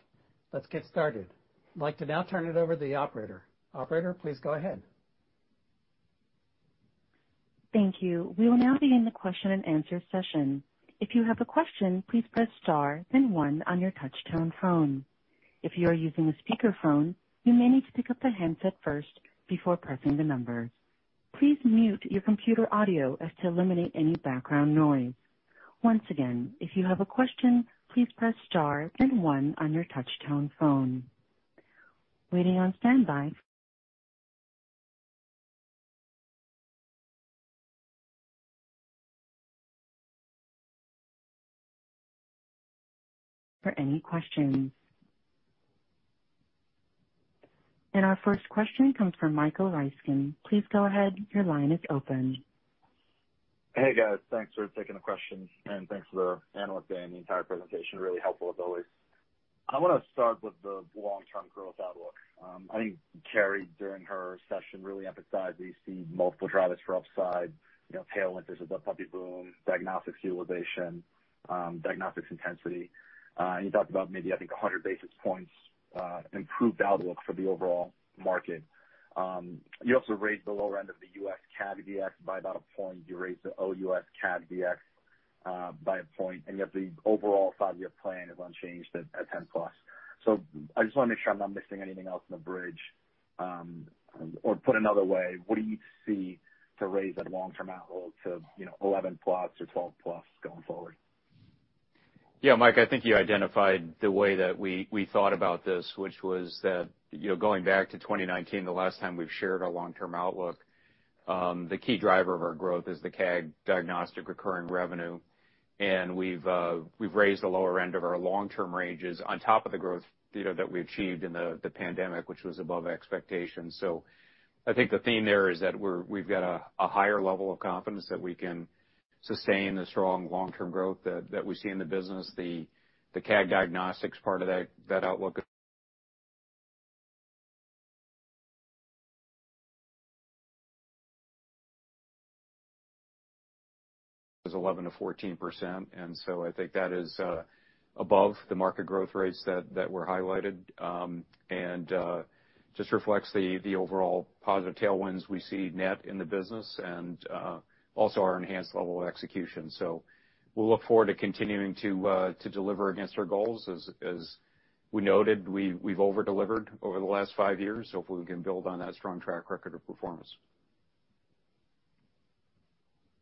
Let's get started. I'd like to now turn it over to the operator. Operator, please go ahead. Thank you. We will now begin the question-and-answer session. Our first question comes from Michael Ryskin. Please go ahead. Your line is open. Hey, guys. Thanks for taking the questions. Thanks for the Analyst Day and the entire presentation. Really helpful as always. I wanna start with the long-term growth outlook. I think Kerry, during her session, really emphasized that you see multiple drivers for upside, you know, tailwinds of the puppy boom, diagnostics utilization, diagnostics intensity. You talked about maybe I think 100 basis points improved outlook for the overall market. You also raised the lower end of the U.S. CAG Dx by about one point. You raised the OUS CAG Dx by 1 point, and yet the overall five-year plan is unchanged at 10 plus. I just wanna make sure I'm not missing anything else in the bridge. Or put another way, what do you see to raise that long-term outlook to, you know, 11 plus or 12 plus going forward? Yeah, Mike, I think you identified the way that we thought about this, which was that, you know, going back to 2019, the last time we've shared our long-term outlook, the key driver of our growth is the CAG Diagnostics recurring revenue. We've raised the lower end of our long-term ranges on top of the growth data that we achieved in the pandemic, which was above expectations. I think the theme there is that we've got a higher level of confidence that we can sustain the strong long-term growth that we see in the business. The CAG Diagnostics part of that outlook is 11%-14%. I think that is above the market growth rates that were highlighted, and just reflects the overall positive tailwinds we see net in the business and also our enhanced level of execution. We'll look forward to continuing to deliver against our goals. As we noted, we've over-delivered over the last five years, so if we can build on that strong track record of performance.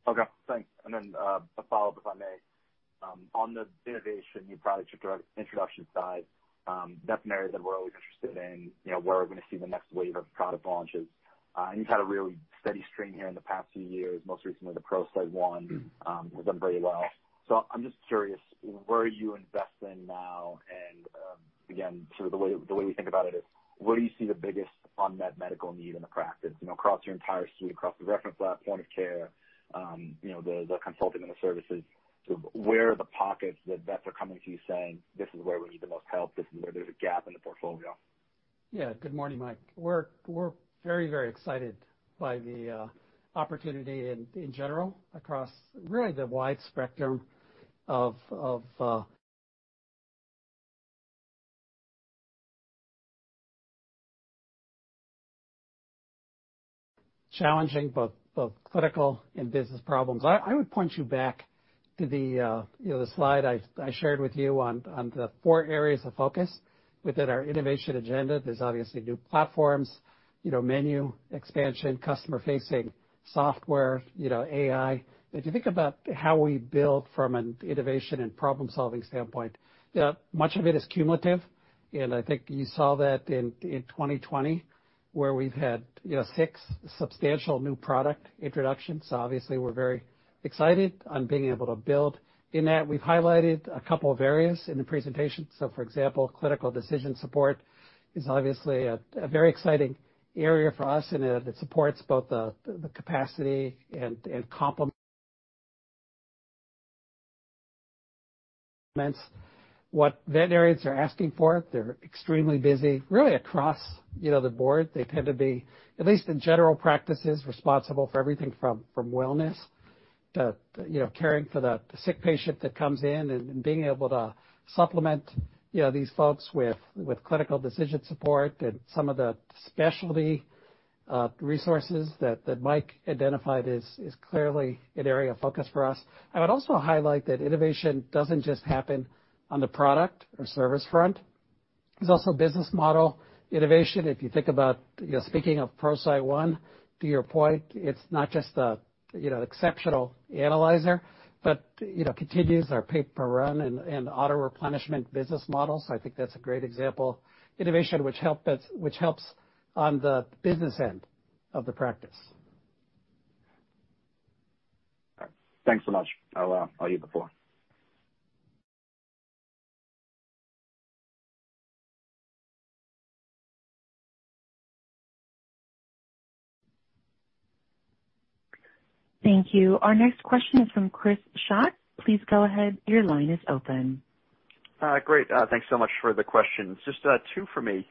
Okay, thanks. Then, a follow-up, if I may. On the innovation, you probably took the introduction slide, that's an area that we're always interested in, you know, where we're going to see the next wave of product launches. You've had a really steady stream here in the past few years. Most recently, the ProCyte One has done very well. I'm just curious, where are you investing now? Again, sort of the way we think about it is, where do you see the biggest unmet medical need in the practice? You know, across your entire suite, across the reference lab, point of care, you know, the consulting and the services. Where are the pockets that vets are coming to you saying, "This is where we need the most help? This is where there's a gap in the portfolio? Yeah. Good morning, Mike. We're very, very excited by the opportunity in general, across really the wide spectrum of challenging both clinical and business problems. I would point you back to the, you know, the slide I shared with you on the four areas of focus within our innovation agenda. There's obviously new platforms, you know, menu expansion, customer-facing software, you know, AI. If you think about how we build from an innovation and problem-solving standpoint, yeah, much of it is cumulative, and I think you saw that in 2020, where we've had, you know, 6 substantial new product introductions. Obviously we're very excited on being able to build in that. We've highlighted a couple of areas in the presentation. For example, Clinical Decision Support is obviously a very exciting area for us, and it supports both the capacity and complements what veterinarians are asking for. They're extremely busy, really across, you know, the board. They tend to be, at least in general practices, responsible for everything from wellness to, you know, caring for the sick patient that comes in and being able to supplement, you know, these folks with Clinical Decision Support and some of the specialty resources that Mike identified is clearly an area of focus for us. I would also highlight that innovation doesn't just happen on the product or service front. There's also business model innovation. If you think about, you know, speaking of ProCyte One, to your point, it's not just a, you know, exceptional analyzer, but it continues our pay-per-run and auto-replenishment business model. I think that's a great example. Innovation which helps on the business end of the practice. All right. Thanks so much. I'll yield the floor. Thank you. Our next question is from Chris Schott. Please go ahead. Your line is open. Great. Thanks so much for the questions. Just two for me.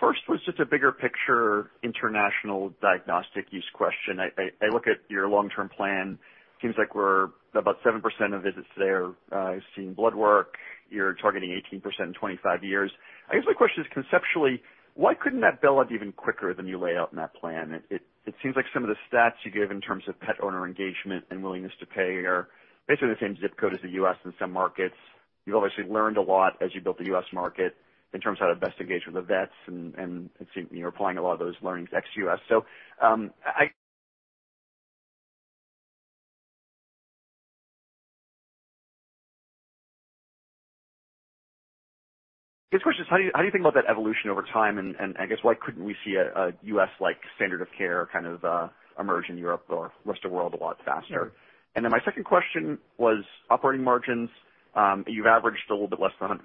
First was just a bigger picture, international diagnostic use question. I look at your long-term plan. Seems like we're about 7% of visits there, seeing blood work. You're targeting 18% in 25 years. I guess my question is conceptually, why couldn't that build up even quicker than you lay out in that plan? It seems like some of the stats you give in terms of pet owner engagement and willingness to pay are basically the same ZIP code as the U.S. in some markets. You've obviously learned a lot as you built the U.S. market in terms of how to best engage with the vets, and it seems you're applying a lot of those learnings ex-U.S. I guess the question is how do you, how do you think about that evolution over time? I guess why couldn't we see a U.S.-like standard of care kind of emerge in Europe or rest of world a lot faster? My second question was operating margins. You've averaged a little bit less than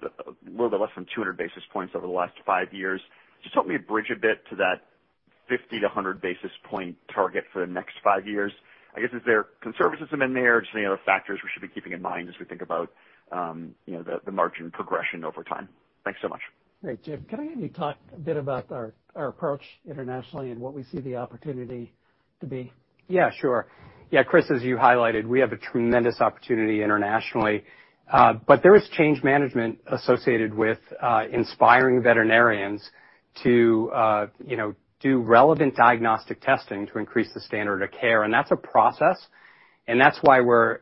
200 basis points over the last 5 years. Just help me bridge a bit to that 50-100 basis point target for the next 5 years. I guess, is there conservatism in there or just any other factors we should be keeping in mind as we think about, you know, the margin progression over time? Thanks so much. Great. Jim, can I have you talk a bit about our approach internationally and what we see the opportunity to be? Yeah, sure. Yeah, Chris, as you highlighted, we have a tremendous opportunity internationally. There is change management associated with inspiring veterinarians to, you know, do relevant diagnostic testing to increase the standard of care. That's a process, and that's why we're,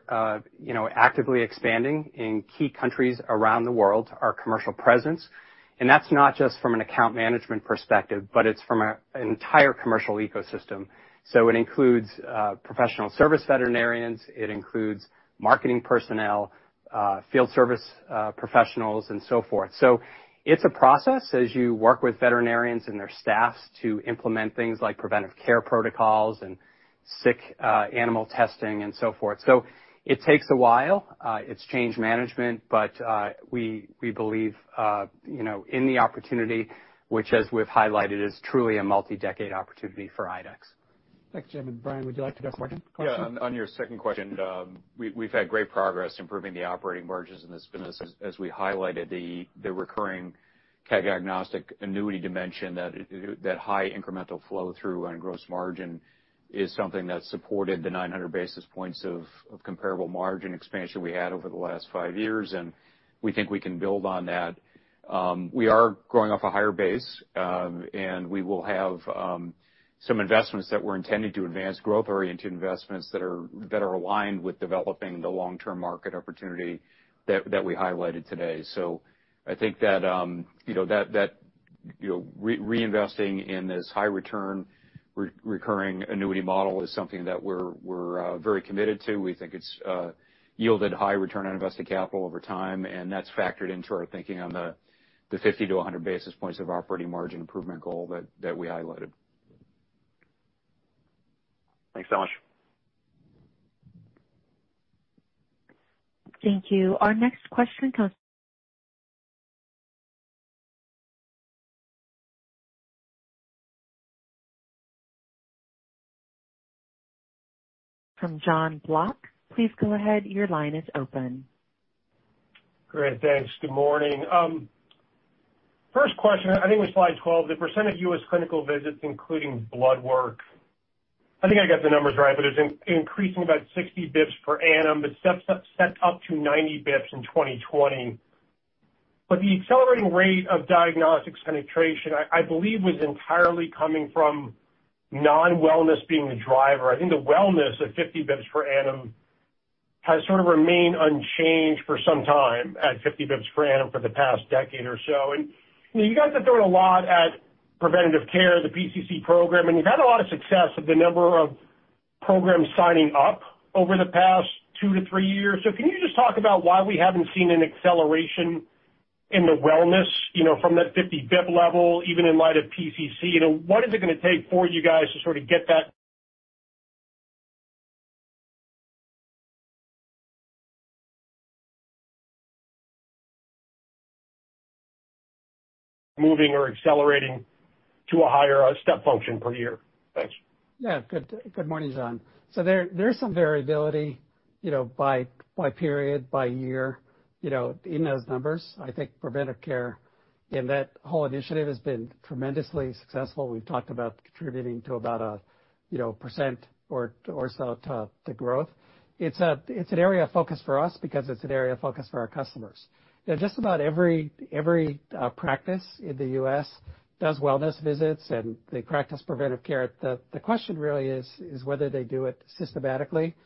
you know, actively expanding in key countries around the world, our commercial presence. That's not just from an account management perspective, but it's from an entire commercial ecosystem. It includes professional service veterinarians. It includes marketing personnel, field service professionals and so forth. It's a process as you work with veterinarians and their staffs to implement things like Preventive Care protocols. Sick, animal testing and so forth. It takes a while, it's change management, but, we believe, you know, in the opportunity, which, as we've highlighted, is truly a multi-decade opportunity for IDEXX. Thanks, Jim. Brian, would you like to go second? On your second question, we've had great progress improving the operating margins, and it's been as we highlighted, the recurring CAG diagnostic annuity dimension that high incremental flow through on gross margin is something that supported the 900 basis points of comparable margin expansion we had over the last five years, and we think we can build on that. We are growing off a higher base, and we will have some investments that were intended to advance growth-oriented investments that are aligned with developing the long-term market opportunity that we highlighted today. I think that, you know, that, you know, reinvesting in this high return recurring annuity model is something that we're very committed to. We think it's yielded high return on invested capital over time, and that's factored into our thinking on the 50 to 100 basis points of operating margin improvement goal that we highlighted. Thanks so much. Thank you. Our next question comes from Jonathan Block. Please go ahead. Your line is open. Great. Thanks. Good morning. First question, I think it was slide 12, the percent of U.S. clinical visits including blood work. I think I got the numbers right, it's increasing about 60 bps per annum. It's set up to 90 bps in 2020. The accelerating rate of diagnostics penetration, I believe was entirely coming from non-wellness being the driver. I think the wellness at 50 bps per annum has sort of remained unchanged for some time at 50 bps per annum for the past decade or so. You know, you guys have thrown a lot at preventive care, the PCC program, and you've had a lot of success with the number of programs signing up over the past two to three years. Can you just talk about why we haven't seen an acceleration in the wellness, you know, from that 50 bps level, even in light of PCC? You know, what is it gonna take for you guys to sort of get that moving or accelerating to a higher step function per year? Thanks. Good morning, John. There is some variability, you know, by period, by year, you know, in those numbers. I think Preventive Care and that whole initiative has been tremendously successful. We've talked about contributing to about a, you know, percent or so to growth. It's an area of focus for us because it's an area of focus for our customers. You know, just about every practice in the U.S. does wellness visits, and they practice preventive care. The question really is whether they do it systematically.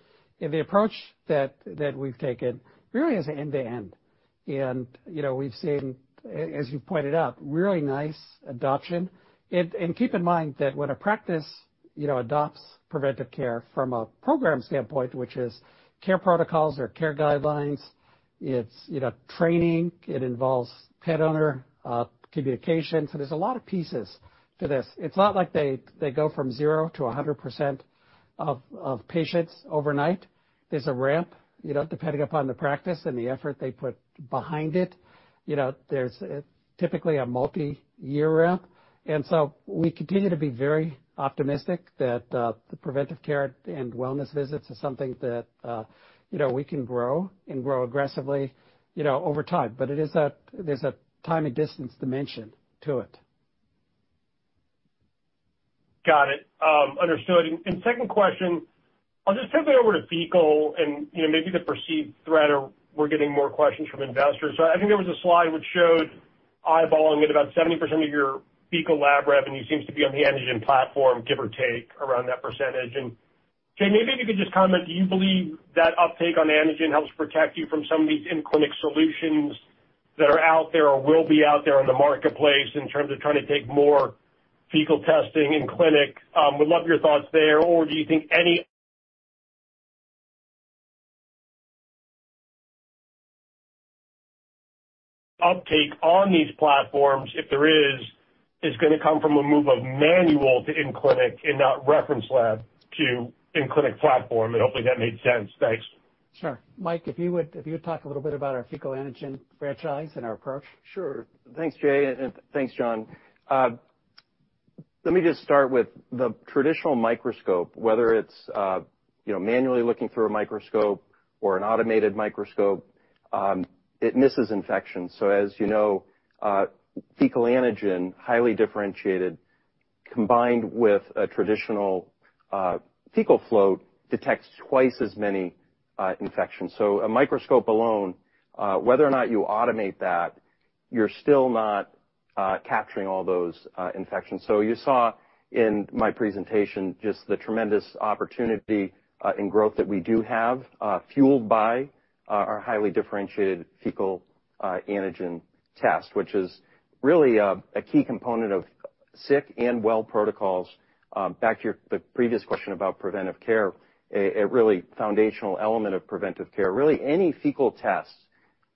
The approach that we've taken really is end-to-end. You know, we've seen, as you pointed out, really nice adoption. Keep in mind that when a practice, you know, adopts Preventive Care from a program standpoint, which is care protocols or care guidelines, it's, you know, training, it involves pet owner communication. There's a lot of pieces to this. It's not like they go from 0 to 100% of patients overnight. There's a ramp, you know, depending upon the practice and the effort they put behind it. You know, there's typically a multi-year ramp. We continue to be very optimistic that the Preventive Care and wellness visits is something that, you know, we can grow and grow aggressively, you know, over time. There's a time and distance dimension to it. Got it. Understood. Second question, I'll just pivot over to fecal and, you know, maybe the perceived threat, or we're getting more questions from investors. I think there was a slide which showed eyeballing it. About 70% of your fecal lab revenue seems to be on the antigen platform, give or take around that percentage. Jay, maybe if you could just comment, do you believe that uptake on antigen helps protect you from some of these in-clinic solutions that are out there or will be out there in the marketplace in terms of trying to take more fecal testing in clinic? Would love your thoughts there. Do you think any uptake on these platforms, if there is gonna come from a move of manual to in-clinic and not reference lab to in-clinic platform? Hopefully that made sense. Thanks. Sure. Mike, if you would talk a little bit about our fecal antigen franchise and our approach. Sure. Thanks, Jay, and thanks, John. Let me just start with the traditional microscope, whether it's, you know, manually looking through a microscope or an automated microscope, it misses infections. As you know, fecal antigen, highly differentiated, combined with a traditional fecal float, detects twice as many infections. A microscope alone, whether or not you automate that, you're still not capturing all those infections. You saw in my presentation just the tremendous opportunity and growth that we do have, fueled by our highly differentiated fecal antigen test, which is really a key component of sick and well protocols. Back to the previous question about preventive care, a really foundational element of preventive care, really any fecal test-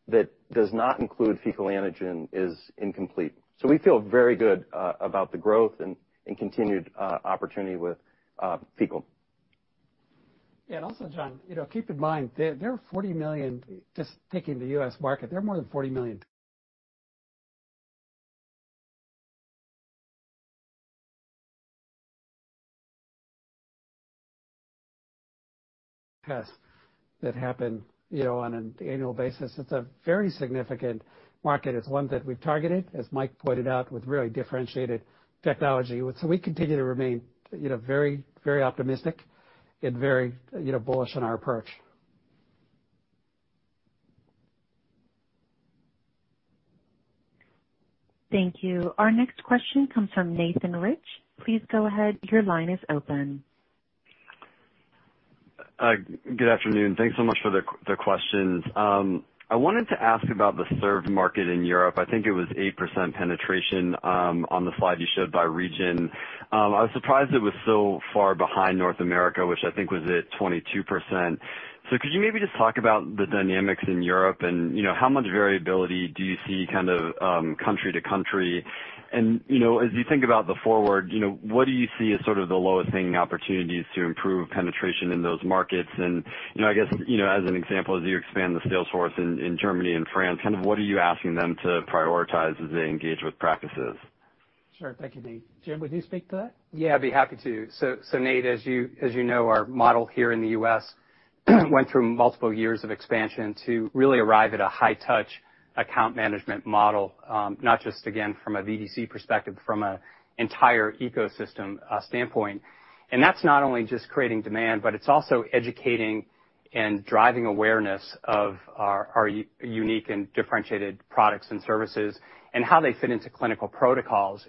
That does not include fecal antigen is incomplete. We feel very good about the growth and continued opportunity with fecal. Yeah, John, you know, keep in mind, there are 40 million, just taking the U.S. market, there are more than 40 million tests that happen, you know, on an annual basis. It's a very significant market. It's one that we've targeted, as Mike pointed out, with really differentiated technology. We continue to remain, you know, very, very optimistic and very, you know, bullish on our approach. Thank you. Our next question comes from Nathan Rich. Please go ahead. Your line is open. Good afternoon. Thanks so much for the questions. I wanted to ask about the served market in Europe. I think it was 8% penetration on the slide you showed by region. I was surprised it was so far behind North America, which I think was at 22%. Could you maybe just talk about the dynamics in Europe and, you know, how much variability do you see kind of country to country? You know, as you think about the forward, you know, what do you see as sort of the lowest hanging opportunities to improve penetration in those markets? You know, I guess, you know, as an example, as you expand the sales force in Germany and France, kind of what are you asking them to prioritize as they engage with practices? Sure. Thank you, Nathan. Jim, would you speak to that? Yeah, I'd be happy to. Nate, as you know, our model here in the U.S. went through multiple years of expansion to really arrive at a high touch account management model, not just again from a VDC perspective, from an entire ecosystem standpoint. That's not only just creating demand, but it's also educating and driving awareness of our unique and differentiated products and services and how they fit into clinical protocols.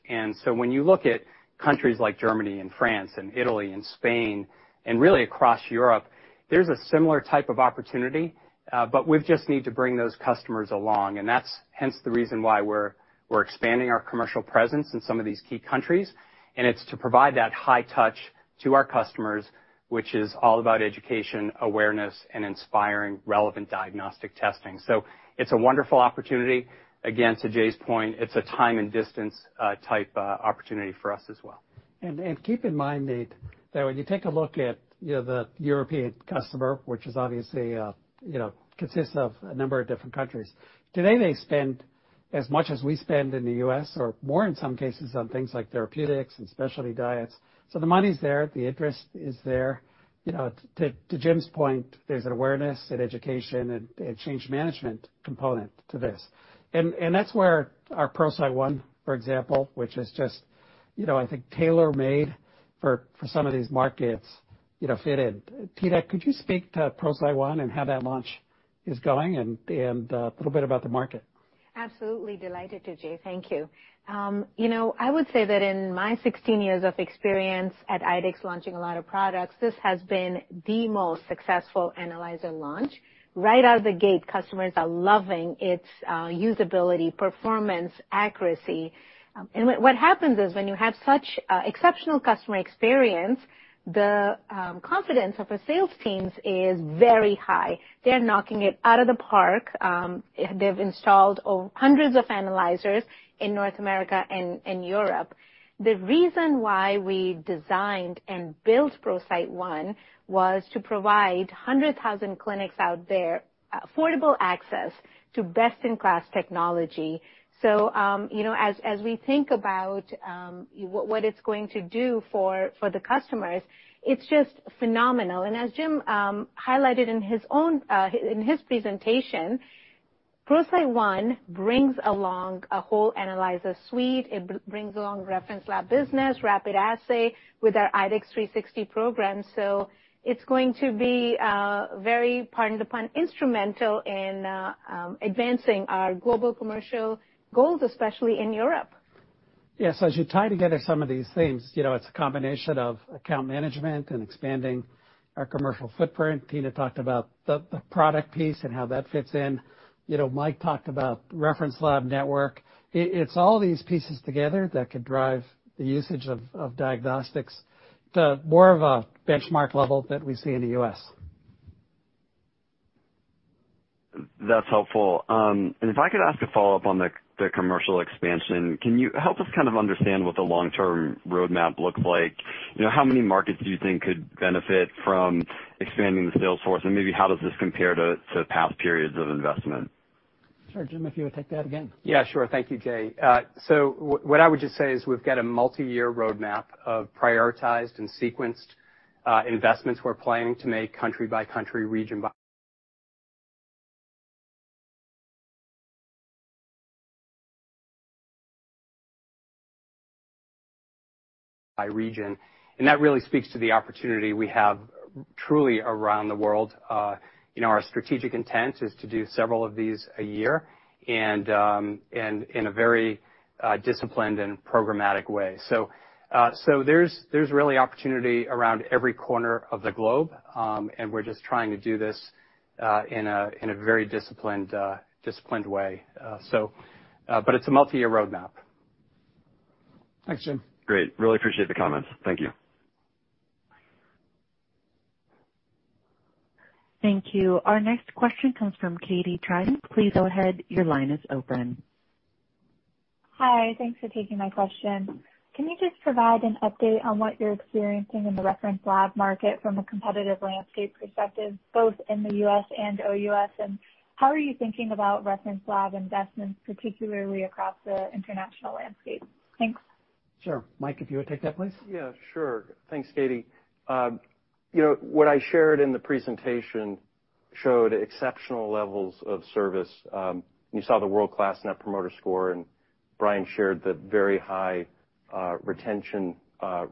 When you look at countries like Germany and France and Italy and Spain, and really across Europe, there's a similar type of opportunity, but we've just need to bring those customers along, That's hence the reason why we're expanding our commercial presence in some of these key countries. It's to provide that high touch to our customers, which is all about education, awareness, and inspiring relevant diagnostic testing. It's a wonderful opportunity. Again, to Jay's point, it's a time and distance type opportunity for us as well. Keep in mind, Nate, that when you take a look at, you know, the European customer, which is obviously, you know, consists of a number of different countries. Today, they spend as much as we spend in the U.S. or more in some cases on things like therapeutics and specialty diets. The money's there, the interest is there. You know, to Jim's point, there's an awareness, an education, and change management component to this. That's where our ProCyte One, for example, which is just, you know, I think tailor-made for some of these markets, you know, fit in. Tina, could you speak to ProCyte One and how that launch is going and a little bit about the market? Absolutely delighted to, Jay. Thank you. You know, I would say that in my 16 years of experience at IDEXX launching a lot of products, this has been the most successful analyzer launch. Right out of the gate, customers are loving its usability, performance, accuracy. What happens is when you have such exceptional customer experience, the confidence of our sales teams is very high. They're knocking it out of the park. They've installed hundreds of analyzers in North America and Europe. The reason why we designed and built ProCyte One was to provide 100,000 clinics out there affordable access to best-in-class technology. You know, as we think about what it's going to do for the customers, it's just phenomenal. As Jim highlighted in his own in his presentation, ProCyte One brings along a whole analyzer suite. It brings along reference lab business, rapid assay with our IDEXX 360 program. It's going to be very, pardon the pun, instrumental in advancing our global commercial goals, especially in Europe. Yes. As you tie together some of these themes, you know, it's a combination of account management and expanding our commercial footprint. Tina talked about the product piece and how that fits in. You know, Mike talked about reference lab network. It's all these pieces together that could drive the usage of diagnostics to more of a benchmark level that we see in the U.S. That's helpful. If I could ask a follow-up on the commercial expansion, can you help us kind of understand what the long-term roadmap look like? You know, how many markets do you think could benefit from expanding the sales force? Maybe how does this compare to past periods of investment? Sure, Jim, if you would take that again. Yeah, sure. Thank you, Jay. We've got a multi-year roadmap of prioritized and sequenced investments we're planning to make country by country, region by region. That really speaks to the opportunity we have truly around the world. You know, our strategic intent is to do several of these a year in a very disciplined and programmatic way. There's really opportunity around every corner of the globe, we're just trying to do this in a very disciplined way. It's a multi-year roadmap. Thanks, Jim. Great. Really appreciate the comments. Thank you. Thank you. Our next question comes from Katie Tryce. Please go ahead, your line is open. Hi. Thanks for taking my question. Can you just provide an update on what you're experiencing in the reference lab market from a competitive landscape perspective, both in the U.S. and OUS? How are you thinking about reference lab investments, particularly across the international landscape? Thanks. Sure. Mike, if you would take that, please. Yeah, sure. Thanks, Katie. You know, what I shared in the presentation showed exceptional levels of service. You saw the world-class Net Promoter Score. Brian shared the very high retention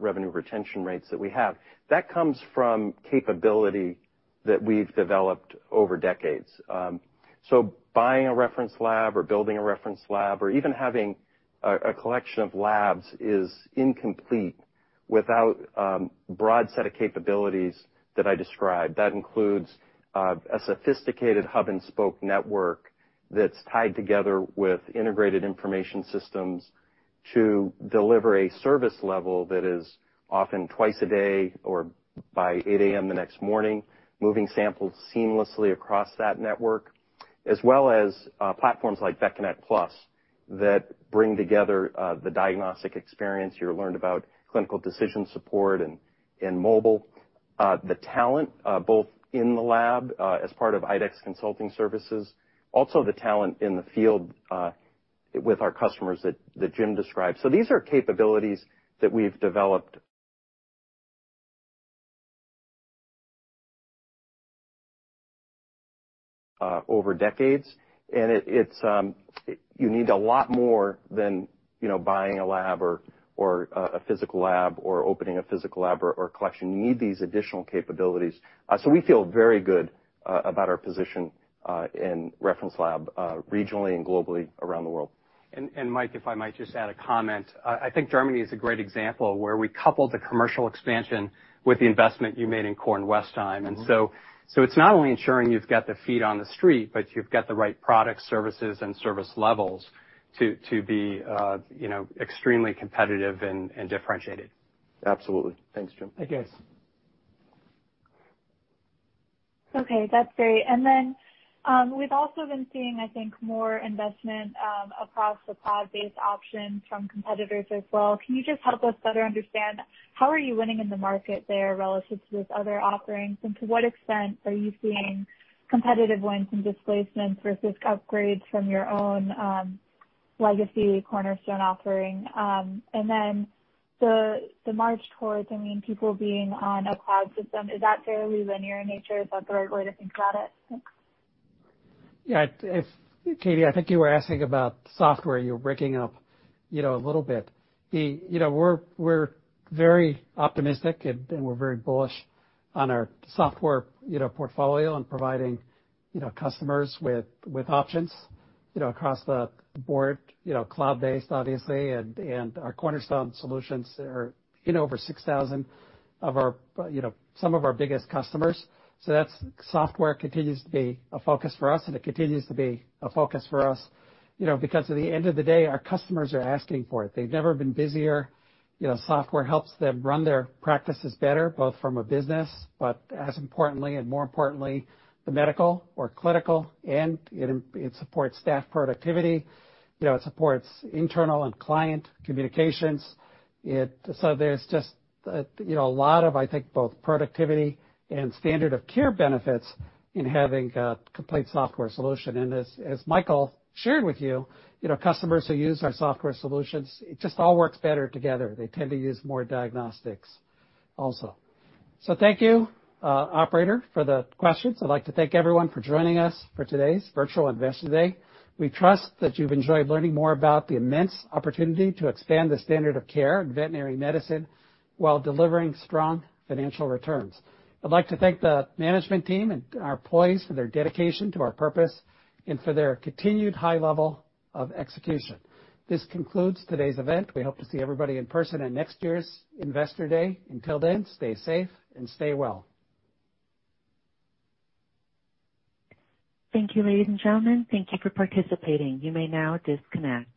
revenue retention rates that we have. That comes from capability that we've developed over decades. Buying a reference lab or building a reference lab or even having a collection of labs is incomplete without broad set of capabilities that I described. That includes a sophisticated hub and spoke network that's tied together with integrated information systems to deliver a service level that is often twice a day or by 8:00 A.M. the next morning, moving samples seamlessly across that network, as well as platforms like VetConnect PLUS that bring together the diagnostic experience. You learned about Clinical Decision Support and mobile. The talent, both in the lab, as part of IDEXX Consulting Services, also the talent in the field, with our customers that Jim described. These are capabilities that we've developed over decades, and it's, you need a lot more than, you know, buying a lab or a physical lab or opening a physical lab or collection. You need these additional capabilities. We feel very good about our position in reference lab, regionally and globally around the world. Mike, if I might just add a comment. I think Germany is a great example where we coupled the commercial expansion with the investment you made in Kornwestheim. It's not only ensuring you've got the feet on the street, but you've got the right products, services, and service levels to be, you know, extremely competitive and differentiated. Absolutely. Thanks, Jay. Thank you. Okay, that's great. We've also been seeing, I think, more investment across the cloud-based options from competitors as well. Can you just help us better understand how are you winning in the market there relative to those other offerings? To what extent are you seeing competitive wins and displacements versus upgrades from your own legacy Cornerstone offering? The march towards, I mean, people being on a cloud system, is that fairly linear in nature? Is that the right way to think about it? Thanks. Yeah, if Katie, I think you were asking about software. You were breaking it up, you know, a little bit. You know, we're very optimistic and we're very bullish on our software, you know, portfolio and providing, you know, customers with options, you know, across the board. You know, cloud-based, obviously, and our Cornerstone solutions are in over 6,000 of our, you know, some of our biggest customers. That's software continues to be a focus for us, and it continues to be a focus for us, you know, because at the end of the day, our customers are asking for it. They've never been busier. You know, software helps them run their practices better, both from a business, but as importantly and more importantly, the medical or clinical end. It supports staff productivity. You know, it supports internal and client communications. There's just, you know, a lot of, I think, both productivity and standard of care benefits in having a complete software solution. As Michael shared with you know, customers who use our software solutions, it just all works better together. They tend to use more diagnostics also. Thank you, operator, for the questions. I'd like to thank everyone for joining us for today's virtual Investor Day. We trust that you've enjoyed learning more about the immense opportunity to expand the standard of care in veterinary medicine while delivering strong financial returns. I'd like to thank the management team and our employees for their dedication to our purpose and for their continued high level of execution. This concludes today's event. We hope to see everybody in person at next year's Investor Day. Until then, stay safe and stay well. Thank you, ladies and gentlemen. Thank you for participating. You may now disconnect.